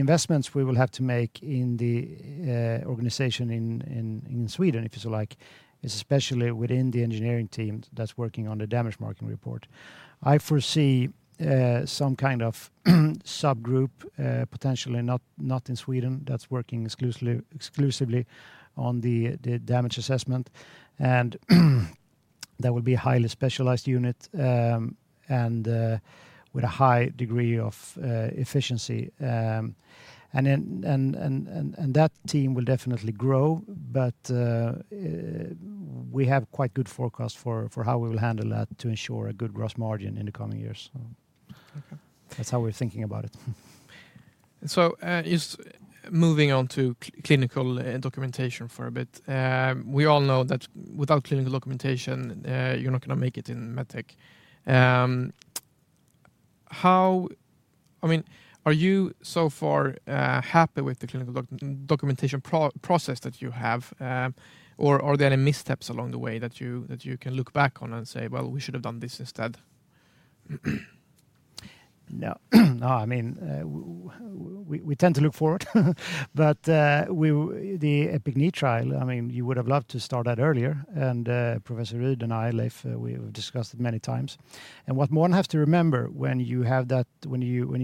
investments we will have to make in the organization in Sweden, if you like, is especially within the engineering team that's working on the damage marking report. I foresee some kind of subgroup, potentially not in Sweden, that's working exclusively on the damage assessment. That would be a highly specialized unit, with a high degree of efficiency. Then that team will definitely grow, but we have quite good forecast for how we will handle that to ensure a good gross margin in the coming years. Okay That's how we're thinking about it. Just moving on to clinical documentation for a bit. We all know that without clinical documentation, you're not gonna make it in med tech. I mean, are you so far happy with the clinical documentation process that you have? Or are there any missteps along the way that you can look back on and say, "Well, we should have done this instead"? No, I mean, we tend to look forward. The EPIC-Knee trial, I mean, you would have loved to start that earlier. Professor Leif Ryd and I, Leif, we've discussed it many times. What one has to remember when you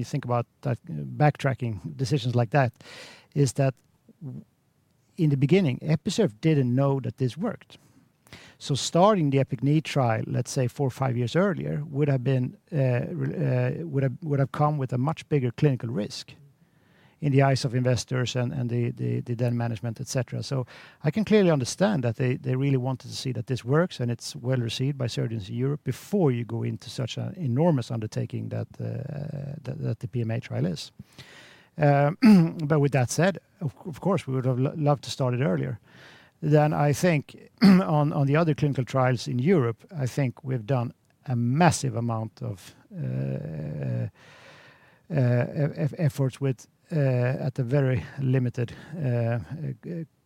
think about that, backtracking decisions like that, is that in the beginning, Episurf didn't know that this worked. Starting the EPIC-Knee trial, let's say four or five years earlier, would have come with a much bigger clinical risk in the eyes of investors and the then management, et cetera. I can clearly understand that they really wanted to see that this works and it's well-received by surgeons in Europe before you go into such an enormous undertaking that the PMA trial is. With that said, of course, we would have loved to start it earlier. I think on the other clinical trials in Europe, I think we've done a massive amount of efforts at a very limited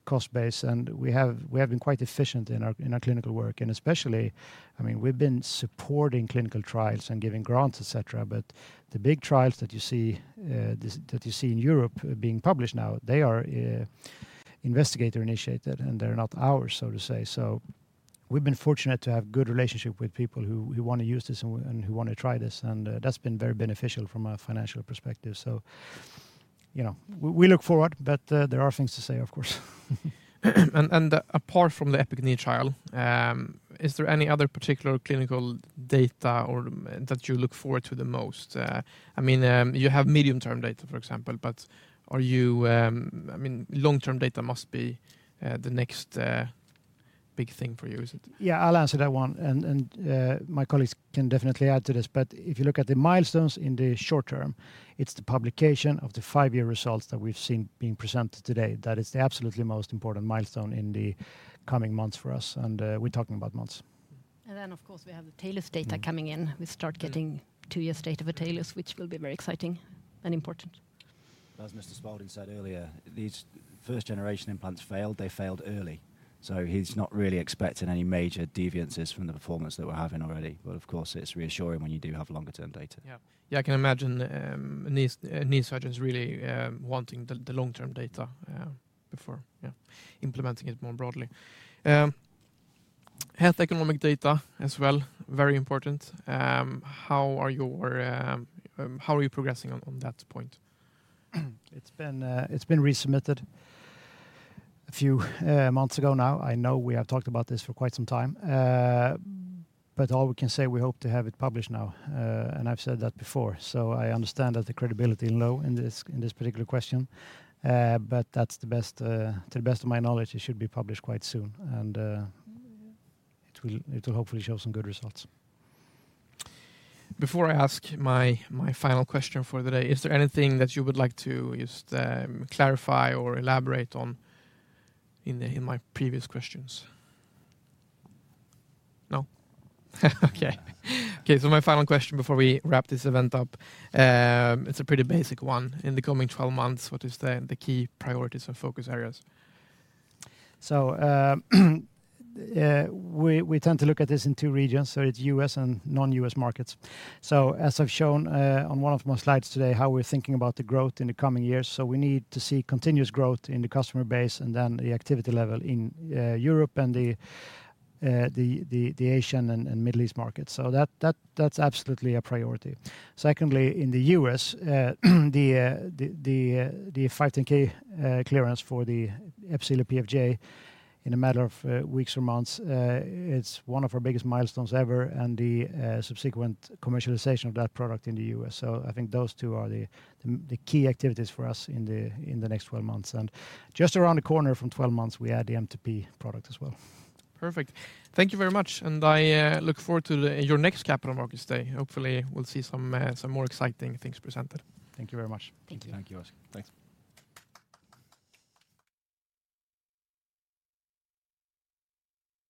cost base, and we have been quite efficient in our clinical work. Especially, I mean, we've been supporting clinical trials and giving grants, et cetera, but the big trials that you see in Europe being published now, they are investigator-initiated, and they're not ours, so to say. We've been fortunate to have good relationship with people who wanna use this and who wanna try this, and that's been very beneficial from a financial perspective. You know, we look forward, but there are things to say, of course. Apart from the EPIC-Knee trial, is there any other particular clinical data or that you look forward to the most? I mean, you have medium-term data, for example, but are you? I mean, long-term data must be the next big thing for you, is it? Yeah, I'll answer that one, and my colleagues can definitely add to this. If you look at the milestones in the short term, it's the publication of the five-year results that we've seen being presented today. That is the absolutely most important milestone in the coming months for us, and we're talking about months. Of course, we have the TALOS data coming in. We start getting two-year data for TALOS, which will be very exciting and important. Professor Spalding said earlier, these first generation implants failed, they failed early. He's not really expecting any major deviations from the performance that we're having already. Of course it's reassuring when you do have longer-term data. Yeah. Yeah, I can imagine knee surgeons really wanting the long-term data before, yeah, implementing it more broadly. Health economic data as well, very important. How are you progressing on that point? It's been resubmitted a few months ago now. I know we have talked about this for quite some time. All we can say, we hope to have it published now. I've said that before, so I understand that the credibility low in this, in this particular question. That's the best. To the best of my knowledge, it should be published quite soon, and it'll hopefully show some good results. Before I ask my final question for the day, is there anything that you would like to just clarify or elaborate on in my previous questions? No? Okay. Okay, so my final question before we wrap this event up, it's a pretty basic one. In the coming 12 months, what is the key priorities and focus areas? We tend to look at this in two regions, it's US and non-US markets. As I've shown on one of my slides today, how we're thinking about the growth in the coming years. We need to see continuous growth in the customer base and then the activity level in Europe and the Asian and Middle East markets. That's absolutely a priority. Secondly, in the US, the 510(k) clearance for the Episealer PFJ in a matter of weeks or months, it's one of our biggest milestones ever, and the subsequent commercialization of that product in the US. I think those two are the key activities for us in the next 12 months. Just around the corner from 12 months, we add the MTP product as well. Perfect. Thank you very much, and I look forward to your next Capital Markets Day. Hopefully we'll see some more exciting things presented. Thank you very much. Thank you. Thank you, Oscar. Thanks.